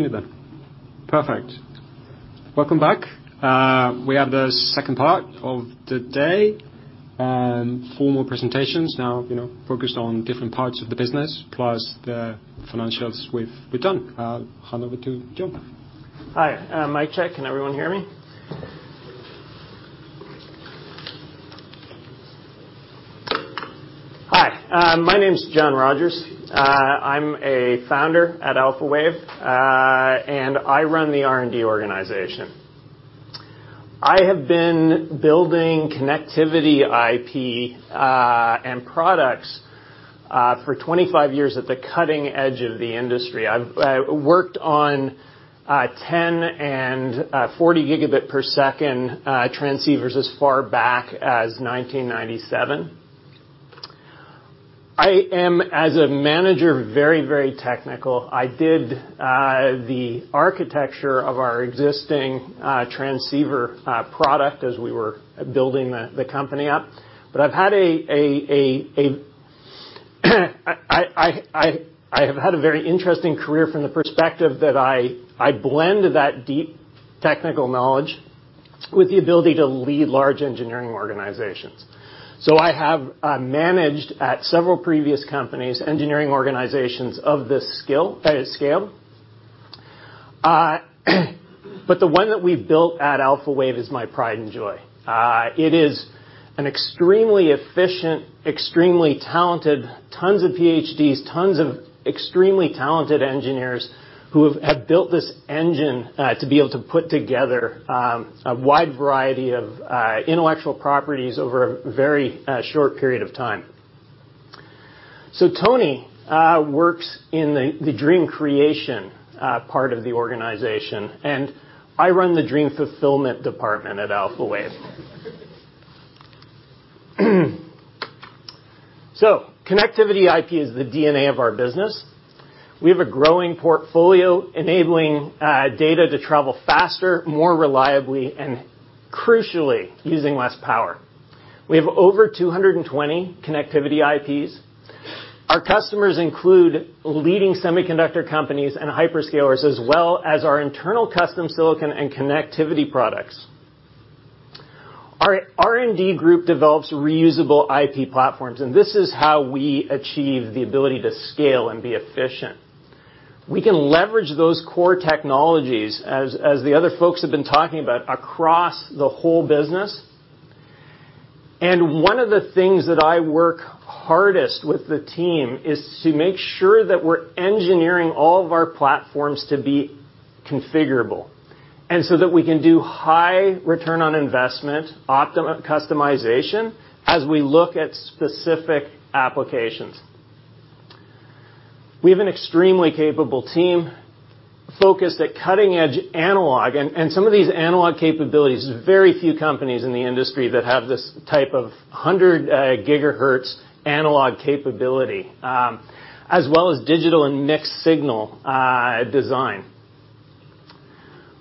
Let's continue. Perfect. Welcome back. We have the second part of the day and four more presentations now, you know, focused on different parts of the business plus the financials with Dan. I'll hand over to Jon. Hi. mic check. Can everyone hear me? Yes. Hi, my name is Jon Rogers. I'm a founder at Alphawave, and I run the R&D organization. I have been building connectivity IP, and products, for 25 years at the cutting edge of the industry. I've worked on, 10 Gbps and, 40 Gbps, transceivers as far back as 1997. I am, as a manager, very, very technical. I did the architecture of our existing, transceiver, product as we were building the company up. I have had a very interesting career from the perspective that I blend that deep technical knowledge with the ability to lead large engineering organizations. I have managed at several previous companies, engineering organizations of this scale. The one that we've built at Alphawave is my pride and joy. It is an extremely efficient, extremely talented, tons of PhDs, tons of extremely talented engineers who have built this engine to be able to put together a wide variety of intellectual properties over a very short period of time. Tony works in the dream creation part of the organization, and I run the dream fulfillment department at Alphawave. Connectivity IP is the DNA of our business. We have a growing portfolio enabling data to travel faster, more reliably, and crucially, using less power. We have over 220 connectivity IPs. Our customers include leading semiconductor companies and hyperscalers, as well as our internal custom silicon and Connectivity Products. Our R&D group develops reusable IP platforms, and this is how we achieve the ability to scale and be efficient. We can leverage those core technologies, as the other folks have been talking about, across the whole business. One of the things that I work hardest with the team is to make sure that we're engineering all of our platforms to be configurable, and so that we can do high return on investment customization as we look at specific applications. We have an extremely capable team focused at cutting edge analog. Some of these analog capabilities, there's very few companies in the industry that have this type of 100 GHz analog capability, as well as digital and mixed signal design.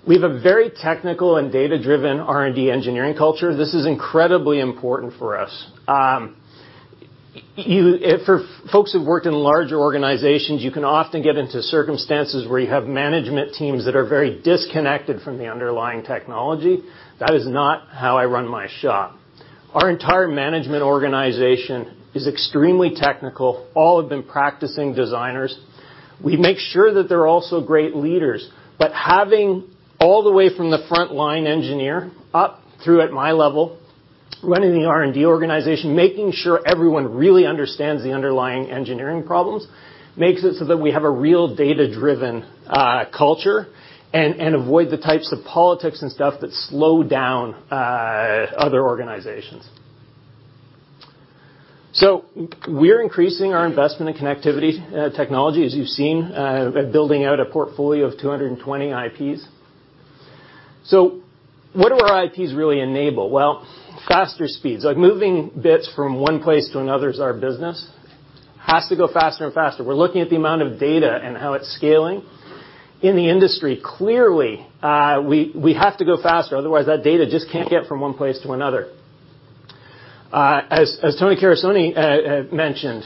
We have a very technical and data-driven R&D engineering culture. This is incredibly important for us. For folks who've worked in larger organizations, you can often get into circumstances where you have management teams that are very disconnected from the underlying technology. That is not how I run my shop. Our entire management organization is extremely technical. All have been practicing designers. We make sure that they're also great leaders. Having all the way from the frontline engineer up through at my level, running the R&D organization, making sure everyone really understands the underlying engineering problems, makes it so that we have a real data-driven culture and avoid the types of politics and stuff that slow down other organizations. We're increasing our investment in connectivity technology, as you've seen, building out a portfolio of 220 IPs. What do our IPs really enable? Well, faster speeds. Like, moving bits from one place to another is our business. Has to go faster and faster. We're looking at the amount of data and how it's scaling. In the industry, clearly, we have to go faster, otherwise that data just can't get from one place to another. As Tony Carusone mentioned,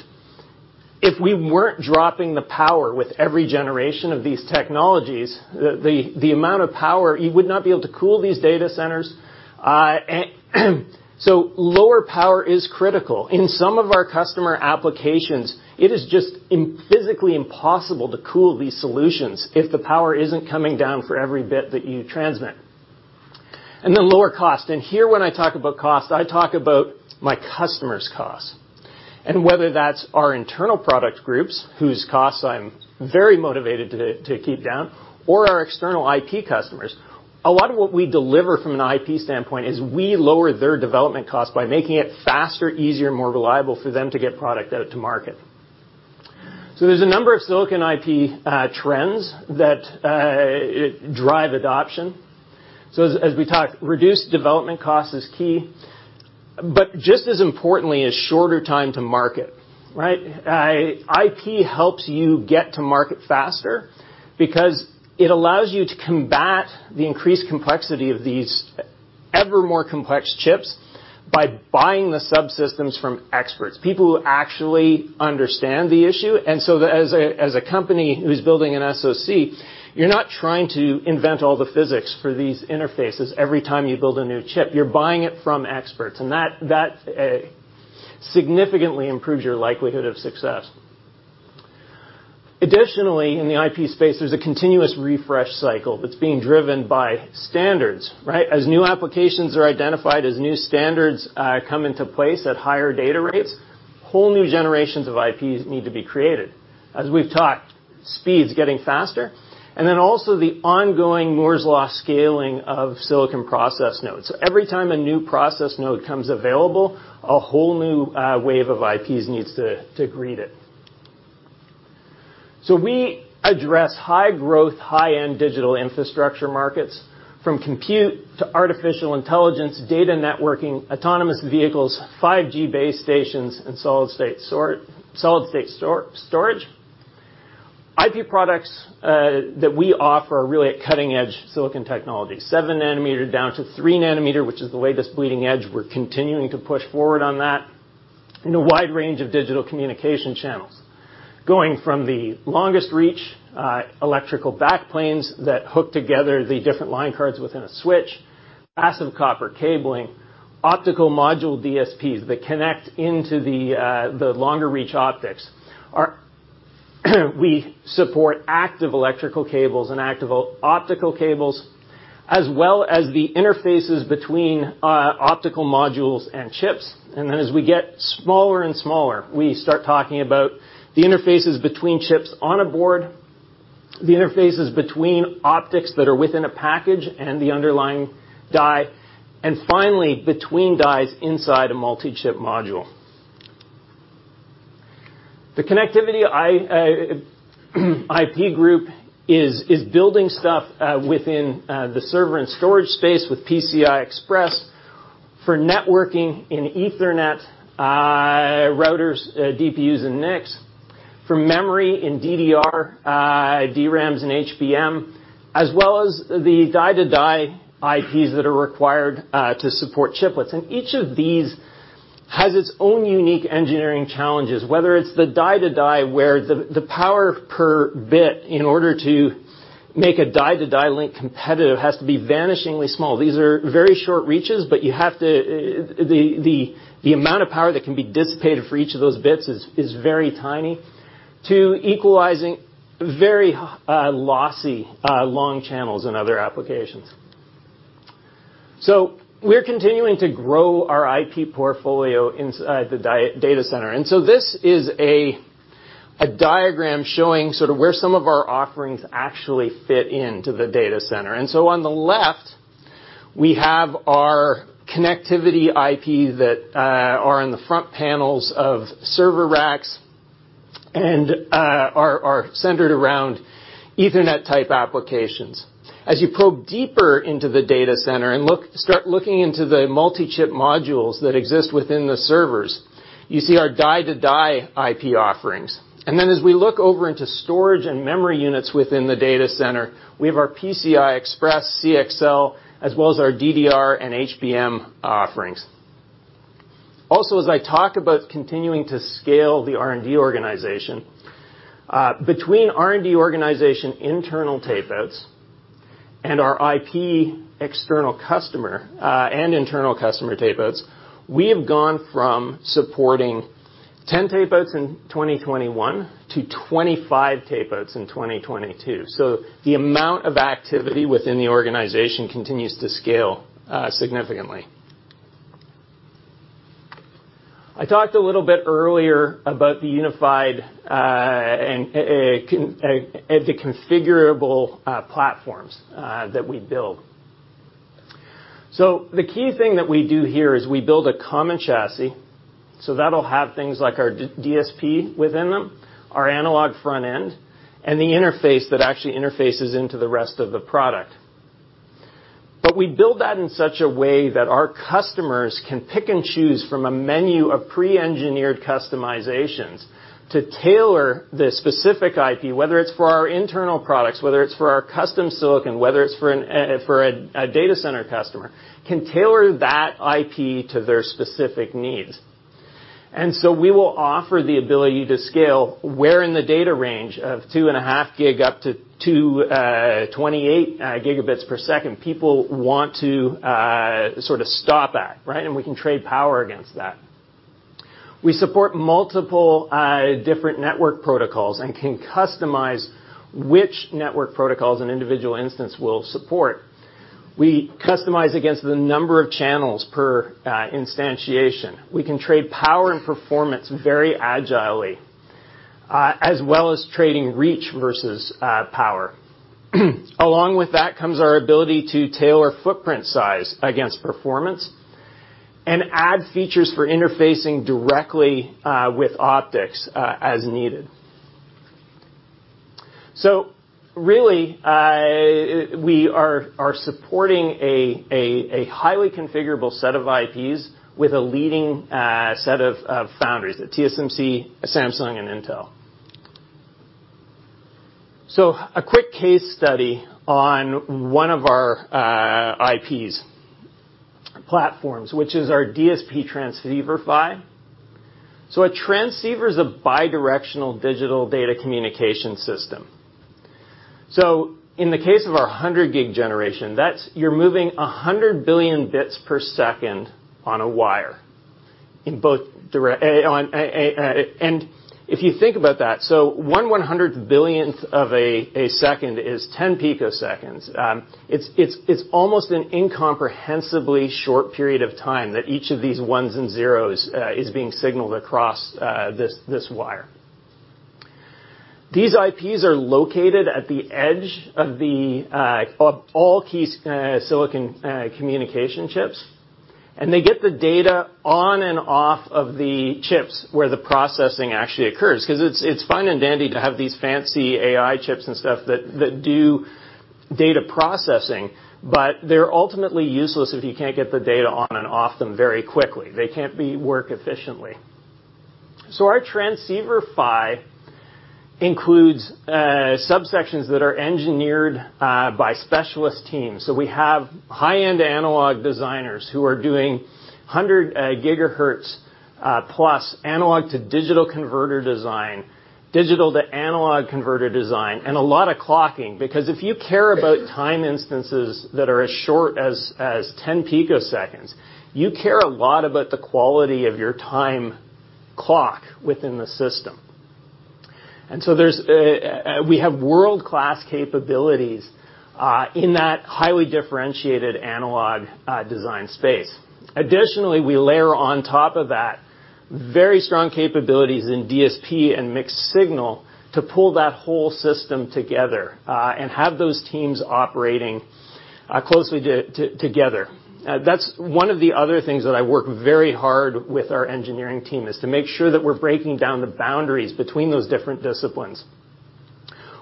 if we weren't dropping the power with every generation of these technologies, the amount of power, you would not be able to cool these data centers. Lower power is critical. In some of our customer applications, it is just physically impossible to cool these solutions if the power isn't coming down for every bit that you transmit. Lower cost. Here when I talk about cost, I talk about my customer's cost. Whether that's our internal product groups, whose costs I'm very motivated to keep down, or our external IP customers, a lot of what we deliver from an IP standpoint is we lower their development cost by making it faster, easier, more reliable for them to get product out to market. There's a number of silicon IP trends that drive adoption. As we talked, reduced development cost is key, but just as importantly is shorter time to market, right? IP helps you get to market faster because it allows you to combat the increased complexity of these ever more complex chips by buying the subsystems from experts, people who actually understand the issue. As a company who's building an SoC, you're not trying to invent all the physics for these interfaces every time you build a new chip. You're buying it from experts, and that significantly improves your likelihood of success. Additionally, in the IP space, there's a continuous refresh cycle that's being driven by standards, right? As new applications are identified, as new standards come into place at higher data rates, whole new generations of IPs need to be created. As we've talked, speed's getting faster, and then also the ongoing Moore's law scaling of silicon process nodes. Every time a new process node comes available, a whole new wave of IPs needs to greet it. We address high-growth, high-end digital infrastructure markets, from compute to artificial intelligence, data networking, autonomous vehicles, 5G base stations, and solid-state storage. IP products that we offer are really a cutting-edge silicon technology, 7 nm down to 3 nm, which is the way this bleeding edge, we're continuing to push forward on that in a wide range of digital communication channels. Going from the longest reach electrical backplanes that hook together the different line cards within a switch, passive copper cabling, optical module DSPs that connect into the longer reach optics. We support active electrical cables and active optical cables, as well as the interfaces between optical modules and chips. Then as we get smaller and smaller, we start talking about the interfaces between chips on a board, the interfaces between optics that are within a package and the underlying die, and finally, between dies inside a multi-chip module. The connectivity IP Group is building stuff within the server and storage space with PCI Express for networking in Ethernet, routers, DPUs, and NICs, for memory in DDR, DRAMs, and HBM, as well as the die-to-die IPs that are required to support chiplets. Each of these has its own unique engineering challenges, whether it's the die-to-die, where the power per bit, in order to make a die-to-die link competitive, has to be vanishingly small. These are very short reaches. The amount of power that can be dissipated for each of those bits is very tiny, to equalizing very lossy, long channels in other applications. We're continuing to grow our IP portfolio inside the data center. This is a diagram showing sort of where some of our offerings actually fit into the data center. On the left, we have our connectivity IP that are in the front panels of server racks and are centered around Ethernet-type applications. As you probe deeper into the data center and start looking into the multi-chip modules that exist within the servers, you see our die-to-die IP offerings. As we look over into storage and memory units within the data center, we have our PCI Express, CXL, as well as our DDR and HBM offerings. As I talk about continuing to scale the R&D organization, between R&D organization internal tape outs and our IP external customer, and internal customer tape outs, we have gone from supporting 10 tape-outs in 2021 to 25 tape-outs in 2022. The amount of activity within the organization continues to scale significantly. I talked a little bit earlier about the unified and the configurable platforms that we build. The key thing that we do here is we build a common chassis, so that'll have things like our DSP within them, our analog front end, and the interface that actually interfaces into the rest of the product. We build that in such a way that our customers can pick and choose from a menu of pre-engineered customizations to tailor the specific IP, whether it's for our internal products, whether it's for our custom silicon, whether it's for a data center customer, can tailor that IP to their specific needs. We will offer the ability to scale where in the data range of 2.5G up to 228 Gbps, people want to sort of stop at, right? We can trade power against that. We support multiple different network protocols and can customize which network protocols an individual instance will support. We customize against the number of channels per instantiation. We can trade power and performance very agilely, as well as trading reach versus power. Along with that comes our ability to tailor footprint size against performance and add features for interfacing directly with optics as needed. Really, we are supporting a highly configurable set of IPs with a leading set of founders, the TSMC, Samsung, and Intel. A quick case study on one of our IPs platforms, which is our DSP Transceiver PHY. A transceiver is a bidirectional digital data communication system. In the case of our 100G generation, you're moving 100 billion bps on a wire. If you think about that, one-hundred-billionth of a second is 10 ps. It's almost an incomprehensibly short period of time that each of these ones and zeros is being signaled across this wire. These IPs are located at the edge of the of all key silicon communication chips, and they get the data on and off of the chips where the processing actually occurs, because it's fine and dandy to have these fancy AI chips and stuff that do data processing, but they're ultimately useless if you can't get the data on and off them very quickly. They can't be work efficiently. Our Transceiver PHY includes subsections that are engineered by specialist teams. We have high-end analog designers who are doing 100 GHz plus analog to digital converter design, digital to analog converter design, and a lot of clocking because if you care about time instances that are as 10 ps, you care a lot about the quality of your time clock within the system. There's a world-class capabilities in that highly differentiated analog design space. Additionally, we layer on top of that very strong capabilities in DSP and mixed signal to pull that whole system together and have those teams operating closely together. That's one of the other things that I work very hard with our engineering team, is to make sure that we're breaking down the boundaries between those different disciplines.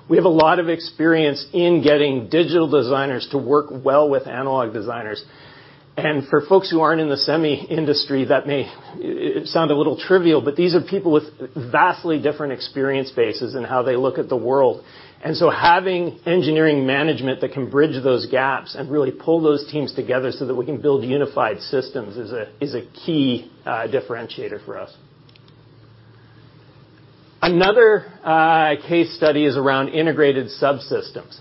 We have a lot of experience in getting digital designers to work well with analog designers. For folks who aren't in the semi industry, that may it sound a little trivial, but these are people with vastly different experience bases in how they look at the world. Having engineering management that can bridge those gaps and really pull those teams together so that we can build unified systems is a key differentiator for us. Another case study is around integrated subsystems.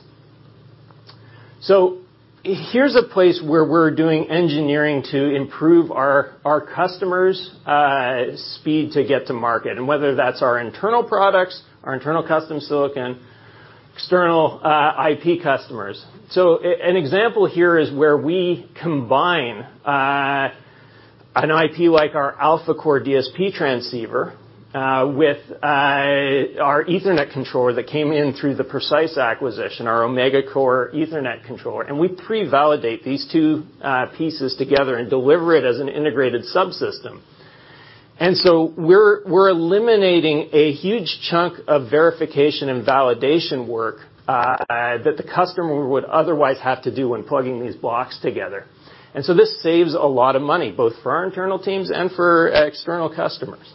Here's a place where we're doing engineering to improve our customers' speed to get to market, and whether that's our internal products, our internal custom silicon, external IP customers. An example here is where we combine an IP like our AlphaCORE DSP transceiver with our Ethernet controller that came in through the Precise-ITC acquisition, our OmegaCORE Ethernet controller, and we pre-validate these two pieces together and deliver it as an integrated subsystem. We're eliminating a huge chunk of verification and validation work that the customer would otherwise have to do when plugging these blocks together. This saves a lot of money, both for our internal teams and for external customers.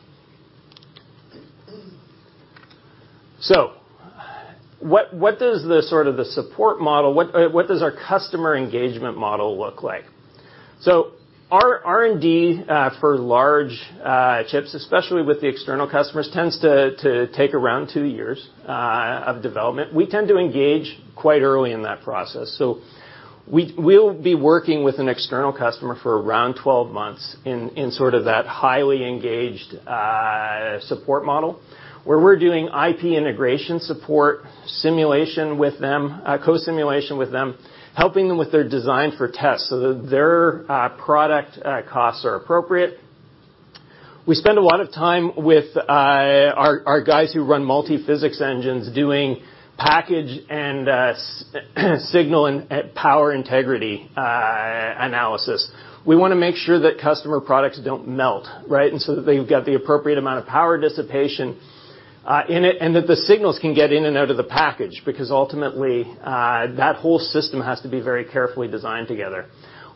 What, what does the sort of the support model, what does our customer engagement model look like? Our R&D for large chips, especially with the external customers, tends to take around two years of development. We tend to engage quite early in that process. We'll be working with an external customer for around 12 months in sort of that highly engaged support model, where we're doing IP integration support simulation with them, co-simulation with them, helping them with their design for tests so that their product costs are appropriate. We spend a lot of time with our guys who run multi-physics engines doing package and signal and power integrity analysis. We wanna make sure that customer products don't melt, right? They've got the appropriate amount of power dissipation in it, and that the signals can get in and out of the package, because ultimately, that whole system has to be very carefully designed together.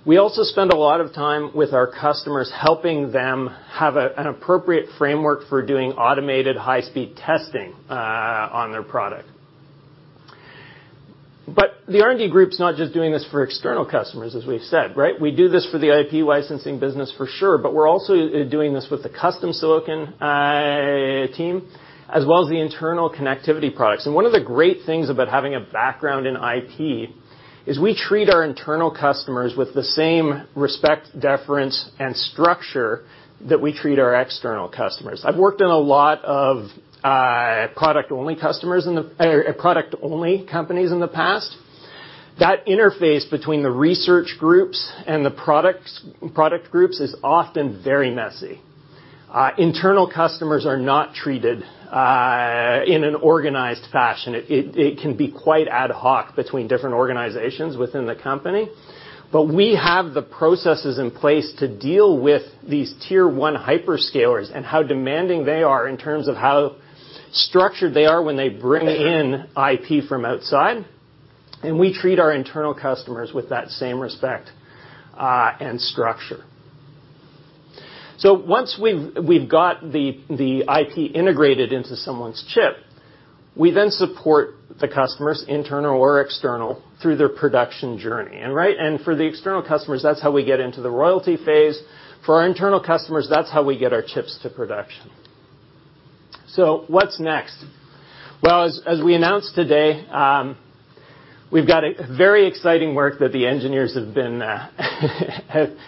We also spend a lot of time with our customers, helping them have a, an appropriate framework for doing automated high-speed testing on their product. The R&D group's not just doing this for external customers, as we've said, right? We do this for the IP licensing business for sure, but we're also doing this with the custom silicon team, as well as the internal Connectivity Products. One of the great things about having a background in IP is we treat our internal customers with the same respect, deference, and structure that we treat our external customers. I've worked in a lot of product-only companies in the past. That interface between the research groups and the product groups is often very messy. Internal customers are not treated in an organized fashion. It can be quite ad hoc between different organizations within the company. We have the processes in place to deal with these tier one hyperscalers and how demanding they are in terms of how structured they are when they bring in IP from outside, and we treat our internal customers with that same respect and structure. Once we've got the IP integrated into someone's chip, we then support the customers, internal or external, through their production journey. For the external customers, that's how we get into the royalty phase. For our internal customers, that's how we get our chips to production. What's next? As we announced today, we've got a very exciting work that the engineers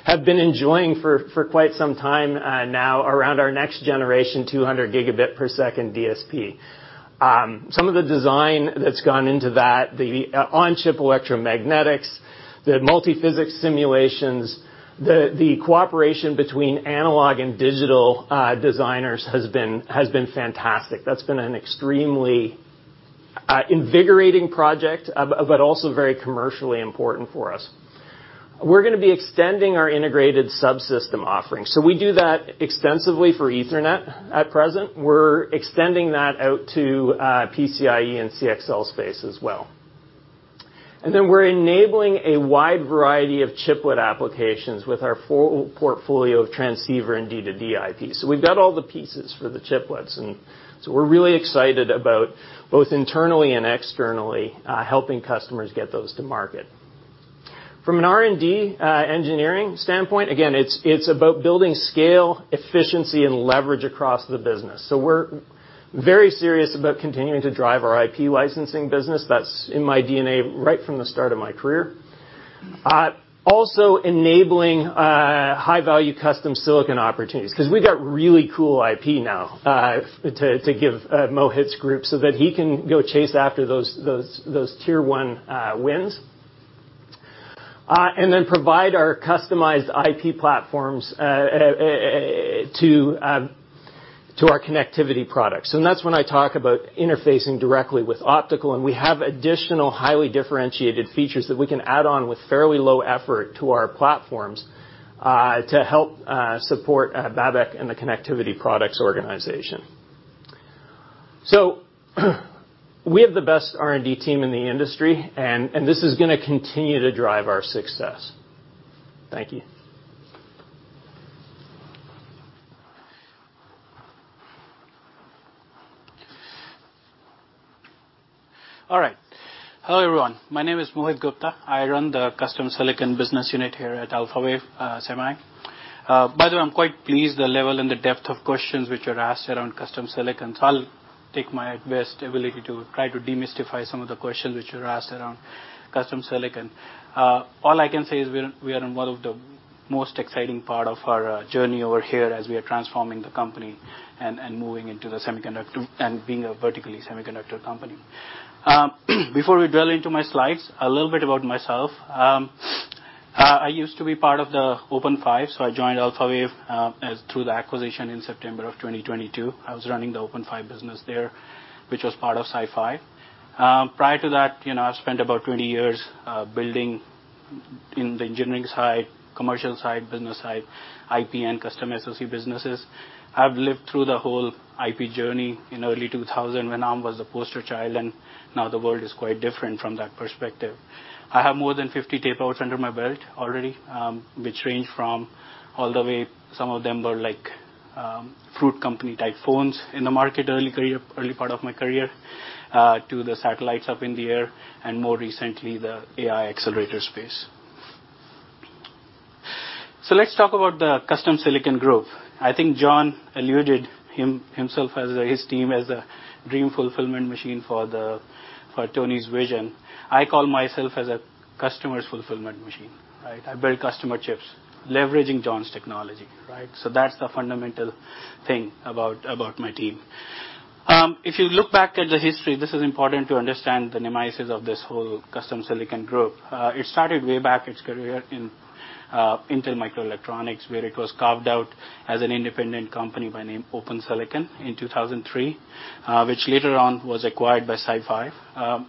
have been enjoying for quite some time now around our next generation 200 Gbps DSP. Some of the design that's gone into that, the on-chip electromagnetics, the multiphysics simulations, the cooperation between analog and digital designers has been fantastic. That's been an extremely invigorating project but also very commercially important for us. We're gonna be extending our integrated subsystem offerings. We do that extensively for Ethernet at present. We're extending that out to PCIe and CXL space as well. We're enabling a wide variety of chiplet applications with our full portfolio of transceiver and die-to-die IPs. We've got all the pieces for the chiplets. We're really excited about both internally and externally, helping customers get those to market. From an R&D engineering standpoint, again, it's about building scale, efficiency and leverage across the business. We're very serious about continuing to drive our IP licensing business. That's in my DNA right from the start of my career. Also enabling high-value custom silicon opportunities 'cause we got really cool IP now to give Mohit's group so that he can go chase after those tier one wins. Provide our customized IP platforms to our Connectivity Products. That's when I talk about interfacing directly with optical, and we have additional highly differentiated features that we can add on with fairly low effort to our platforms, to help support Babak and the Connectivity Products organization. We have the best R&D team in the industry and this is gonna continue to drive our success. Thank you. All right. Hello, everyone. My name is Mohit Gupta. I run the custom silicon business unit here at Alphawave Semi. By the way, I'm quite pleased the level and the depth of questions which were asked around custom silicon. I'll take my best ability to try to demystify some of the questions which were asked around custom silicon. All I can say is we are in one of the most exciting part of our journey over here as we are transforming the company and moving into the semiconductor and being a vertically semiconductor company. Before we drill into my slides, a little bit about myself. I used to be part of the OpenFive. I joined Alphawave as through the acquisition in September of 2022. I was running the OpenFive business there, which was part of SiFive. Prior to that, you know, I spent about 20 years building in the engineering side, commercial side, business side, IP and custom SoC businesses. I've lived through the whole IP journey in early 2000 when Arm was a poster child, and now the world is quite different from that perspective. I have more than 50 tape outs under my belt already, which range from all the way, some of them were like, fruit company type phones in the market early part of my career to the satellites up in the air, and more recently, the AI accelerator space. Let's talk about the custom silicon group. I think John alluded himself as his team as a dream fulfillment machine for Tony's vision. I call myself as a customer's fulfillment machine, right. I build customer chips, leveraging John's technology, right. That's the fundamental thing about my team. If you look back at the history, this is important to understand the mimesis of this whole custom silicon group. It started way back, its career in Intel Microelectronics, where it was carved out as an independent company by name Open-Silicon in 2003, which later on was acquired by SiFive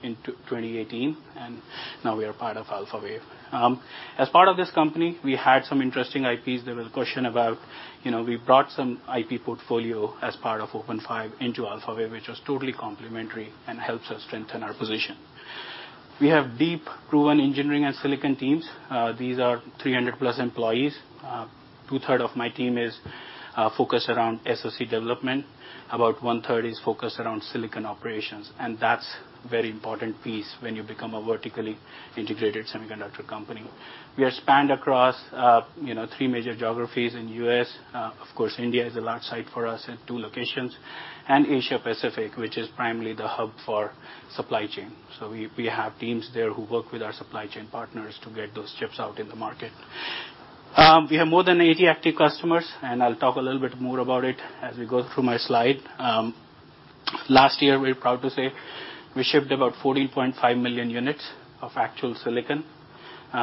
in 2018, and now we are part of Alphawave. As part of this company, we had some interesting IPs. There was a question about, you know, we brought some IP portfolio as part of OpenFive into Alphawave, which was totally complementary and helps us strengthen our position. We have deep proven engineering and silicon teams. These are 300+ employees. Two-third of my team is focused around SoC development. About one-third is focused around silicon operations, that's very important piece when you become a vertically integrated semiconductor company. We are spanned across, you know, three major geographies in U.S. Of course, India is a large site for us at two locations. Asia Pacific, which is primarily the hub for supply chain. We have teams there who work with our supply chain partners to get those chips out in the market. We have more than 80 active customers, I'll talk a little bit more about it as we go through my slide. Last year, we're proud to say we shipped about 14.5 million units of actual silicon.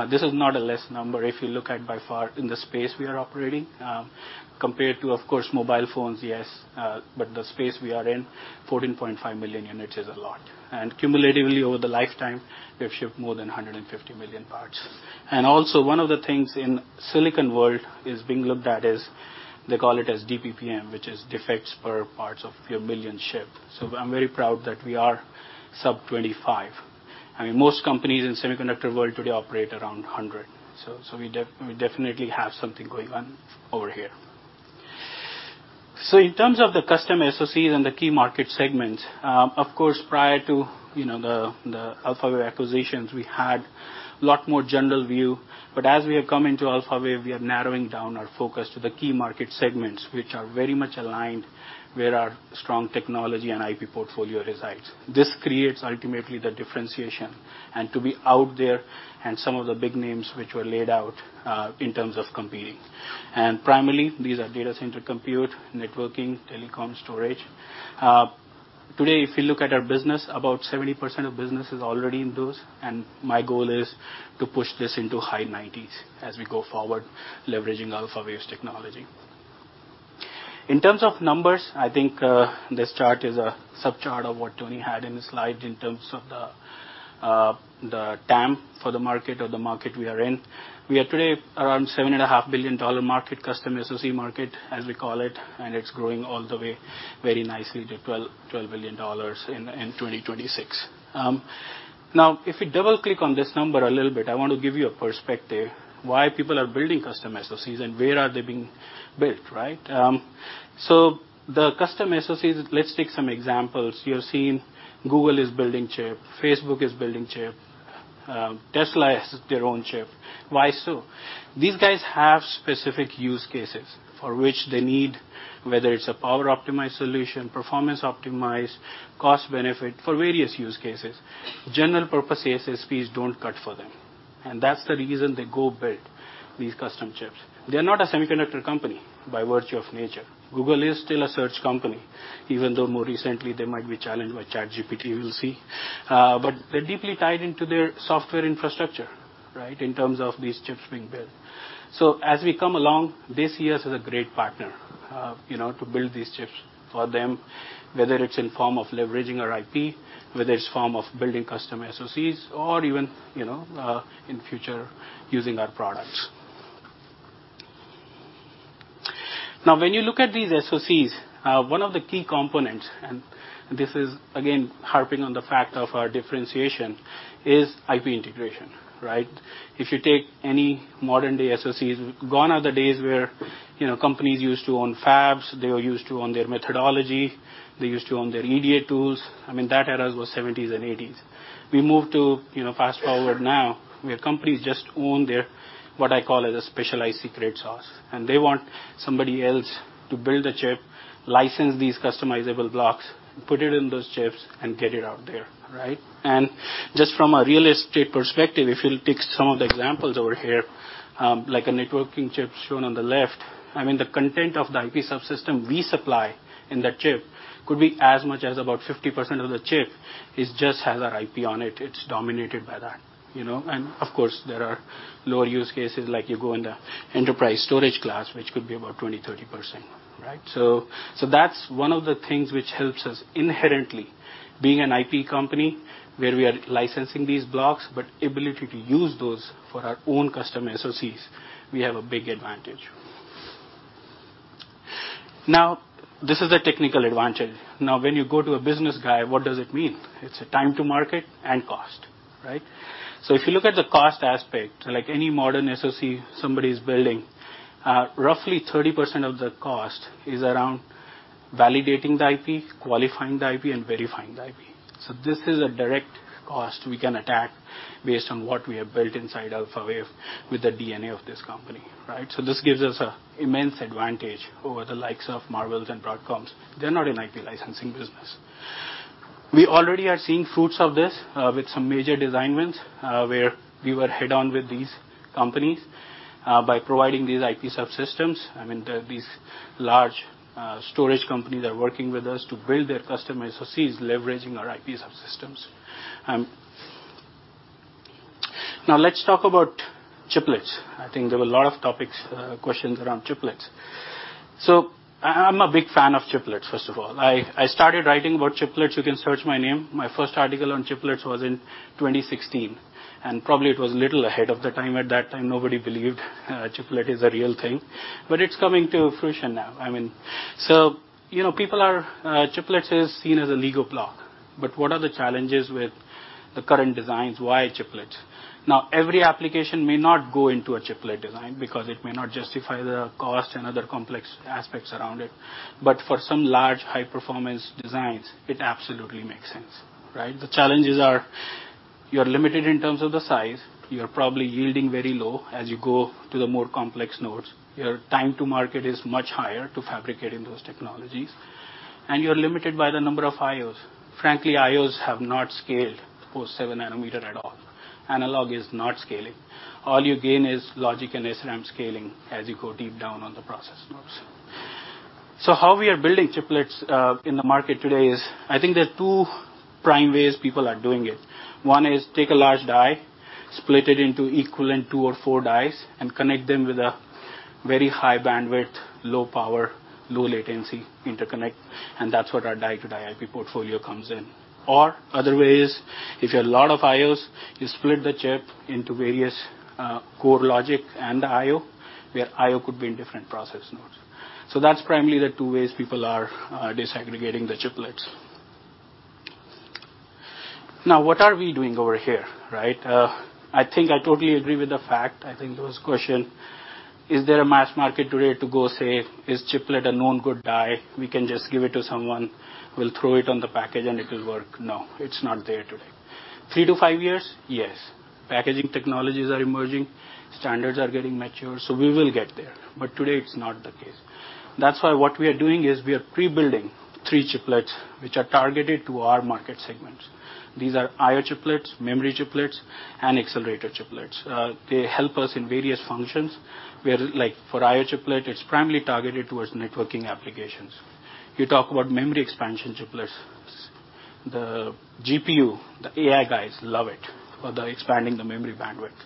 This is not a less number if you look at by far in the space we are operating, compared to, of course, mobile phones, yes, but the space we are in, 14.5 million units is a lot. Cumulatively, over the lifetime, we have shipped more than 150 million parts. Also, one of the things in silicon world is being looked at is, they call it as DPPM, which is defects per parts of your million shipped. I'm very proud that we are sub-25. I mean, most companies in semiconductor world today operate around 100. We definitely have something going on over here. In terms of the custom SoCs and the key market segments, of course, prior to, you know, the Alphawave acquisitions, we had lot more general view. As we have come into Alphawave, we are narrowing down our focus to the key market segments, which are very much aligned where our strong technology and IP portfolio resides. This creates ultimately the differentiation and to be out there and some of the big names which were laid out, in terms of competing. Primarily, these are data center compute, networking, telecom, storage. Today, if you look at our business, about 70% of business is already in those, and my goal is to push this into high-90s% as we go forward, leveraging Alphawave's technology. In terms of numbers, I think, this chart is a sub-chart of what Tony had in his slide in terms of the TAM for the market or the market we are in. We are today around $7.5 billion market, custom SoC market, as we call it. It's growing all the way very nicely to $12 billion in 2026. Now, if we double-click on this number a little bit, I wanna give you a perspective why people are building custom SoCs and where are they being built, right? The custom SoCs, let's take some examples. You're seeing Google is building chip, Facebook is building chip, Tesla has their own chip. Why so? These guys have specific use cases for which they need, whether it's a power-optimized solution, performance-optimized, cost benefit for various use cases. General purpose ASSPs don't cut for them, and that's the reason they go build these custom chips. They're not a semiconductor company by virtue of nature. Google is still a search company, even though more recently they might be challenged by ChatGPT, we'll see. But they're deeply tied into their software infrastructure, right, in terms of these chips being built. As we come along, this year is a great partner, you know, to build these chips for them, whether it's in form of leveraging our IP, whether it's form of building custom SoCs or even, in future, using our products. When you look at these SoCs, one of the key components, and this is again harping on the fact of our differentiation, is IP integration, right? If you take any modern-day SoCs, gone are the days where, you know, companies used to own fabs, they used to own their methodology, they used to own their EDA tools. That eras was 1970s and 1980s. We moved to, you know, fast-forward now, where companies just own their what I call as a specialized secret sauce, and they want somebody else to build a chip, license these customizable blocks, put it in those chips, and get it out there, right? Just from a realistic perspective, if you'll take some of the examples over here, like a networking chip shown on the left, I mean, the content of the IP subsystem we supply in that chip could be as much as about 50% of the chip is just have our IP on it. It's dominated by that, you know. Of course, there are lower use cases like you go into enterprise storage class, which could be about 20%, 30%, right? That's one of the things which helps us inherently being an IP company where we are licensing these blocks, but ability to use those for our own custom SoCs, we have a big advantage. This is a technical advantage. When you go to a business guy, what does it mean? It's a time to market and cost, right? If you look at the cost aspect, like any modern SoC somebody's building, roughly 30% of the cost is around validating the IP, qualifying the IP, and verifying the IP. This is a direct cost we can attack based on what we have built inside Alphawave with the DNA of this company, right? This gives us a immense advantage over the likes of Marvell and Broadcom. They're not an IP licensing business. We already are seeing fruits of this with some major design wins where we were head on with these companies by providing these IP subsystems. I mean, these large storage companies are working with us to build their custom SoCs, leveraging our IP subsystems. Let's talk about chiplets. I think there were a lot of topics, questions around chiplets. I'm a big fan of chiplets, first of all. I started writing about chiplets, you can search my name. My first article on chiplets was in 2016, probably it was little ahead of the time. At that time, nobody believed chiplet is a real thing, it's coming to fruition now. I mean, you know, people are, chiplets is seen as a Lego block, what are the challenges with the current designs? Why chiplets? Every application may not go into a chiplet design because it may not justify the cost and other complex aspects around it. For some large high-performance designs, it absolutely makes sense, right? The challenges are you're limited in terms of the size. You're probably yielding very low as you go to the more complex nodes. Your time to market is much higher to fabricate in those technologies. You're limited by the number of IOs. Frankly, IOs have not scaled for 7 nm at all. Analog is not scaling. All you gain is logic and SRAM scaling as you go deep down on the process nodes. How we are building chiplets in the market today is I think there are two prime ways people are doing it. One is take a large die, split it into equivalent two or four dies, and connect them with a very high bandwidth, low power, low latency interconnect, and that's what our die-to-die IP portfolio comes in. The other way is, if you have a lot of IOs, you split the chip into various core logic and the IO, where IO could be in different process nodes. That's primarily the two ways people are disaggregating the chiplets. What are we doing over here, right? I think I totally agree with the fact, I think there was a question, is there a mass market today to go say, is chiplet a known good die? We can just give it to someone, we'll throw it on the package and it will work. No, it's not there today. three to five years, yes. Packaging technologies are emerging, standards are getting mature, we will get there, but today it's not the case. That's why what we are doing is we are pre-building three chiplets which are targeted to our market segments. These are IO chiplets, memory chiplets, and accelerator chiplets. They help us in various functions, where like for IO chiplet, it's primarily targeted towards networking applications. You talk about memory expansion chiplets, the GPU, the AI guys love it for the expanding the memory bandwidth.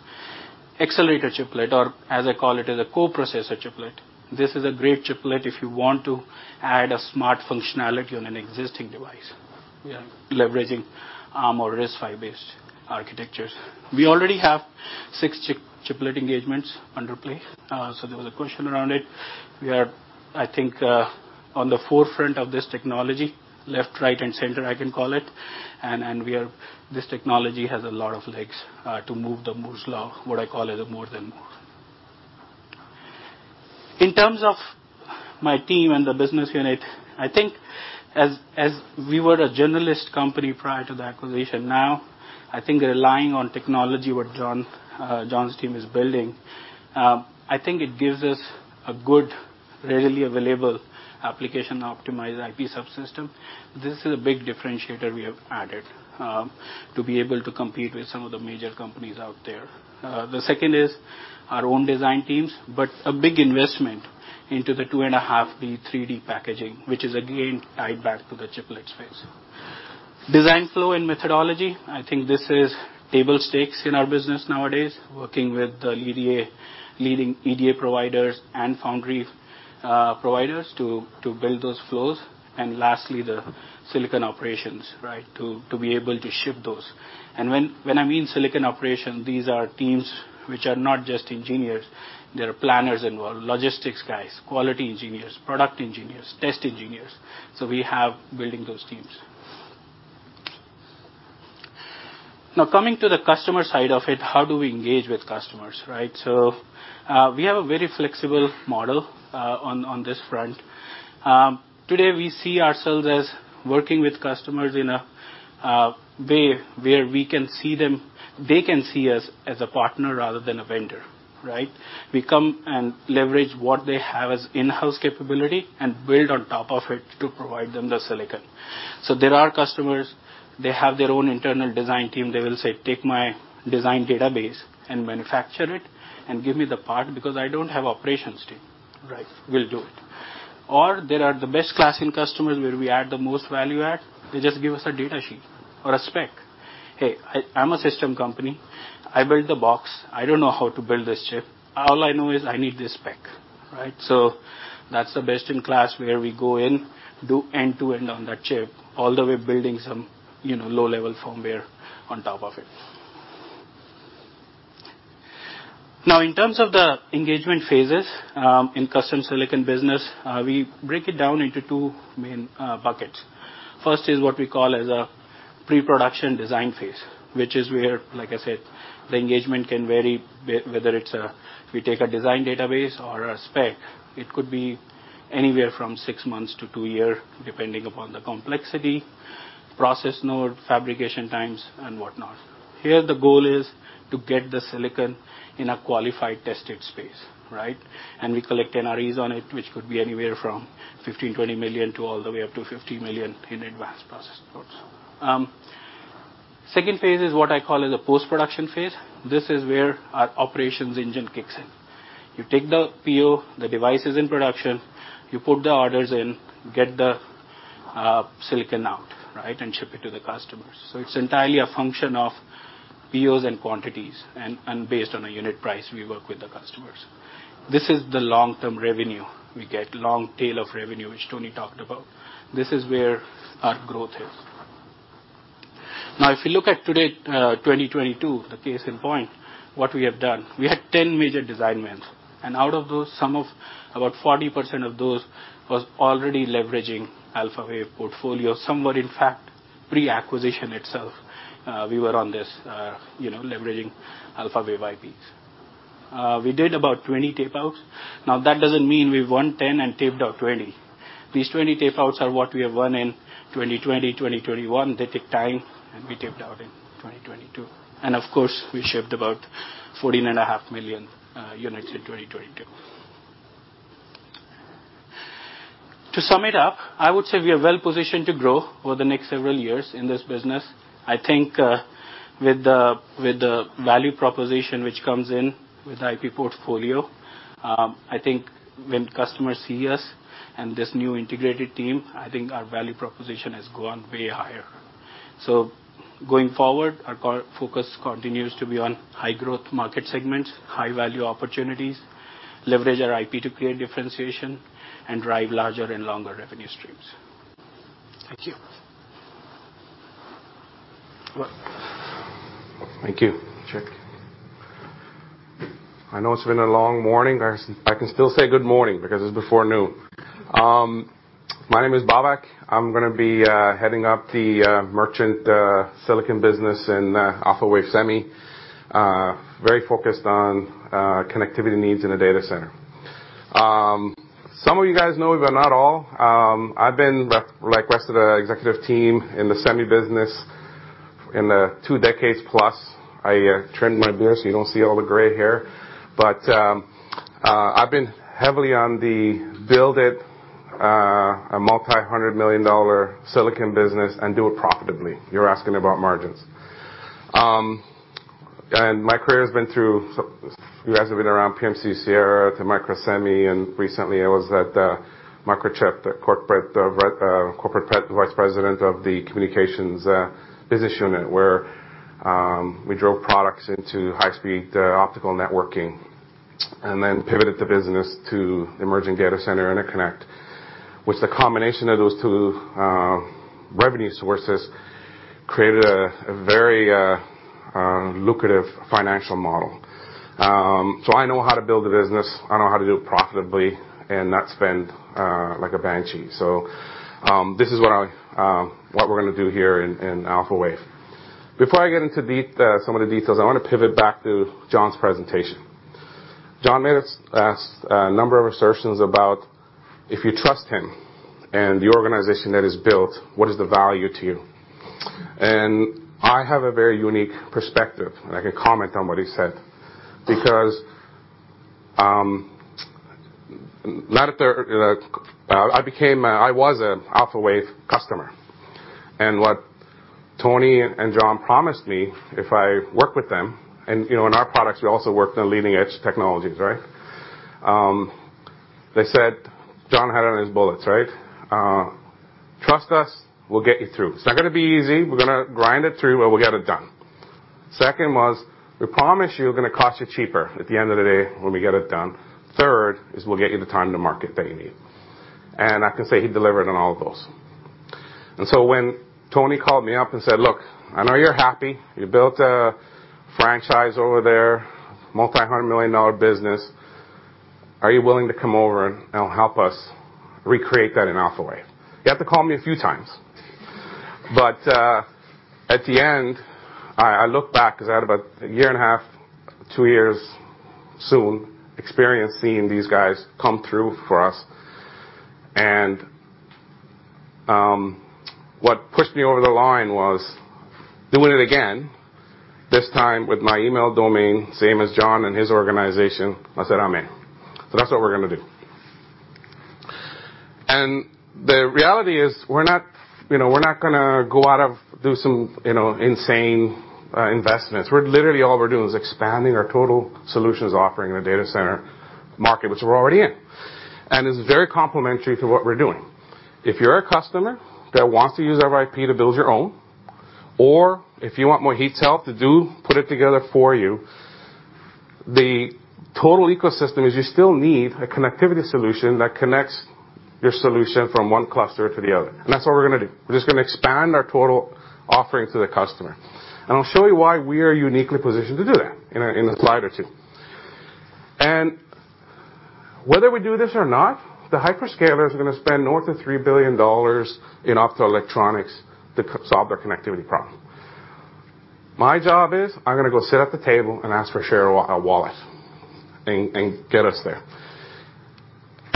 Accelerator chiplet or as I call it, as a co-processor chiplet, this is a great chiplet if you want to add a smart functionality on an existing device. Leveraging or RISC-V based architectures. We already have six chiplet engagements under play. There was a question around it. We are, I think, on the forefront of this technology, left, right, and center, I can call it. This technology has a lot of legs to move the Moore's Law, what I call it, more than more. In terms of my team and the business unit, I think as we were a generalist company prior to the acquisition, now, I think relying on technology, what John's team is building, I think it gives us a good readily available application optimized IP subsystem. This is a big differentiator we have added to be able to compete with some of the major companies out there. The second is our own design teams, but a big investment into the 2.5D, 3D packaging, which is again, tied back to the chiplet space. Design flow and methodology, I think this is table stakes in our business nowadays, working with the EDA, leading EDA providers and foundry providers to build those flows. Lastly, the silicon operations, right, to be able to ship those. When I mean silicon operation, these are teams which are not just engineers. There are planners involved, logistics guys, quality engineers, product engineers, test engineers. We have building those teams. Now, coming to the customer side of it, how do we engage with customers, right? We have a very flexible model on this front. Today, we see ourselves as working with customers in a way where they can see us as a partner rather than a vendor. We come and leverage what they have as in-house capability and build on top of it to provide them the silicon. There are customers, they have their own internal design team. They will say, "Take my design database and manufacture it and give me the part because I don't have operations team. We'll do it. There are the best class in customers where we add the most value add, they just give us a data sheet or a spec. "Hey, I'm a system company. I build the box. I don't know how to build this chip. All I know is I need this spec." Right? That's the best in class where we go in, do end-to-end on that chip, all the way building some, you know, low-level firmware on top of it. Now, in terms of the engagement phases, in custom silicon business, we break it down into two main buckets. First is what we call as a pre-production design phase, which is where, like I said, the engagement can vary, whether it's, we take a design database or a spec. It could be anywhere from six months to two year, depending upon the complexity, process node, fabrication times and whatnot. Here, the goal is to get the silicon in a qualified tested space, right? We collect NREs on it, which could be anywhere from $15 million-$20 million to all the way up to $50 million in advanced process nodes. Second phase is what I call as a post-production phase. This is where our operations engine kicks in. You take the PO, the device is in production, you put the orders in, get the silicon out, right? Ship it to the customers. It's entirely a function of POs and quantities and, based on a unit price we work with the customers. This is the long-term revenue. We get long tail of revenue, which Tony talked about. This is where our growth is. If you look at today, 2022, the case in point, what we have done, we had 10 major design wins, and out of those, some of about 40% of those was already leveraging Alphawave portfolio. Some were in fact pre-acquisition itself. We were on this, you know, leveraging Alphawave IPs. We did about 20 tape-outs. That doesn't mean we won 10 and taped out 20. These 20 tape-outs are what we have won in 2020, 2021. They take time, and we taped out in 2022. Of course, we shipped about 14.5 million units in 2022. To sum it up, I would say we are well positioned to grow over the next several years in this business. I think, with the value proposition which comes in with IP portfolio, I think when customers see us and this new integrated team, I think our value proposition has gone way higher. Going forward, our core focus continues to be on high growth market segments, high value opportunities, leverage our IP to create differentiation, and drive larger and longer revenue streams. Thank you. Thank you. Check. I know it's been a long morning. I can still say good morning because it's before noon. My name is Babak. I'm gonna be heading up the merchant silicon business in Alphawave Semi, very focused on connectivity needs in a data center. Some of you guys know me, but not all. I've been like rest of the executive team in the semi business in two decades-plus. I trimmed my beard, so you don't see all the gray hair. I've been heavily on the build it, a multi-hundred million dollar silicon business and do it profitably. You're asking about margins. My career has been through you guys have been around PMC-Sierra to Microsemi, and recently I was at Microchip, the corporate vice president of the communications business unit, where we drove products into high speed optical networking and then pivoted the business to emerging data center interconnect, which the combination of those two revenue sources created a very lucrative financial model. I know how to build a business. I know how to do it profitably and not spend like a banshee. This is what I, what we're gonna do here in Alphawave. Before I get into some of the details, I wanna pivot back to John's presentation. John made a ask a number of assertions about if you trust him and the organization that he's built, what is the value to you? I have a very unique perspective, and I can comment on what he said because, I was an Alphawave customer. What Tony and John promised me if I work with them, and, you know, in our products, we also work the leading-edge technologies, right? They said John had on his bullets, right? "Trust us, we'll get you through. It's not gonna be easy. We're gonna grind it through, but we'll get it done." Second was, "We promise you we're gonna cost you cheaper at the end of the day when we get it done." Third is, "We'll get you the time to market that you need." I can say he delivered on all of those. When Tony called me up and said, "Look, I know you're happy. You built a franchise over there, multi-hundred million dollar business. Are you willing to come over and help us recreate that in Alphawave?" He had to call me a few times. At the end, I look back, 'cause I had about a year and a half, two years soon experience seeing these guys come through for us. What pushed me over the line was doing it again, this time with my email domain, same as John and his organization. I said, "I'm in." That's what we're gonna do. The reality is, we're not, you know, we're not gonna do some, you know, insane investments. We're literally all we're doing is expanding our total solutions offering in the data center market, which we're already in. It's very complimentary to what we're doing. If you're a customer that wants to use our IP to build your own or if you want more heat health to put it together for you, the total ecosystem is you still need a connectivity solution that connects your solution from one cluster to the other. That's what we're gonna do. We're just gonna expand our total offering to the customer. I'll show you why we are uniquely positioned to do that in a slide or two. Whether we do this or not, the hyperscalers are gonna spend north of $3 billion in optoelectronics to solve their connectivity problem. My job is I'm gonna go sit at the table and ask for share of wallet and get us there.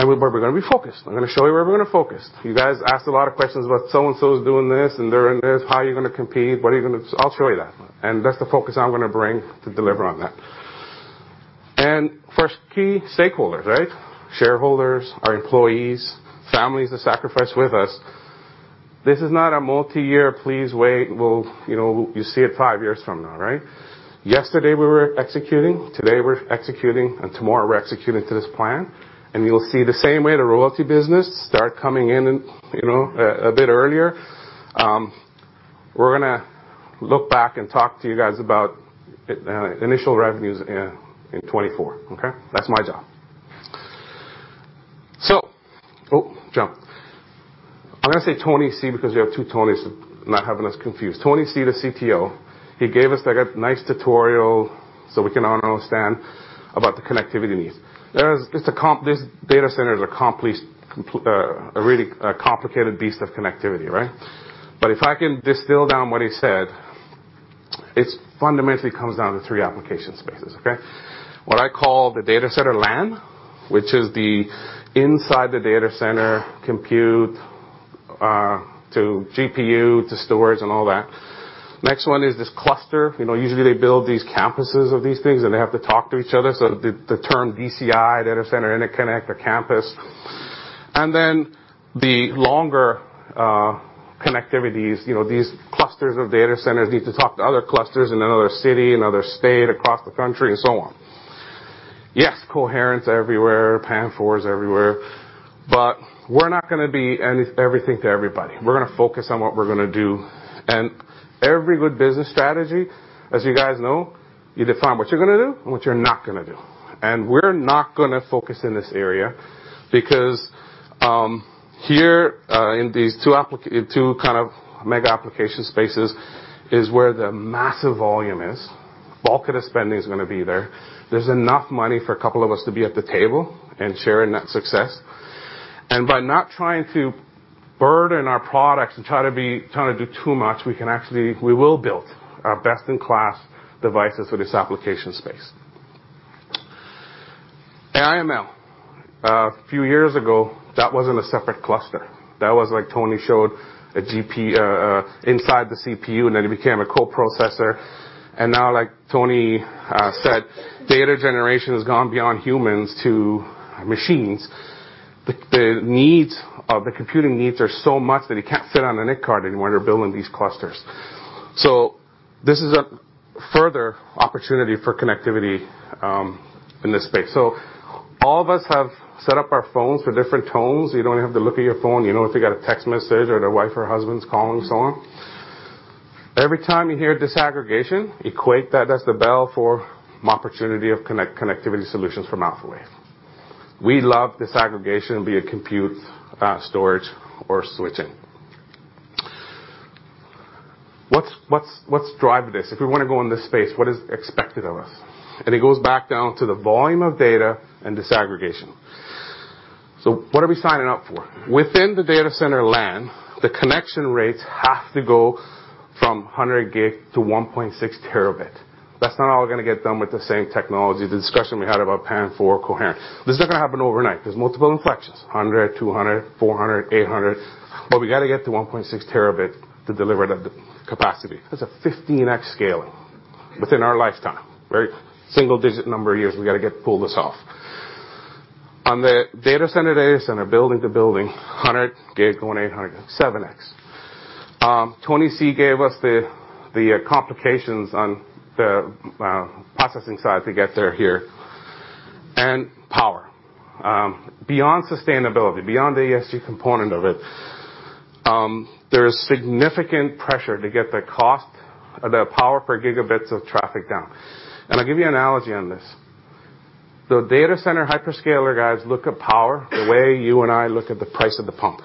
We're gonna be focused. I'm gonna show you where we're gonna focus. You guys asked a lot of questions about so-and-so is doing this and they're in this. How are you gonna compete? What are you gonna do? I'll show you that, and that's the focus I'm gonna bring to deliver on that. First key, stakeholders, right? Shareholders, our employees, families that sacrifice with us. This is not a multi-year, please wait, you know, you'll see it five years from now, right? Yesterday we were executing, today we're executing, tomorrow we're executing to this plan. You'll see the same way the royalty business start coming in, you know, a bit earlier. We're gonna look back and talk to you guys about it, initial revenues in 2024, okay? That's my job. Oh, jump. I'm gonna say Tony C, because we have two Tonys, not having us confused. Tony C, the CTO, he gave us like a nice tutorial so we can all understand about the connectivity needs. This data center is a really complicated beast of connectivity, right? If I can distill down what he said, it's fundamentally comes down to three application spaces, okay? What I call the data center LAN, which is the inside the data center compute, to GPU, to storage and all that. Next one is this cluster. You know, usually they build these campuses of these things, and they have to talk to each other. The term DCI, data center interconnect or campus. Then the longer connectivities, you know, these clusters of data centers need to talk to other clusters in another city, in other state, across the country, and so on. Yes, coherent's everywhere. PAM4 is everywhere. We're not gonna be everything to everybody. We're gonna focus on what we're gonna do. Every good business strategy, as you guys know, you define what you're gonna do and what you're not gonna do. We're not gonna focus in this area because here in these two kind of mega application spaces is where the massive volume is. Bulk of the spending is gonna be there. There's enough money for a couple of us to be at the table and share in that success. By not trying to burden our products and trying to do too much, we can we will build our best-in-class devices for this application space. AI/ML. A few years ago, that wasn't a separate cluster. That was like Tony showed, a GP inside the CPU, and then it became a co-processor. Now, like Tony said, data generation has gone beyond humans to machines. The computing needs are so much that it can't fit on a NIC card anymore. They're building these clusters. This is a further opportunity for connectivity in this space. All of us have set up our phones for different tones. You don't have to look at your phone. You know if you got a text message or the wife or husband's calling, so on. Every time you hear disaggregation, equate that as the bell for an opportunity of connectivity solutions from Alphawave. We love disaggregation, be it compute, storage, or switching. What's driving this? If we wanna go in this space, what is expected of us? It goes back down to the volume of data and disaggregation. What are we signing up for? Within the data center LAN, the connection rates have to go from 100G to 1.6 Tb. That's not all gonna get done with the same technology, the discussion we had about PAM4 Coherent. This is not gonna happen overnight. There's multiple inflections, 100G, 200G, 400G, 800G, we gotta get to 1.6 Tb to deliver the capacity. That's a 15x scaling within our lifetime. Very single-digit number of years, we gotta pull this off. On the data center, building to building, 100G going 800G, 7x. Tony C gave us the complications on the processing side to get there here. Power. Beyond sustainability, beyond the ESG component of it, there is significant pressure to get the cost of the power per gigabits of traffic down. I'll give you analogy on this. The data center hyperscaler guys look at power the way you and I look at the price of the pump.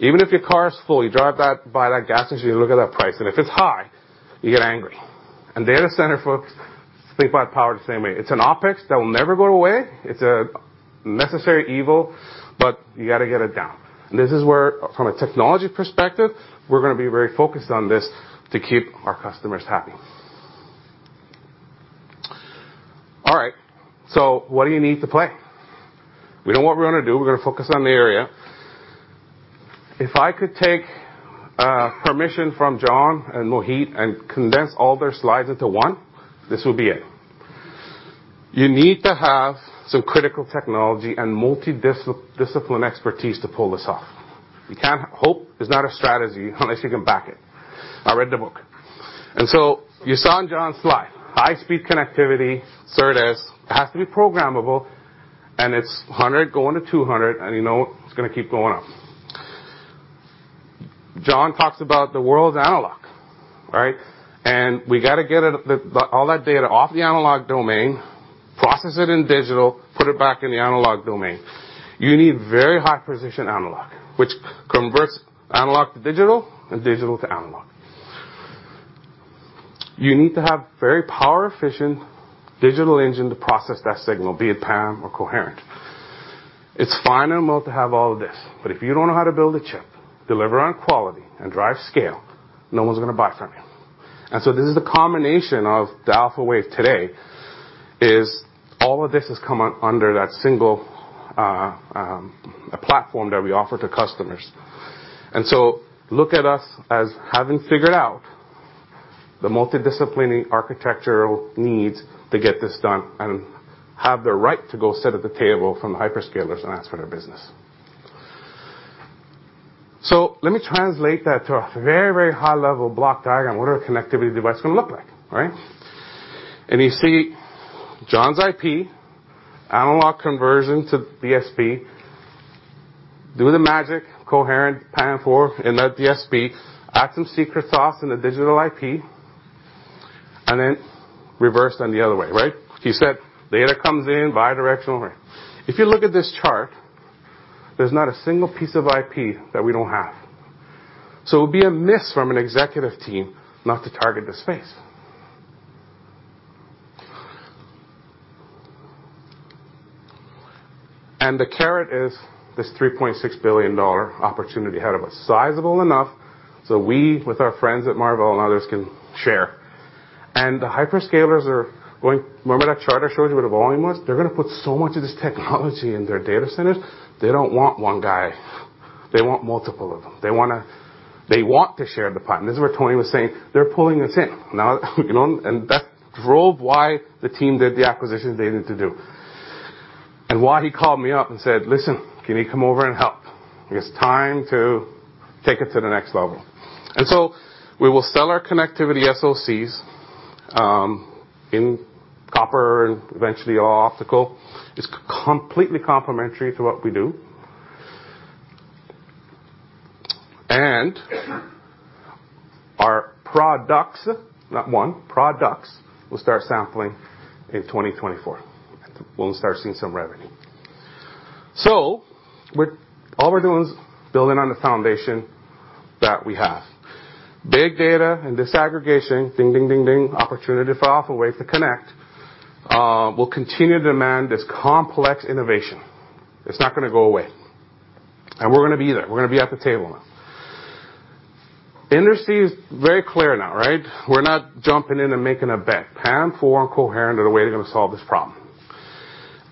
Even if your car is full, you drive by that gas station, you look at that price, and if it's high, you get angry. Data center folks think about power the same way. It's an OpEx that will never go away. It's a necessary evil, but you gotta get it down. This is where, from a technology perspective, we're gonna be very focused on this to keep our customers happy. All right. What do you need to play? We know what we're gonna do. We're gonna focus on the area. If I could take permission from Jon and Mohit and condense all their slides into one, this would be it. You need to have some critical technology and multi-discipline expertise to pull this off. Hope is not a strategy unless you can back it. I read the book. You saw in Jon's slide, high-speed connectivity, SerDes, has to be programmable, and it's 100G going to 200G, and you know it's gonna keep going up. Jon talks about the world's analog, right? We gotta get all that data off the analog domain, process it in digital, put it back in the analog domain. You need very high precision analog, which converts analog to digital and digital to analog. You need to have very power efficient digital engine to process that signal, be it PAM or coherent. It's fine and well to have all of this, but if you don't know how to build a chip, deliver on quality and drive scale, no one's gonna buy from you. This is the combination of the Alphawave today, is all of this is coming under that single platform that we offer to customers. Look at us as having figured out the multidisciplining architectural needs to get this done and have the right to go sit at the table from the hyperscalers and ask for their business. Let me translate that to a very, very high level block diagram, what our connectivity device is gonna look like, right? You see John's IP, analog conversion to DSP. Do the magic, coherent, PAM4 in that DSP. Add some secret sauce in the digital IP, and then reverse on the other way, right? He said data comes in bi-directional array. If you look at this chart, there's not a single piece of IP that we don't have. It'd be a miss from an executive team not to target this space. The caret is this $3.6 billion opportunity ahead of us. Sizable enough so we, with our friends at Marvell and others, can share. The hyperscalers. Remember that chart I showed you, what the volume was? They're gonna put so much of this technology in their data centers. They don't want one guy. They want multiple of them. They want to share the pie. This is where Tony was saying they're pulling us in. You know, that drove why the team did the acquisitions they needed to do and why he called me up and said, "Listen, can you come over and help? It's time to take it to the next level." We will sell our connectivity SoCs in copper and eventually all optical. It's completely complementary to what we do. Our products, not one, products will start sampling in 2024. We'll start seeing some revenue. All we're doing is building on the foundation that we have. Big data and disaggregation, ding, ding, opportunity for Alphawave to connect will continue to demand this complex innovation. It's not gonna go away. We're gonna be there. We're gonna be at the table now. Industry is very clear now, right? We're not jumping in and making a bet. PAM4 and coherent are the way they're gonna solve this problem.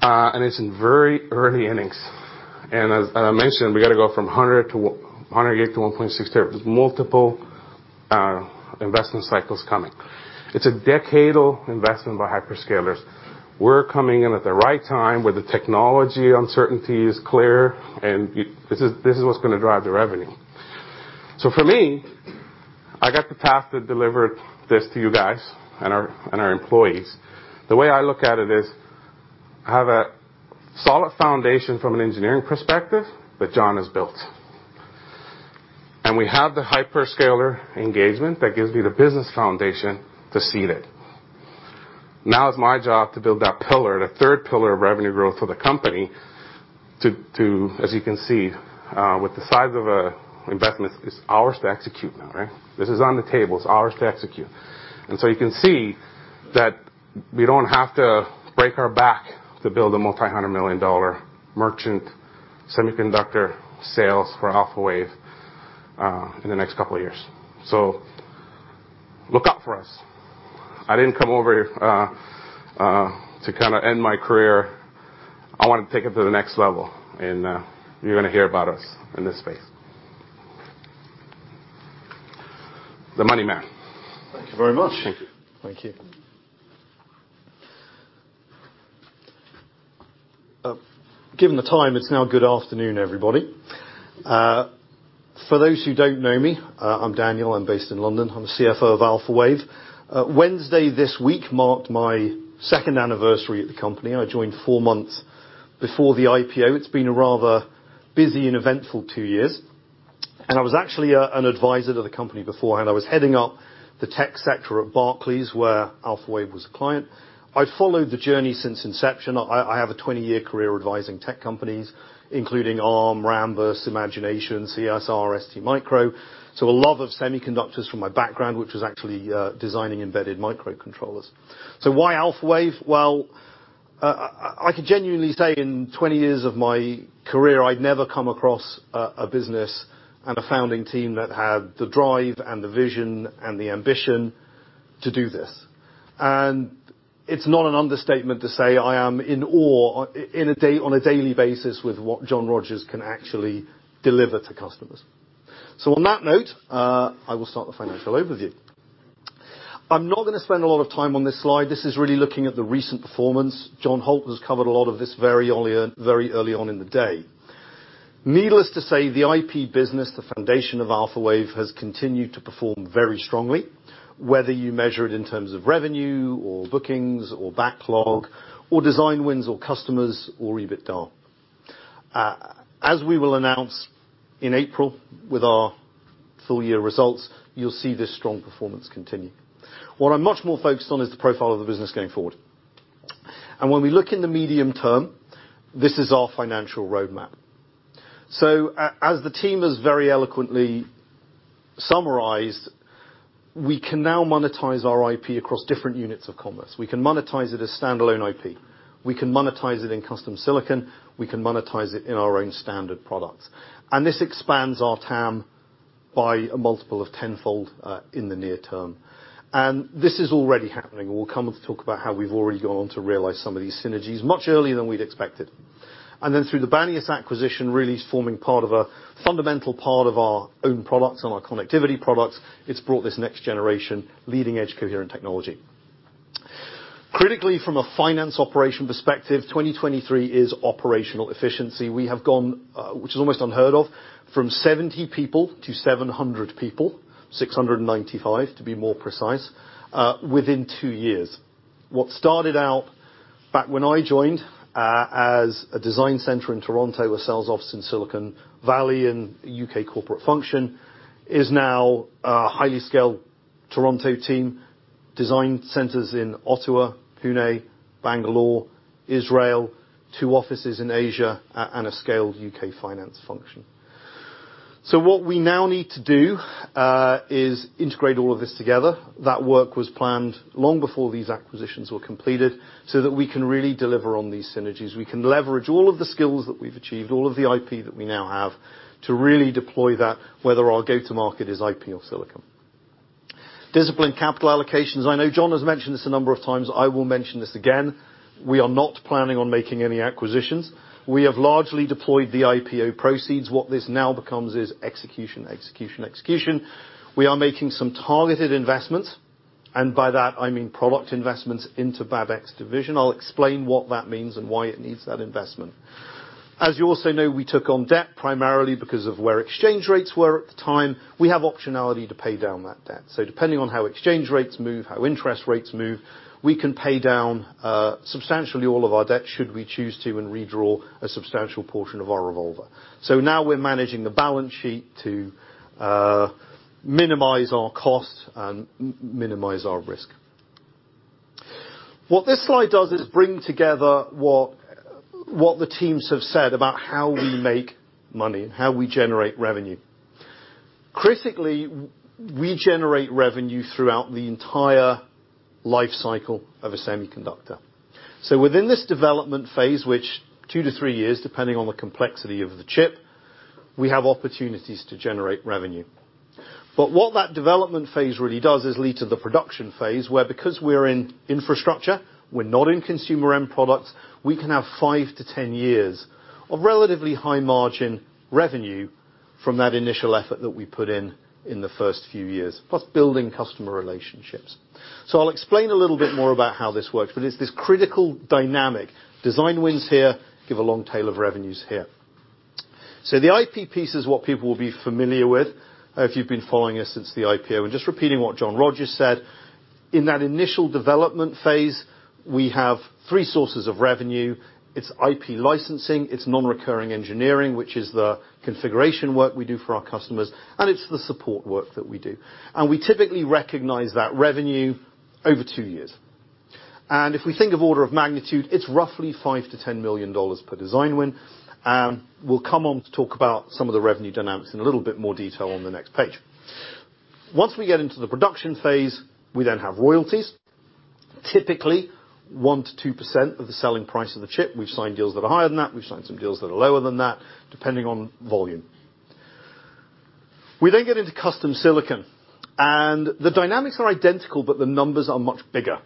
It's in very early innings. As I mentioned, we gotta go from 100G to 1.6 Tb. There's multiple investment cycles coming. It's a decadal investment by hyperscalers. We're coming in at the right time, where the technology uncertainty is clear, and this is what's gonna drive the revenue. For me, I got the task to deliver this to you guys and our, and our employees. The way I look at it is, I have a solid foundation from an engineering perspective that John has built. We have the hyperscaler engagement that gives me the business foundation to seed it. It's my job to build that pillar, the third pillar of revenue growth for the company to-- As you can see, with the size of a investment, it's ours to execute now, right? This is on the table. It's ours to execute. You can see that we don't have to break our back to build a multi-hundred million dollar merchant semiconductor sales for Alphawave in the next couple of years. Look out for us. I didn't come over here to kinda end my career. I wanna take it to the next level and you're gonna hear about us in this space. The money man. Thank you very much. Thank you. Thank you. Given the time, it's now good afternoon, everybody. For those who don't know me, I'm Daniel. I'm based in London. I'm the CFO of Alphawave. Wednesday this week marked my second anniversary at the company. I joined four months before the IPO. It's been a rather busy and eventful two years. I was actually an advisor to the company beforehand. I was heading up the tech sector at Barclays, where Alphawave was a client. I followed the journey since inception. I have a 20-year career advising tech companies, including Arm, Rambus, Imagination, CSR, STMicro. A lot of semiconductors from my background, which was actually designing embedded microcontrollers. Why Alphawave? I could genuinely say in 20 years of my career, I'd never come across a business and a founding team that had the drive and the vision and the ambition to do this. It's not an understatement to say I am in awe on a daily basis with what Jon Rogers can actually deliver to customers. On that note, I will start the financial overview. I'm not gonna spend a lot of time on this slide. This is really looking at the recent performance. John Holt has covered a lot of this very early on in the day. Needless to say, the IP business, the foundation of Alphawave, has continued to perform very strongly, whether you measure it in terms of revenue or bookings or backlog or design wins or customers or EBITDA. As we will announce in April with our full-year results, you'll see this strong performance continue. What I'm much more focused on is the profile of the business going forward. When we look in the medium term, this is our financial roadmap. As the team has very eloquently summarized, we can now monetize our IP across different units of commerce. We can monetize it as standalone IP. We can monetize it in custom silicon. We can monetize it in our own standard products. This expands our TAM by a multiple of 10-fold in the near term. This is already happening, and we'll come up to talk about how we've already gone on to realize some of these synergies much earlier than we'd expected. Through the Banias acquisition, really it's forming part of a fundamental part of our own products and our Connectivity Products. It's brought this next generation leading edge coherent technology. Critically, from a finance operation perspective, 2023 is operational efficiency. We have gone, which is almost unheard of, from 70 people to 700 people, 695 to be more precise, within two years. What started out back when I joined, as a design center in Toronto with sales office in Silicon Valley and U.K. corporate function, is now a highly scaled Toronto team, design centers in Ottawa, Pune, Bangalore, Israel, two offices in Asia, and a scaled U.K. finance function. What we now need to do, is integrate all of this together. That work was planned long before these acquisitions were completed so that we can really deliver on these synergies. We can leverage all of the skills that we've achieved, all of the IP that we now have to really deploy that, whether our go-to-market is IP or silicon. Discipline capital allocations. I know John has mentioned this a number of times. I will mention this again. We are not planning on making any acquisitions. We have largely deployed the IPO proceeds. What this now becomes is execution, execution. We are making some targeted investments, and by that, I mean product investments into Babak's division. I'll explain what that means and why it needs that investment. As you also know, we took on debt primarily because of where exchange rates were at the time. We have optionality to pay down that debt. Depending on how exchange rates move, how interest rates move, we can pay down substantially all of our debt should we choose to and redraw a substantial portion of our revolver. Now we're managing the balance sheet to minimize our costs and minimize our risk. What this slide does is bring together what the teams have said about how we make money and how we generate revenue. Critically, we generate revenue throughout the entire life cycle of a semiconductor. Within this development phase, which two to three years, depending on the complexity of the chip, we have opportunities to generate revenue. What that development phase really does is lead to the production phase where because we're in infrastructure, we're not in consumer end products, we can have five to 10 years of relatively high margin revenue from that initial effort that we put in the first few years, plus building customer relationships. So I'll explain a little bit more about how this works. But there's this critical dynamic. Design wins here, give a long tail of revenues here. So the IP piece is what people will be familiar with if you've been following us since the IPO. And just repeating what Jon Rogers said, in that initial development phase, we have three sources of revenue. It's IP licensing, it's nonrecurring engineering, which is the configuration work we do for our customers, and it's the support work that we do. And we typically recognize that revenue over two years. If we think of order of magnitude, it's roughly $5 million-$10 million per design win. We'll come on to talk about some of the revenue dynamics in a little bit more detail on the next page. Once we get into the production phase, we then have royalties. Typically, 1%-2% of the selling price of the chip. We've signed deals that are higher than that, we've signed some deals that are lower than that, depending on volume. We then get into custom silicon, and the dynamics are identical, but the numbers are much bigger.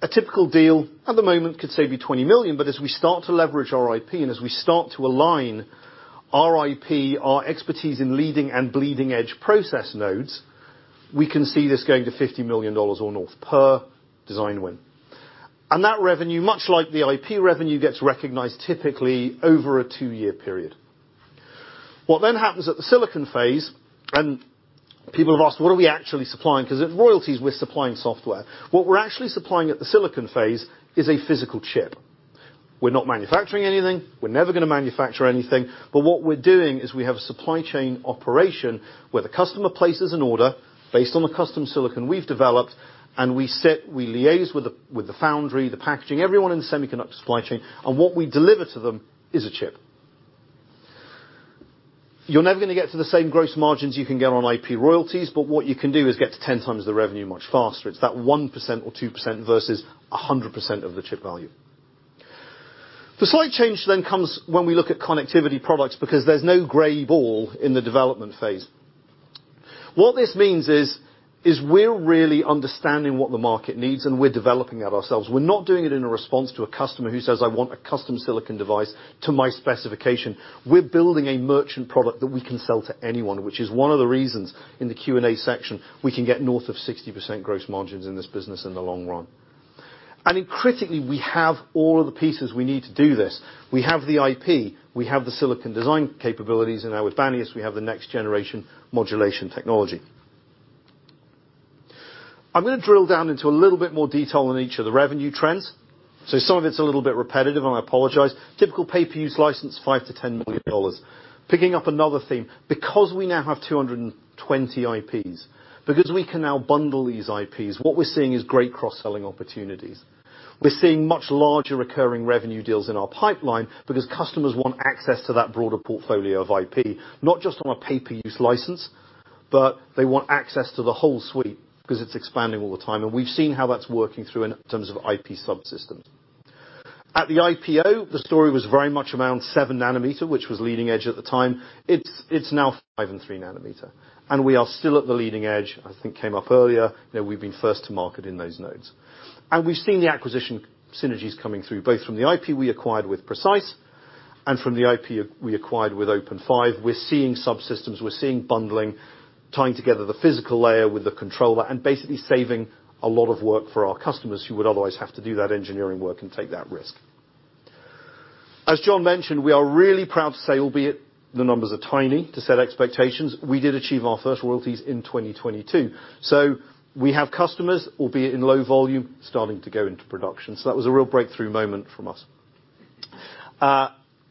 A typical deal at the moment could save you $20 million. As we start to leverage our IP and as we start to align our IP, our expertise in leading and bleeding edge process nodes, we can see this going to $50 million or north per design win. That revenue, much like the IP revenue, gets recognized typically over a two-year period. What then happens at the silicon phase, and people have asked, what are we actually supplying? Because with royalties, we're supplying software. What we're actually supplying at the silicon phase is a physical chip. We're not manufacturing anything. We're never going to manufacture anything. What we're doing is we have a supply chain operation where the customer places an order based on the custom silicon we've developed, and we sit, we liaise with the foundry, the packaging, everyone in the semiconductor supply chain, and what we deliver to them is a chip. You're never going to get to the same gross margins you can get on IP royalties. What you can do is get to 10x the revenue much faster. It's that 1% or 2% versus 100% of the chip value. The slight change comes when we look at Connectivity Products because there's no gray ball in the development phase. What this means is, we're really understanding what the market needs. We're developing that ourselves. We're not doing it in a response to a customer who says, "I want a custom silicon device to my specification." We're building a merchant product that we can sell to anyone, which is one of the reasons in the Q&A section we can get north of 60% gross margins in this business in the long run. In critically, we have all of the pieces we need to do this. We have the IP, we have the silicon design capabilities, and now with Banias, we have the next generation modulation technology. I'm gonna drill down into a little bit more detail on each of the revenue trends. Some of it's a little bit repetitive, and I apologize. Typical pay-per-use license, $5 million-$10 million. Picking up another theme, because we now have 220 IPs, because we can now bundle these IPs, what we're seeing is great cross-selling opportunities. We're seeing much larger recurring revenue deals in our pipeline because customers want access to that broader portfolio of IP, not just on a pay-per-use license, but they want access to the whole suite because it's expanding all the time. We've seen how that's working through in terms of IP subsystems. At the IPO, the story was very much around 7 nm, which was leading edge at the time. It's now 5 nm and 3 nm, and we are still at the leading edge. I think came up earlier that we've been first to market in those nodes. We've seen the acquisition synergies coming through, both from the IP we acquired with Precise and from the IP we acquired with OpenFive. We're seeing subsystems, we're seeing bundling, tying together the physical layer with the controller, and basically saving a lot of work for our customers who would otherwise have to do that engineering work and take that risk. As John mentioned, we are really proud to say, albeit the numbers are tiny to set expectations, we did achieve our first royalties in 2022. We have customers, albeit in low volume, starting to go into production. That was a real breakthrough moment from us.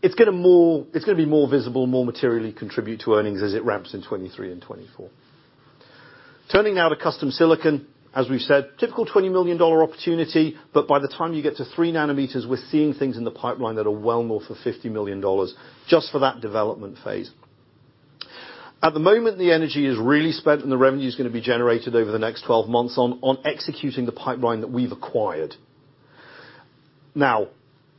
It's gonna be more visible, more materially contribute to earnings as it ramps in 2023 and 2024. Turning now to custom silicon, as we've said, typical $20 million opportunity, but by the time you get to 3 nm, we're seeing things in the pipeline that are well more for $50 million just for that development phase. At the moment, the energy is really spent, and the revenue is gonna be generated over the next 12 months on executing the pipeline that we've acquired.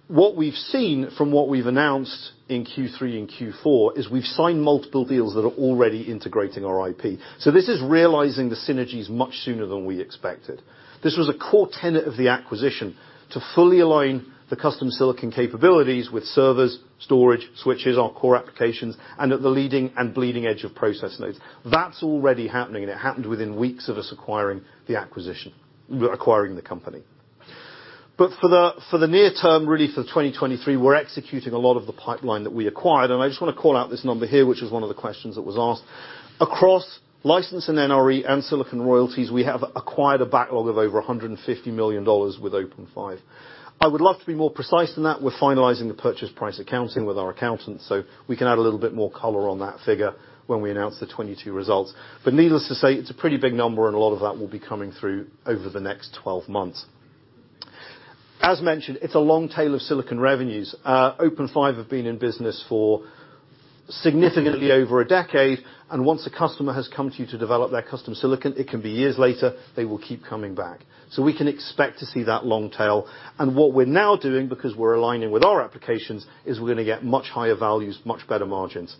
What we've seen from what we've announced in Q3 and Q4 is we've signed multiple deals that are already integrating our IP. This is realizing the synergies much sooner than we expected. This was a core tenet of the acquisition to fully align the custom silicon capabilities with servers, storage, switches, our core applications, and at the leading and bleeding edge of process nodes. That's already happening, and it happened within weeks of us acquiring the company. For the near term, really for 2023, we're executing a lot of the pipeline that we acquired. I just want to call out this number here, which is one of the questions that was asked. Across license and NRE and silicon royalties, we have acquired a backlog of over $150 million with OpenFive. I would love to be more precise than that. We're finalizing the purchase price accounting with our accountants, we can add a little bit more color on that figure when we announce the 2022 results. Needless to say, it's a pretty big number, and a lot of that will be coming through over the next 12 months. As mentioned, it's a long tail of silicon revenues. OpenFive have been in business for significantly over a decade, once a customer has come to you to develop their customer silicon, it can be years later, they will keep coming back. We can expect to see that long tail. What we're now doing, because we're aligning with our applications, is we're going to get much higher values, much better margins.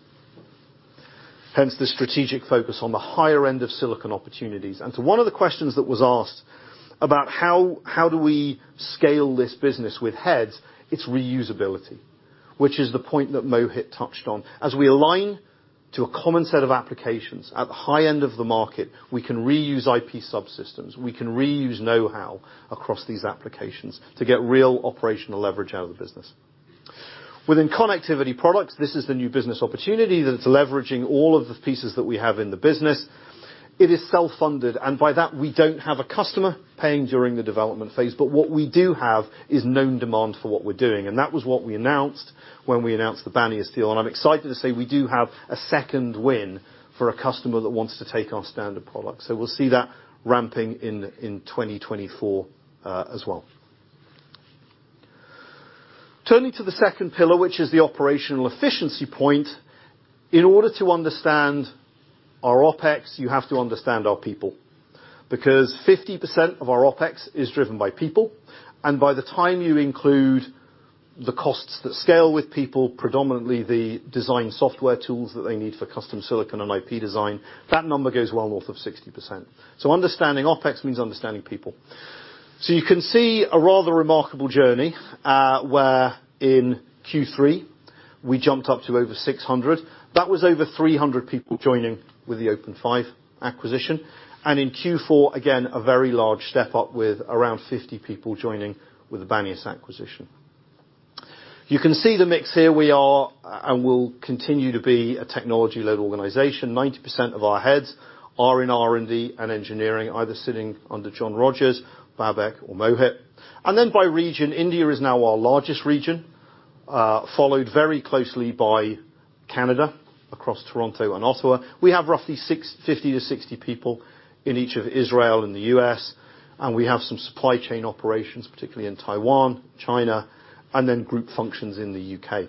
Hence the strategic focus on the higher end of silicon opportunities. To one of the questions that was asked about how do we scale this business with heads, it's reusability, which is the point that Mohit touched on. As we align to a common set of applications at the high end of the market, we can reuse IP subsystems. We can reuse know-how across these applications to get real operational leverage out of the business. Within Connectivity Products, this is the new business opportunity that's leveraging all of the pieces that we have in the business. It is self-funded. By that, we don't have a customer paying during the development phase, but what we do have is known demand for what we're doing. That was what we announced when we announced the Banias deal. I'm excited to say we do have a second win for a customer that wants to take our standard product. We'll see that ramping in 2024 as well. Turning to the second pillar, which is the operational efficiency point. In order to understand our OpEx, you have to understand our people. 50% of our OpEx is driven by people, and by the time you include the costs that scale with people, predominantly the design software tools that they need for custom silicon and IP design, that number goes well north of 60%. Understanding OpEx means understanding people. You can see a rather remarkable journey, where in Q3, we jumped up to over 600. That was over 300 people joining with the OpenFive acquisition. In Q4, again, a very large step up with around 50 people joining with the Banias acquisition. You can see the mix here. We are and will continue to be a technology-led organization. 90% of our heads are in R&D and engineering, either sitting under Jon Rogers, Babak, or Mohit. By region, India is now our largest region, followed very closely by Canada across Toronto and Ottawa. We have roughly 50-60 people in each of Israel and the U.S., and we have some supply chain operations, particularly in Taiwan, China, and then group functions in the U.K.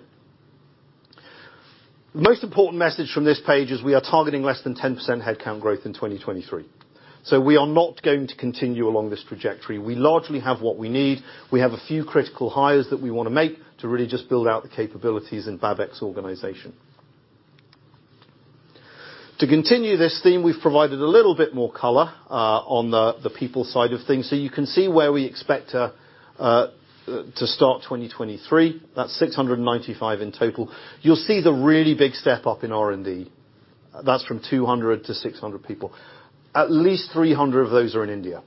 The most important message from this page is we are targeting less than 10% headcount growth in 2023. We are not going to continue along this trajectory. We largely have what we need. We have a few critical hires that we wanna make to really just build out the capabilities in Babak's organization. To continue this theme, we've provided a little bit more color on the people side of things. You can see where we expect to start 2023. That's 695 in total. You'll see the really big step up in R&D. That's from 200 to 600 people. At least 300 of those are in India.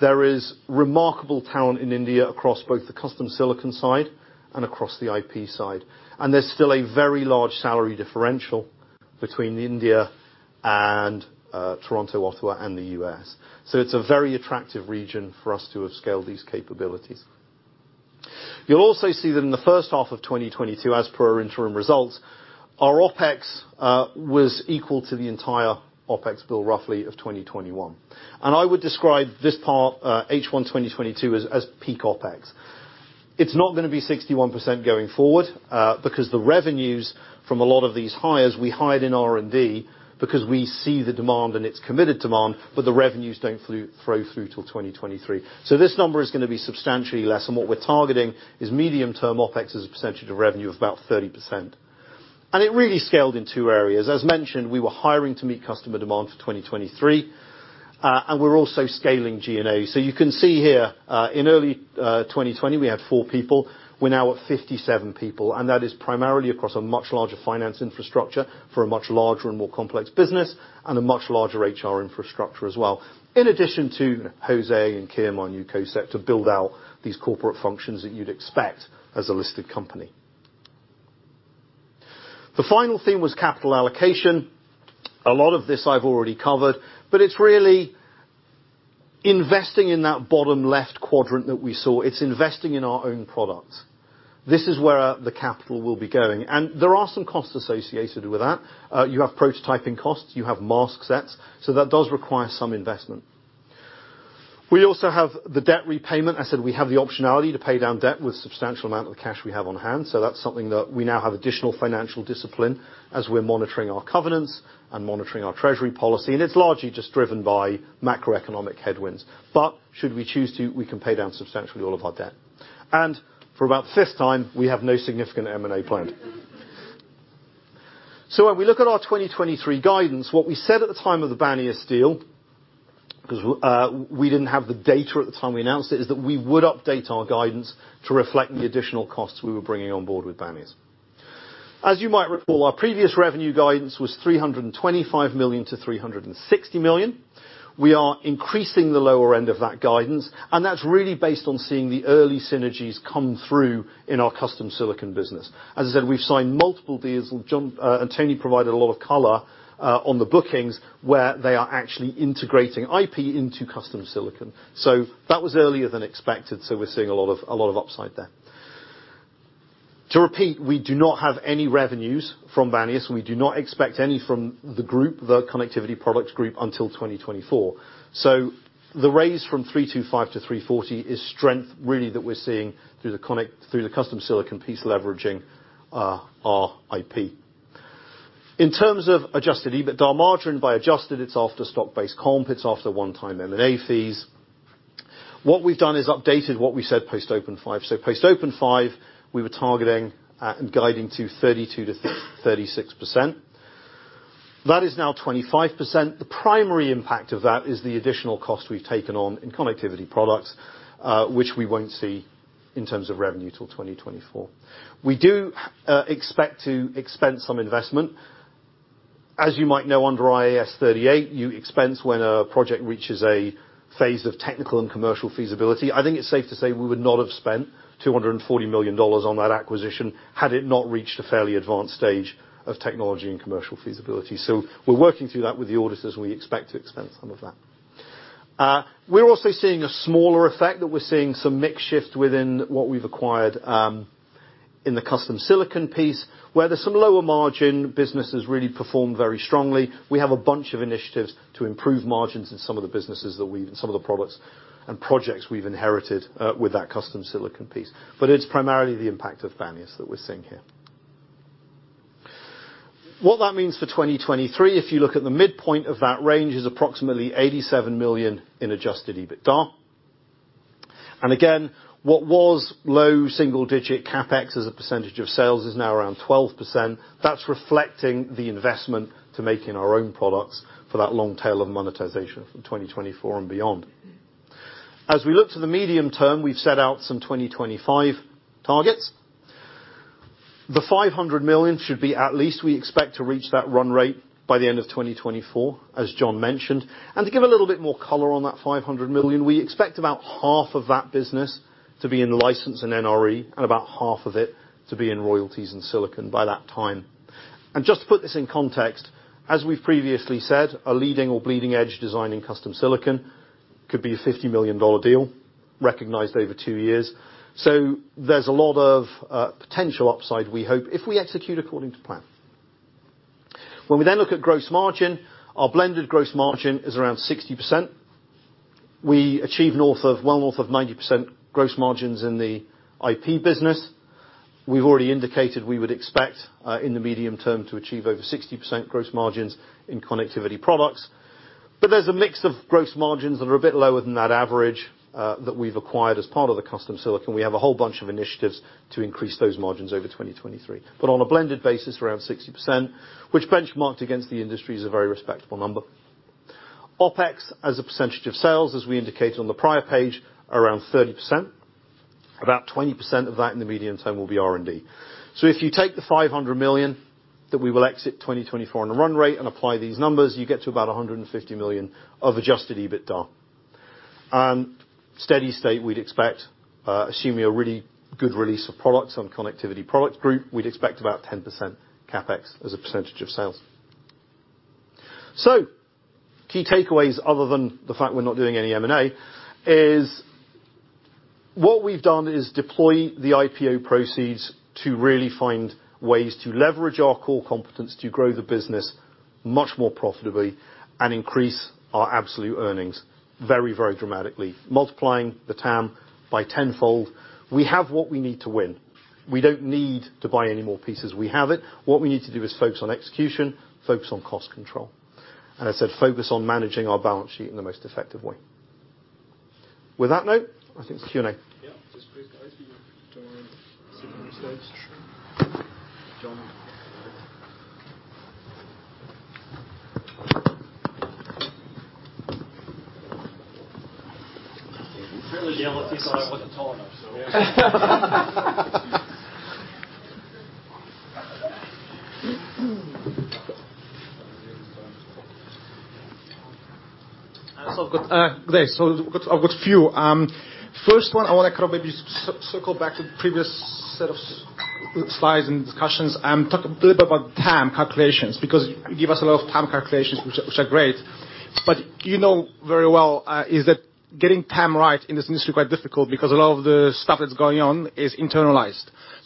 There is remarkable talent in India across both the custom silicon side and across the IP side. There's still a very large salary differential between India and Toronto, Ottawa, and the U.S. It's a very attractive region for us to have scaled these capabilities. You'll also see that in the first half of 2022, as per our interim results, our OpEx was equal to the entire OpEx bill roughly of 2021. I would describe this part H1 2022 as peak OpEx. It's not gonna be 61% going forward, because the revenues from a lot of these hires, we hired in R&D because we see the demand and it's committed demand, but the revenues don't throw through till 2023. This number is gonna be substantially less, and what we're targeting is medium-term OpEx as a percentage of revenue of about 30%. It really scaled in two areas. As mentioned, we were hiring to meet customer demand for 2023, and we're also scaling G&A. You can see here, in early 2020, we had four people. We're now at 57 people, and that is primarily across a much larger finance infrastructure for a much larger and more complex business, and a much larger HR infrastructure as well. In addition to Jose and Kim on U.K. set to build out these corporate functions that you'd expect as a listed company. The final theme was capital allocation. A lot of this I've already covered, it's really investing in that bottom left quadrant that we saw. It's investing in our own products. This is where the capital will be going. There are some costs associated with that. You have prototyping costs, you have mask sets, so that does require some investment. We also have the debt repayment. I said we have the optionality to pay down debt with substantial amount of the cash we have on hand, so that's something that we now have additional financial discipline as we're monitoring our covenants and monitoring our treasury policy, and it's largely just driven by macroeconomic headwinds. Should we choose to, we can pay down substantially all of our debt. For about the fifth time, we have no significant M&A plan. When we look at our 2023 guidance, what we said at the time of the Banias deal, we didn't have the data at the time we announced it, is that we would update our guidance to reflect the additional costs we were bringing on board with Banias. As you might recall, our previous revenue guidance was $325 million-$360 million. We are increasing the lower end of that guidance, that's really based on seeing the early synergies come through in our custom silicon business. As I said, we've signed multiple deals. John and Tony provided a lot of color on the bookings where they are actually integrating IP into custom silicon. That was earlier than expected, we're seeing a lot of upside there. To repeat, we do not have any revenues from Banias Labs. We do not expect any from the Group, Connectivity Products Group until 2024. The raise from 325 to 340 is strength really that we're seeing through the custom silicon piece leveraging our IP. In terms of adjusted EBITDA margin, by adjusted, it's after stock-based comp, it's after one-time M&A fees. What we've done is updated what we said post OpenFive. Post OpenFive, we were targeting at and guiding to 32%-36%. That is now 25%. The primary impact of that is the additional cost we've taken on in Connectivity Products, which we won't see in terms of revenue till 2024. We do expect to expense some investment. As you might know, under IAS 38, you expense when a project reaches a phase of technical and commercial feasibility. I think it's safe to say we would not have spent $240 million on that acquisition had it not reached a fairly advanced stage of technology and commercial feasibility. We're working through that with the auditors, and we expect to expense some of that. We're also seeing a smaller effect, that we're seeing some mix shift within what we've acquired, in the custom silicon piece, where there's some lower margin businesses really performed very strongly. We have a bunch of initiatives to improve margins in some of the businesses that we've some of the products and projects we've inherited with that custom silicon piece. It's primarily the impact of Banias that we're seeing here. What that means for 2023, if you look at the midpoint of that range, is approximately $87 million in adjusted EBITDA. Again, what was low single digit CapEx as a percentage of sales is now around 12%. That's reflecting the investment to making our own products for that long tail of monetization from 2024 and beyond. As we look to the medium term, we've set out some 2025 targets. The $500 million should be at least we expect to reach that run rate by the end of 2024, as John mentioned. To give a little bit more color on that $500 million, we expect about half of that business to be in license and NRE and about half of it to be in royalties and silicon by that time. Just to put this in context, as we've previously said, a leading or bleeding-edge design in custom silicon could be a $50 million deal recognized over two years. There's a lot of potential upside we hope if we execute according to plan. We then look at gross margin, our blended gross margin is around 60%. We achieve well north of 90% gross margins in the IP business. We've already indicated we would expect in the medium term to achieve over 60% gross margins in Connectivity Products. There's a mix of gross margins that are a bit lower than that average that we've acquired as part of the custom silicon. We have a whole bunch of initiatives to increase those margins over 2023. On a blended basis, around 60%, which benchmarked against the industry is a very respectable number. OpEx, as a percentage of sales, as we indicated on the prior page, around 30%. About 20% of that in the medium term will be R&D. If you take the $500 million that we will exit 2024 on a run rate and apply these numbers, you get to about $150 million of adjusted EBITDA. Steady state, we'd expect, assuming a really good release of products Connectivity Products Group, we'd expect about 10% CapEx as a percentage of sales. Key takeaways other than the fact we're not doing any M&A is what we've done is deploy the IPO proceeds to really find ways to leverage our core competence to grow the business much more profitably and increase our absolute earnings very, very dramatically, multiplying the TAM by 10-fold. We have what we need to win. We don't need to buy any more pieces. We have it. What we need to do is focus on execution, focus on cost control. I said, focus on managing our balance sheet in the most effective way. With that note, I think it's Q&A. Yeah. Just quick, guys. If you don't mind sitting besides. I've got a few. First one, I wanna kind of maybe circle back to the previous set of slides and discussions and talk a little bit about TAM calculations, because you give us a lot of TAM calculations, which are great. You know very well, is that getting TAM right in this industry is quite difficult because a lot of the stuff that's going on is internalized.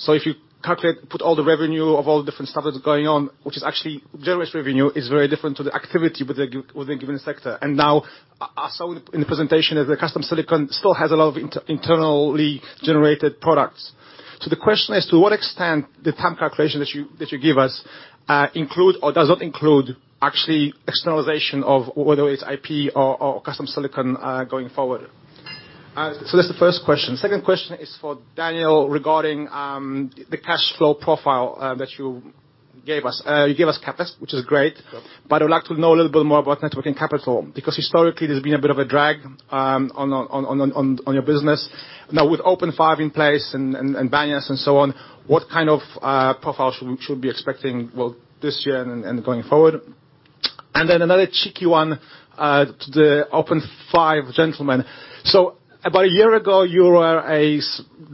If you calculate, put all the revenue of all the different stuff that's going on, which is actually generates revenue, is very different to the activity within a given sector. Now, I saw in the presentation that the custom silicon still has a lot of internally generated products. The question is, to what extent the TAM calculation that you give us include or does not include actually externalization of whether it's IP or custom silicon going forward? That's the first question. Second question is for Daniel regarding the cash flow profile that you gave us. You gave us CapEx, which is great. I would like to know a little bit more about networking capital, because historically, there's been a bit of a drag on your business. Now, with OpenFive in place and Banias and so on, what kind of profile should be expecting, well, this year and going forward? Another cheeky one to the OpenFive gentleman. About a year ago, you were a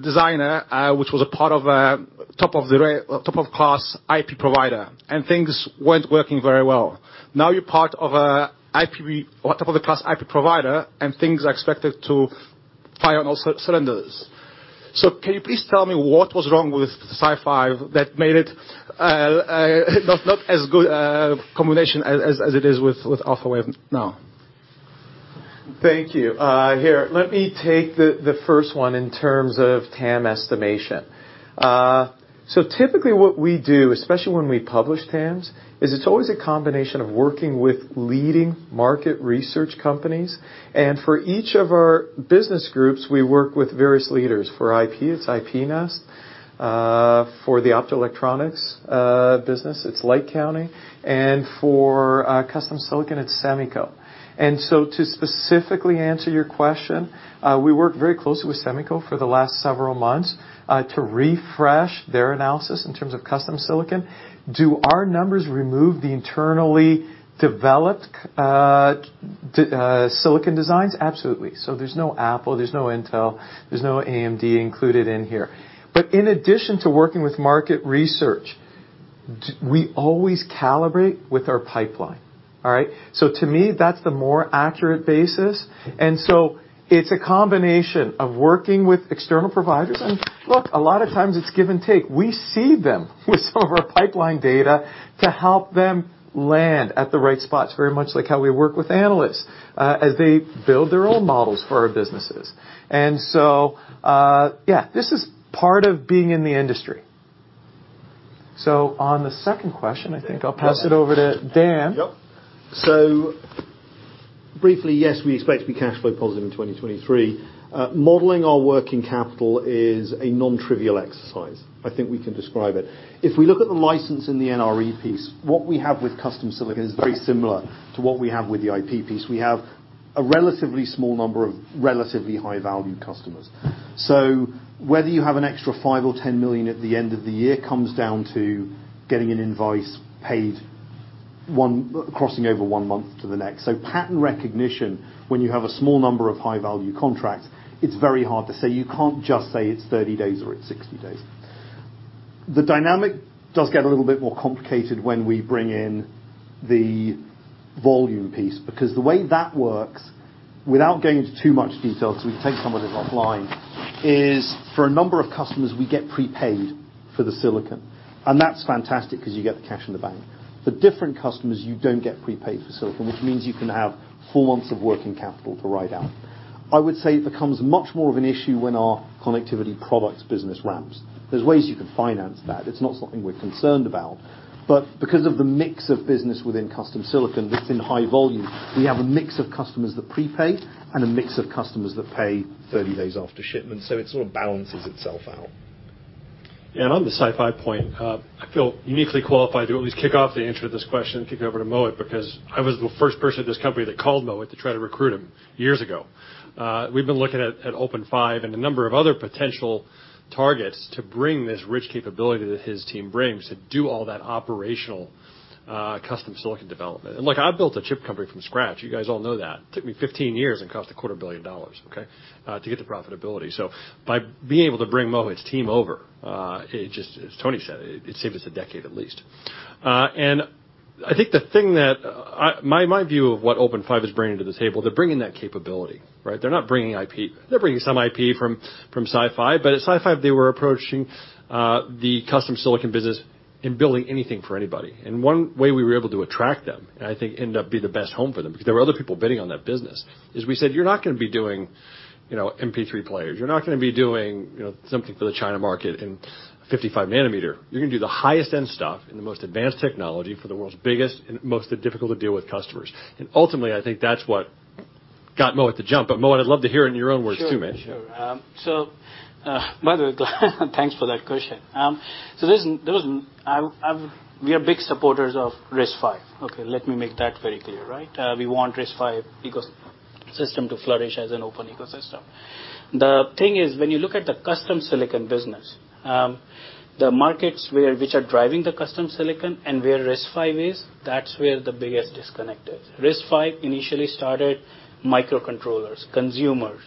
designer, which was a part of a top of the class IP provider, and things weren't working very well. Now, you're part of a top of the class IP provider, and things are expected to fire on all cylinders. Can you please tell me what was wrong with SiFive that made it not as good a combination as it is with Alphawave now? Thank you. Here, let me take the first one in terms of TAM estimation. So typically what we do, especially when we publish TAMs, is it's always a combination of working with leading market research companies. For each of our business groups, we work with various leaders. For IP, it's IPnest. For the optoelectronics business, it's LightCounting. For custom silicon, it's Semico. To specifically answer your question, we worked very closely with Semico for the last several months to refresh their analysis in terms of custom silicon. Do our numbers remove the internally developed silicon designs? Absolutely. There's no Apple, there's no Intel, there's no AMD included in here. In addition to working with market research, we always calibrate with our pipeline. All right? To me, that's the more accurate basis. It's a combination of working with external providers and, look, a lot of times it's give and take. We seed them with some of our pipeline data to help them land at the right spots, very much like how we work with analysts as they build their own models for our businesses. Yeah, this is part of being in the industry. On the second question, I think I'll pass it over to Dan. Yep. Briefly, yes, we expect to be cash flow positive in 2023. Modeling our working capital is a non-trivial exercise. I think we can describe it. If we look at the license in the NRE piece, what we have with custom silicon is very similar to what we have with the IP piece. We have a relatively small number of relatively high-value customers. Whether you have an extra $5 million or $10 million at the end of the year comes down to getting an invoice paid crossing over one month to the next. Pattern recognition, when you have a small number of high-value contracts, it's very hard to say. You can't just say it's 30 days or it's 60 days. The dynamic does get a little bit more complicated when we bring in the volume piece, because the way that works, without going into too much detail, 'cause we can take some of this offline, is for a number of customers, we get prepaid for the silicon. That's fantastic because you get the cash in the bank. For different customers, you don't get prepaid for silicon, which means you can have four months of working capital to ride out. I would say it becomes much more of an issue when our Connectivity Products business ramps. There's ways you can finance that. It's not something we're concerned about. Because of the mix of business within Custom Silicon that's in high volume, we have a mix of customers that prepay and a mix of customers that pay 30 days after shipment, so it sort of balances itself out. On the SiFive point, I feel uniquely qualified to at least kick off the answer to this question and kick it over to Mohit, because I was the first person at this company that called Mohit to try to recruit him years ago. We've been looking at OpenFive and a number of other potential targets to bring this rich capability that his team brings to do all that operational, custom silicon development. Look, I built a chip company from scratch. You guys all know that. Took me 15 years and cost a quarter billion dollars, okay? To get to profitability. By being able to bring Mohit's team over, it just, as Tony said, it saved us a decade at least. I think the thing that my view of what OpenFive is bringing to the table, they're bringing that capability, right? They're not bringing IP. They're bringing some IP from SiFive, but at SiFive, they were approaching the custom silicon business in building anything for anybody. One way we were able to attract them, and I think end up being the best home for them, because there were other people bidding on that business, is we said, "You're not gonna be doing, you know, MP3 players. You're not gonna be doing, you know, something for the China market in 55 nm. You're gonna do the highest end stuff and the most advanced technology for the world's biggest and most difficult to deal with customers." Ultimately, I think that's what got Mohit to jump. Mohit, I'd love to hear it in your own words too, man. Sure, sure. By the way, thanks for that question. Listen, we are big supporters of RISC-V. Okay, let me make that very clear, right? We want RISC-V ecosystem to flourish as an open ecosystem. The thing is, when you look at the custom silicon business, the markets which are driving the custom silicon and where RISC-V is, that's where the biggest disconnect is. RISC-V initially started microcontrollers, consumers.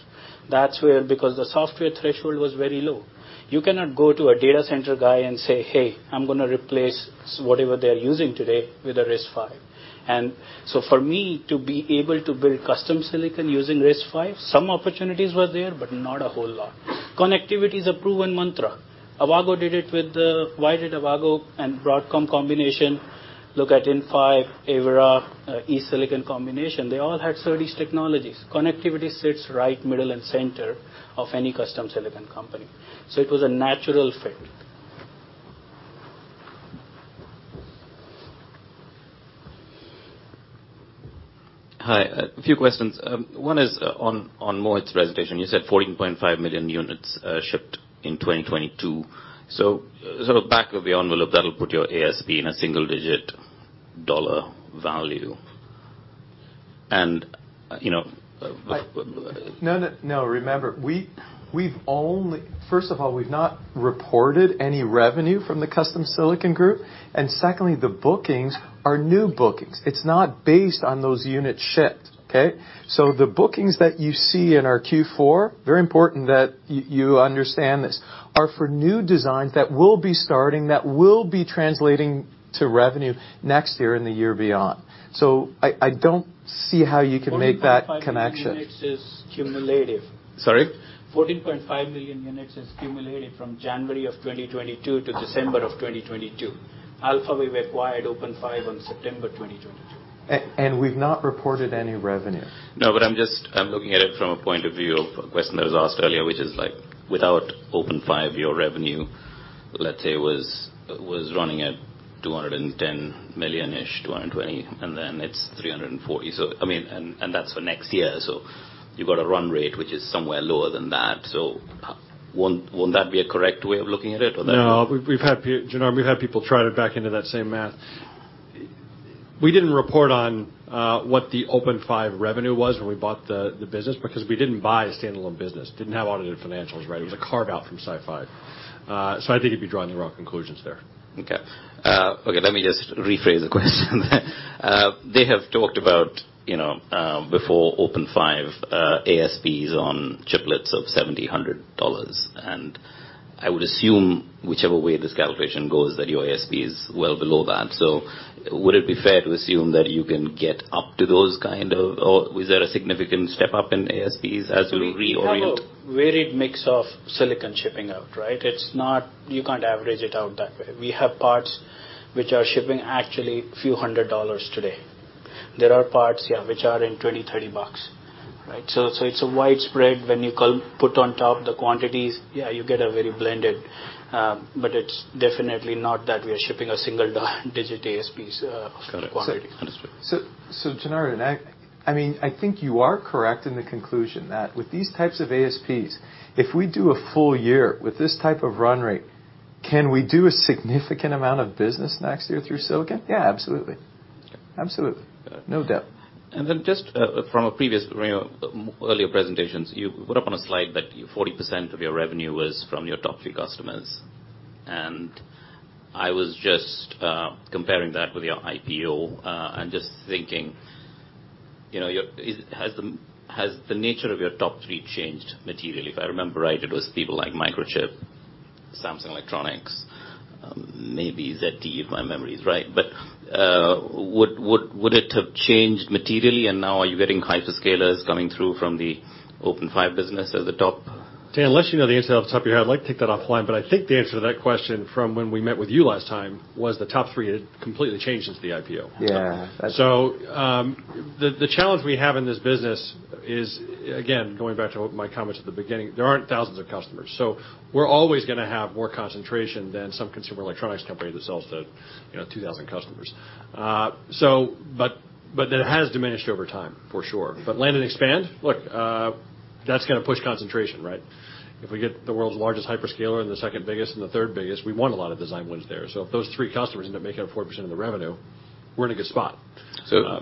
That's where, because the software threshold was very low. You cannot go to a data center guy and say, "Hey, I'm gonna replace whatever they're using today with a RISC-V." For me to be able to build custom silicon using RISC-V, some opportunities were there, but not a whole lot. Connectivity is a proven mantra. Avago did it with why did Avago and Broadcom combination look at Inphi, Avera, eSilicon combination? They all had service technologies. Connectivity sits right middle and center of any custom silicon company. It was a natural fit. Hi, a few questions. One is on Mohit's presentation. You said 14.5 million units, shipped in 2022. Sort of back of the envelope, that'll put your ASP in a single-digit dollar value. You know. Remember. First of all, we've not reported any revenue from the Custom Silicon group. Secondly, the bookings are new bookings. It's not based on those units shipped, okay? The bookings that you see in our Q4, very important that you understand that are for new designs that will be starting, that will be translating to revenue next year and the year beyond. I don't see how you can make that connection. 14.5 million units is cumulative. Sorry? 14.5 million units is cumulative from January 2022 to December 2022. Alphawave acquired OpenFive on September 2022. We've not reported any revenue. No, but I'm looking at it from a point of view of a question that was asked earlier, which is, like, without OpenFive, your revenue, let's say, was running at $210 million-ish, $220 million, and then it's $340 million. I mean, that's for next year. You've got a run rate which is somewhere lower than that. Won't that be a correct way of looking at it or no? No. We've had people, Janardan, try to back into that same math. We didn't report on what the OpenFive revenue was when we bought the business because we didn't buy a standalone business. Didn't have audited financials, right? It was a carve-out from SiFive. I think you'd be drawing the wrong conclusions there. Okay. Okay, let me just rephrase the question. They have talked about, you know, before OpenFive, ASPs on Chiplets of $70, $100. I would assume whichever way this calculation goes, that your ASP is well below that. Would it be fair to assume that you can get up to those kind of... Or is there a significant step up in ASPs as we reorient? We have a varied mix of silicon shipping out, right? You can't average it out that way. We have parts which are shipping actually a few hundred dollars today. There are parts, yeah, which are in $20-$30, right? It's a widespread. When you put on top the quantities, yeah, you get a very blended, but it's definitely not that we are shipping a single digit ASPs quantity. Got it. Understood. Janardan, I mean, I think you are correct in the conclusion that with these types of ASPs, if we do a full year with this type of run rate, can we do a significant amount of business next year through silicon? Yeah, absolutely. No doubt. Just, from a previous, you know, earlier presentations, you put up on a slide that 40% of your revenue was from your top three customers. I was just comparing that with your IPO, and just thinking, you know, your has the nature of your top three changed materially? If I remember right, it was people like Microchip, Samsung Electronics, maybe ZT, if my memory is right. Would it have changed materially and now are you getting hyperscalers coming through from the OpenFive business as a top? Jan, unless you know the answer off the top of your head, I'd like to take that offline. I think the answer to that question from when we met with you last time was the top three had completely changed since the IPO. The challenge we have in this business is, again, going back to my comments at the beginning, there aren't thousands of customers. We're always gonna have more concentration than some consumer electronics company that sells to, you know, 2,000 customers. But it has diminished over time, for sure. Land and expand, look, that's gonna push concentration, right? If we get the world's largest hyperscaler and the second biggest and the third biggest, we want a lot of design wins there. If those three customers end up making up 40% of the revenue, we're in a good spot.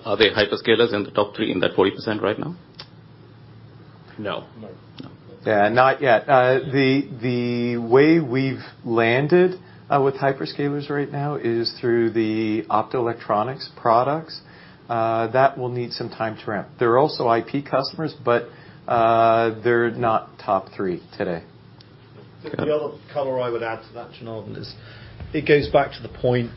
Are they hyperscalers in the top three in that 40% right now? No. No. Yeah, not yet. The way we've landed with hyperscalers right now is through the optoelectronics products. That will need some time to ramp. They're also IP customers, but they're not top three today. The other color I would add to that, Janardan, is it goes back to the point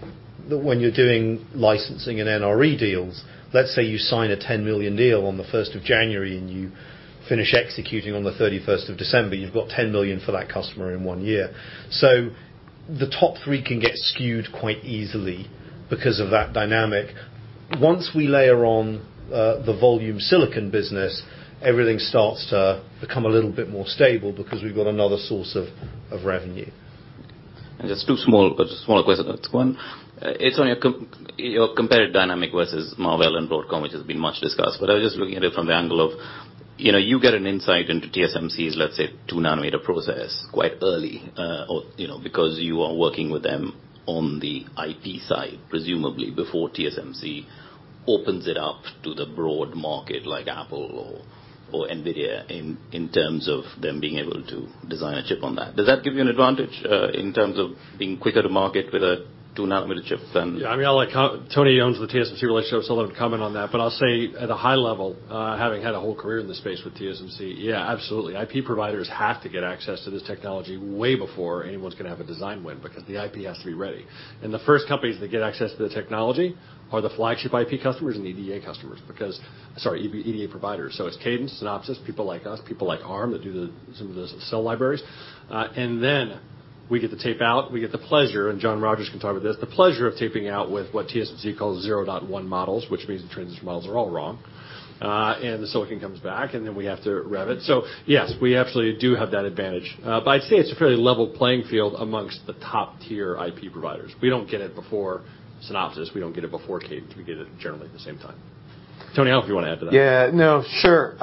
that when you're doing licensing and NRE deals, let's say you sign a $10 million deal on the 1st of January, and you finish executing on the 31st of December. You've got $10 million for that customer in one year. The top three can get skewed quite easily because of that dynamic. Once we layer on the volume silicon business, everything starts to become a little bit more stable because we've got another source of revenue. Just two small questions at once. It's on your competitive dynamic versus Marvell and Broadcom, which has been much discussed. I was just looking at it from the angle of, you know, you get an insight into TSMC's, let's say, 2 nm process quite early, or, you know, because you are working with them on the IP side, presumably before TSMC opens it up to the broad market like Apple or Nvidia in terms of them being able to design a chip on that. Does that give you an advantage in terms of being quicker to market with a 2 nm chip? Yeah, I mean, I'll let Tony owns the TSMC relationship, so I'll let him comment on that. I'll say at a high level, having had a whole career in this space with TSMC, absolutely. IP providers have to get access to this technology way before anyone's gonna have a design win because the IP has to be ready. The first companies that get access to the technology are the flagship IP customers and EDA customers because-- Sorry, EDA providers. So it's Cadence, Synopsys, people like us, people like Arm that do the, some of the cell libraries. Then we get to tape out, we get the pleasure, and Jon Rogers can talk about this, the pleasure of taping out with what TSMC calls 0.1 models, which means the transistor models are all wrong. The silicon comes back, and then we have to rev it. Yes, we absolutely do have that advantage. I'd say it's a fairly level playing field amongst the top-tier IP providers. We don't get it before Synopsys. We don't get it before Cadence. We get it generally at the same time. Tony, I don't know if you wanna add to that? Yeah. No, sure.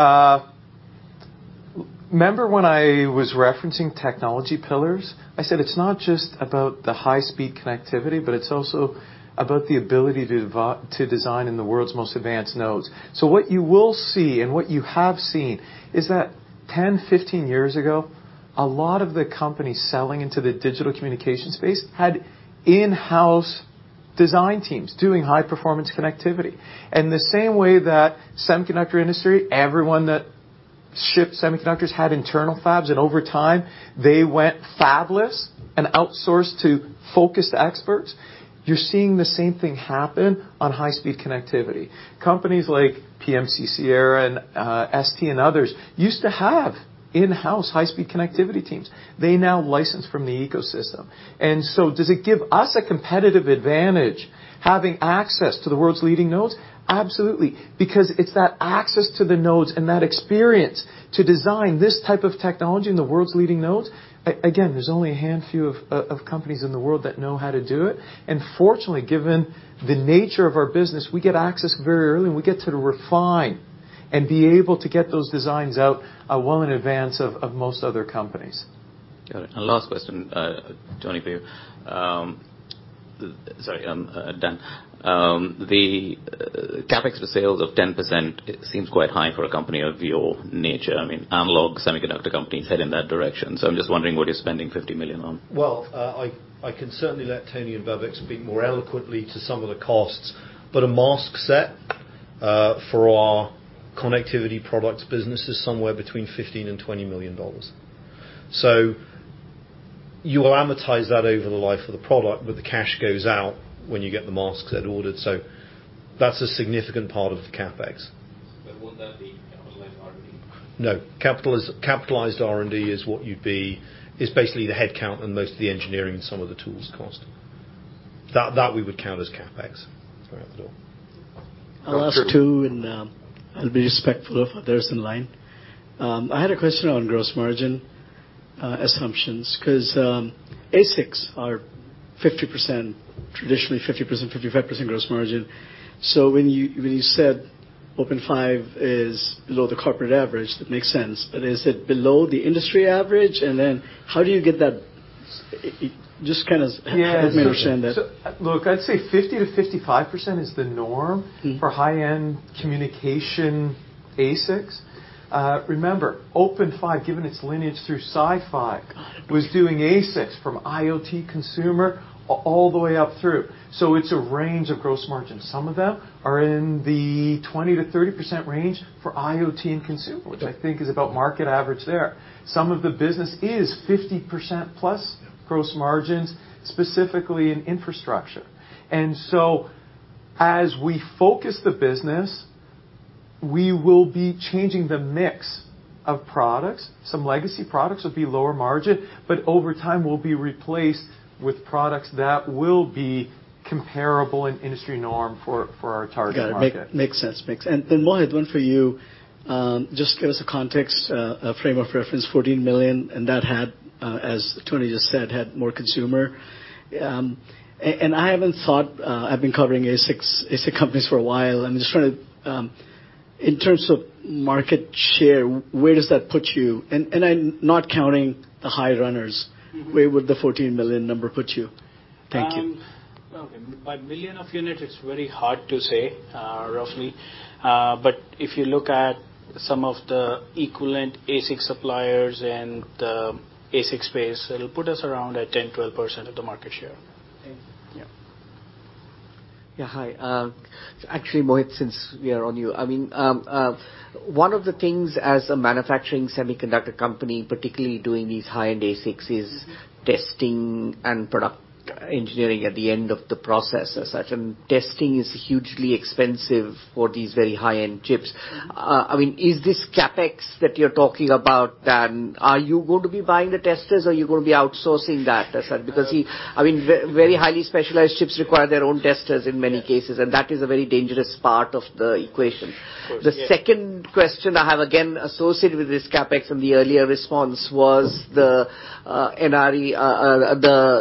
Remember when I was referencing technology pillars? I said it's not just about the high-speed connectivity, but it's also about the ability to design in the world's most advanced nodes. What you will see and what you have seen is that 10-15 years ago, a lot of the companies selling into the digital communication space had in-house design teams doing high-performance connectivity. In the same way that semiconductor industry, everyone that ships semiconductors had internal fabs, and over time, they went fabless and outsourced to focused experts. You're seeing the same thing happen on high-speed connectivity. Companies like PMC-Sierra and ST and others used to have in-house high-speed connectivity teams. They now license from the ecosystem. Does it give us a competitive advantage having access to the world's leading nodes? Absolutely, because it's that access to the nodes and that experience to design this type of technology in the world's leading nodes. Again, there's only a handful of companies in the world that know how to do it. Fortunately, given the nature of our business, we get access very early, and we get to refine and be able to get those designs out, well in advance of most other companies. Got it. Last question, Tony for you. Sorry, Dan. The CapEx for sales of 10% seems quite high for a company of your nature. I mean, analog semiconductor companies head in that direction. I'm just wondering what you're spending $50 million on. I can certainly let Tony and Bhavik speak more eloquently to some of the costs, but a mask set for our Connectivity Products business is somewhere between $15 million and $20 million. You will amortize that over the life of the product, but the cash goes out when you get the masks that are ordered, so that's a significant part of the CapEx. Would that be capitalized R&D? No. Capitalized R&D is basically the headcount and most of the engineering and some of the tools cost. That we would count as CapEx. Right. Cool. I'll ask 2, and I'll be respectful of others in line. I had a question on gross margin assumptions 'cause ASICs are 50%, traditionally 50%-55% gross margin. So when you said OpenFive is below the corporate average, that makes sense, but is it below the industry average? Then how do you get that? Help me understand that. Look, I'd say 50%-55% is the norm for high-end communication ASICs. remember, OpenFive, given its lineage through SiFive, was doing ASICs from IoT consumer all the way up through. So it's a range of gross margins. Some of them are in the 20%-30% range for IoT and consumer, which I think is about market average there. Some of the business is 50%+ gross margins, specifically in infrastructure. As we focus the business, we will be changing the mix of products. Some legacy products would be lower margin, but over time will be replaced with products that will be comparable in industry norm for our target market. Got it. Make sense. Mohit, one for you. Just give us a context, a frame of reference, $14 million, and that had, as Tony just said, had more consumer. I haven't thought, I've been covering ASICs, ASIC companies for a while. I'm just trying to, in terms of market share, where does that put you? I'm not counting the high runners. Where would the $14 million number put you? Thank you. By million of units, it's very hard to say, roughly. If you look at some of the equivalent ASIC suppliers and the ASIC space, it'll put us around at 10%-12% of the market share. Thank you. Yeah. Yeah. Hi. actually, Mohit, since we are on you. I mean, one of the things as a manufacturing semiconductor company, particularly doing these high-end ASICs, is testing and product engineering at the end of the process as such, and testing is hugely expensive for these very high-end chips. I mean, is this CapEx that you're talking about, are you going to be buying the testers or are you going to be outsourcing that as such? I mean, very highly specialized chips require their own testers in many cases, and that is a very dangerous part of the equation. The second question I have, again, associated with this CapEx in the earlier response was the NRE,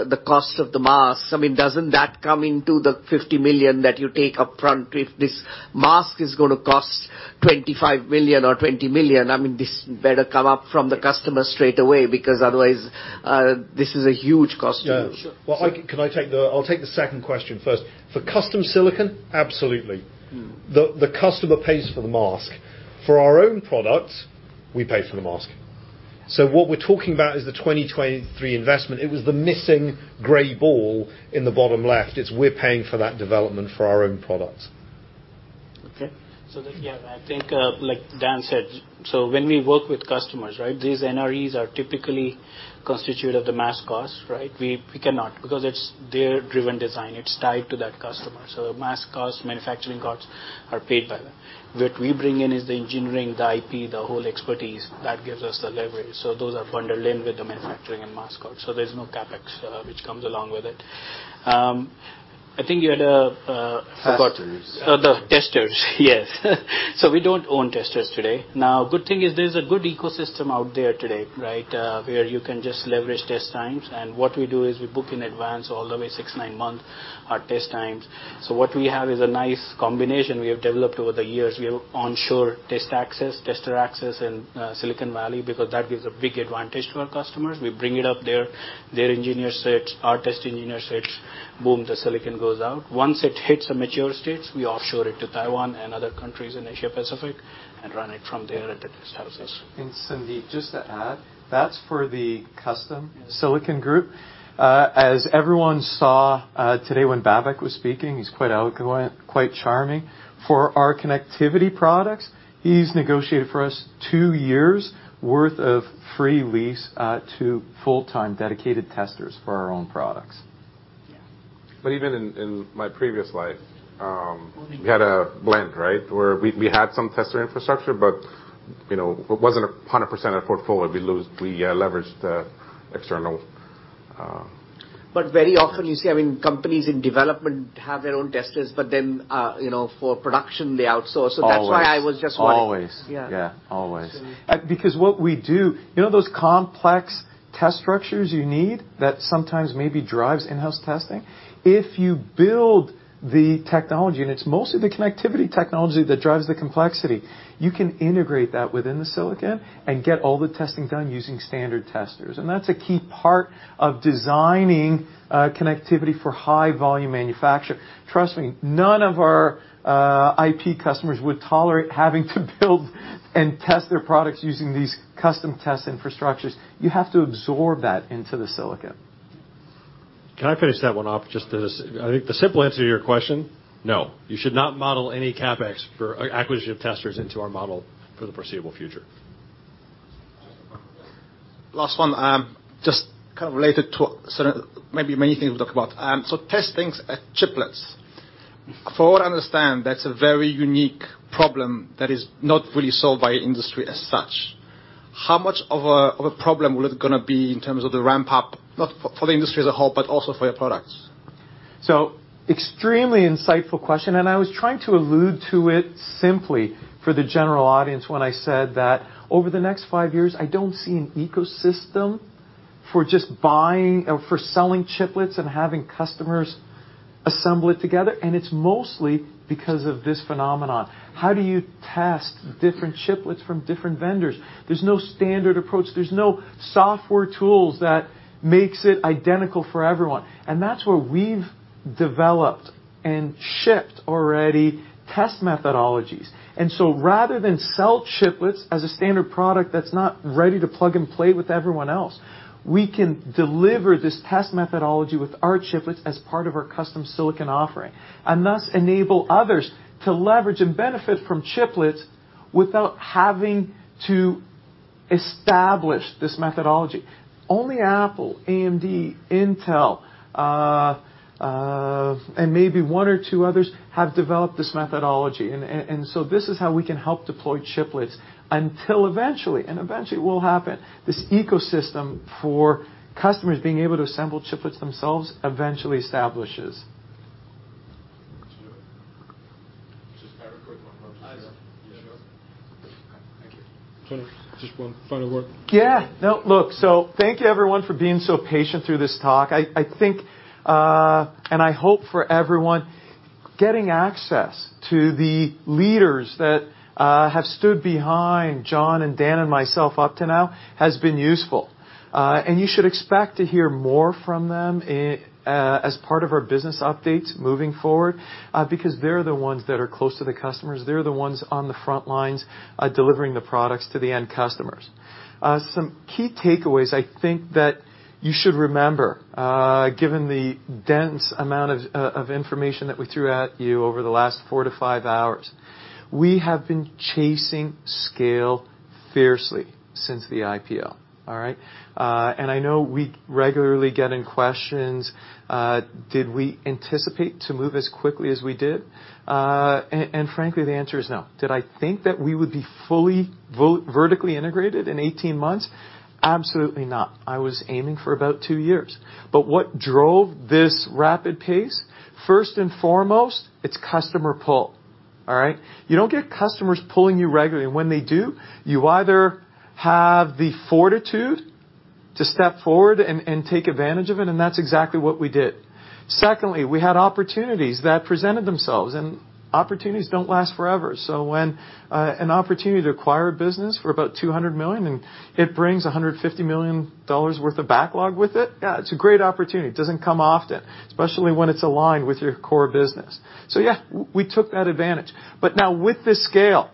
the cost of the mask. I mean, doesn't that come into the $50 million that you take upfront if this mask is gonna cost $25 million or $20 million? I mean, this better come up from the customer straight away because otherwise, this is a huge cost to you. Yeah. Well, I'll take the second question first. For Custom Silicon, absolutely. The customer pays for the mask. For our own products, we pay for the mask. What we're talking about is the 2023 investment. It was the missing gray ball in the bottom left. It's we're paying for that development for our own products. Okay. Yeah, I think, like Dan said, when we work with customers, right? These NREs are typically constituted of the mask costs, right? We cannot because it's their driven design. It's tied to that customer. The mask costs, manufacturing costs are paid by them. What we bring in is the engineering, the IP, the whole expertise that gives us the leverage. Those are bundled in with the manufacturing and mask costs. There's no CapEx which comes along with it. I think you had... Testers. The testers, yes. We don't own testers today. Good thing is there's a good ecosystem out there today, right? Where you can just leverage test times. What we do is we book in advance all the way six to nine months, our test times. What we have is a nice combination we have developed over the years. We have onshore test access, tester access in Silicon Valley because that gives a big advantage to our customers. We bring it up there. Their engineers search, our test engineers search. Boom, the silicon goes out. Once it hits a mature stage, we offshore it to Taiwan and other countries in Asia-Pacific and run it from there at the test houses. Sandeep, just to add, that's for the Custom Silicon group. As everyone saw, today when Babak was speaking, he's quite eloquent, quite charming. For our Connectivity Products, he's negotiated for us two years worth of free lease, to full-time dedicated testers for our own products. Even in my previous slide, we had a blend, right? Where we had some tester infrastructure, but, you know, it wasn't 100% of the portfolio. We leveraged external— Very often you see, I mean, companies in development have their own testers, but then, you know, for production, they outsource. Always. That's why I was just wondering. Always. Yeah. Yeah. Always. Because what we do, you know those complex test structures you need that sometimes maybe drives in-house testing? If you build the technology, and it's mostly the connectivity technology that drives the complexity, you can integrate that within the silicon and get all the testing done using standard testers. That's a key part of designing connectivity for high volume manufacture. Trust me, none of our IP customers would tolerate having to build and test their products using these custom test infrastructures. You have to absorb that into the silicon. Can I finish that one off? Just as, I think the simple answer to your question, no. You should not model any CapEx for acquisition testers into our model for the foreseeable future. Last one. Just kind of related to sort of maybe many things we've talked about. Testings at Chiplets. From what I understand, that's a very unique problem that is not really solved by industry as such. How much of a problem will it gonna be in terms of the ramp-up, not for the industry as a whole, but also for your products? Extremely insightful question, and I was trying to allude to it simply for the general audience when I said that over the next five years, I don't see an ecosystem for just buying or for selling chiplets and having customers assemble it together, and it's mostly because of this phenomenon. How do you test different chiplets from different vendors? There's no standard approach. There's no software tools that makes it identical for everyone. That's where we've developed and shipped already test methodologies. Rather than sell chiplets as a standard product that's not ready to plug and play with everyone else, we can deliver this test methodology with our chiplets as part of our custom silicon offering. Thus, enable others to leverage and benefit from chiplets without having to establish this methodology. Only Apple, AMD, Intel, and maybe one or two others have developed this methodology. This is how we can help deploy chiplets until eventually, and eventually will happen, this ecosystem for customers being able to assemble chiplets themselves eventually establishes. Just very quick one. Tony, just one final word. No, look, thank you everyone for being so patient through this talk. I think, and I hope for everyone getting access to the leaders that have stood behind John and Dan and myself up to now has been useful. You should expect to hear more from them as part of our business updates moving forward. They're the ones that are close to the customers. They're the ones on the front lines, delivering the products to the end customers. Some key takeaways I think that you should remember, given the dense amount of information that we threw at you over the last four to five hours. We have been chasing scale fiercely since the IPO, all right? I know we regularly get in questions, did we anticipate to move as quickly as we did? Frankly, the answer is no. Did I think that we would be fully vertically integrated in 18 months? Absolutely not. I was aiming for about two years. What drove this rapid pace? First and foremost, it's customer pull. All right? You don't get customers pulling you regularly. When they do, you either have the fortitude to step forward and take advantage of it, and that's exactly what we did. Secondly, we had opportunities that presented themselves, and opportunities don't last forever. When an opportunity to acquire a business for about $200 million, and it brings $150 million worth of backlog with it, yeah, it's a great opportunity. It doesn't come often, especially when it's aligned with your core business. Yeah, we took that advantage. Now with this scale,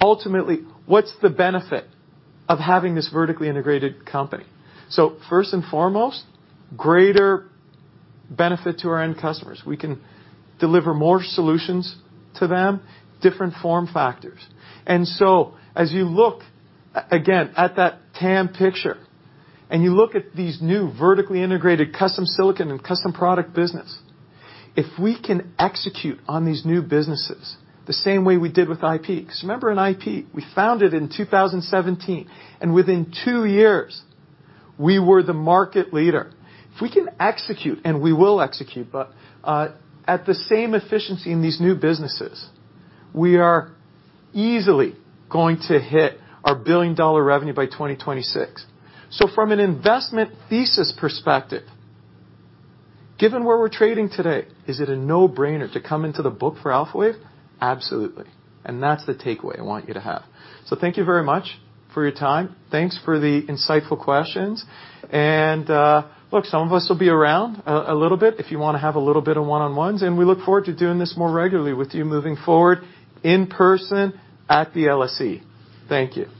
ultimately, what's the benefit of having this vertically integrated company? First and foremost, greater benefit to our end customers. We can deliver more solutions to them, different form factors. As you look again at that TAM picture, and you look at these new vertically integrated custom silicon and custom product business, if we can execute on these new businesses the same way we did with IP... 'Cause remember in IP, we founded in 2017, and within two years we were the market leader. If we can execute, and we will execute, but at the same efficiency in these new businesses, we are easily going to hit our billion-dollar revenue by 2026. From an investment thesis perspective, given where we're trading today, is it a no-brainer to come into the book for Alphawave? Absolutely. That's the takeaway I want you to have. Thank you very much for your time. Thanks for the insightful questions. Look, some of us will be around a little bit if you wanna have a little bit of one-on-ones, and we look forward to doing this more regularly with you moving forward in person at the LSE. Thank you.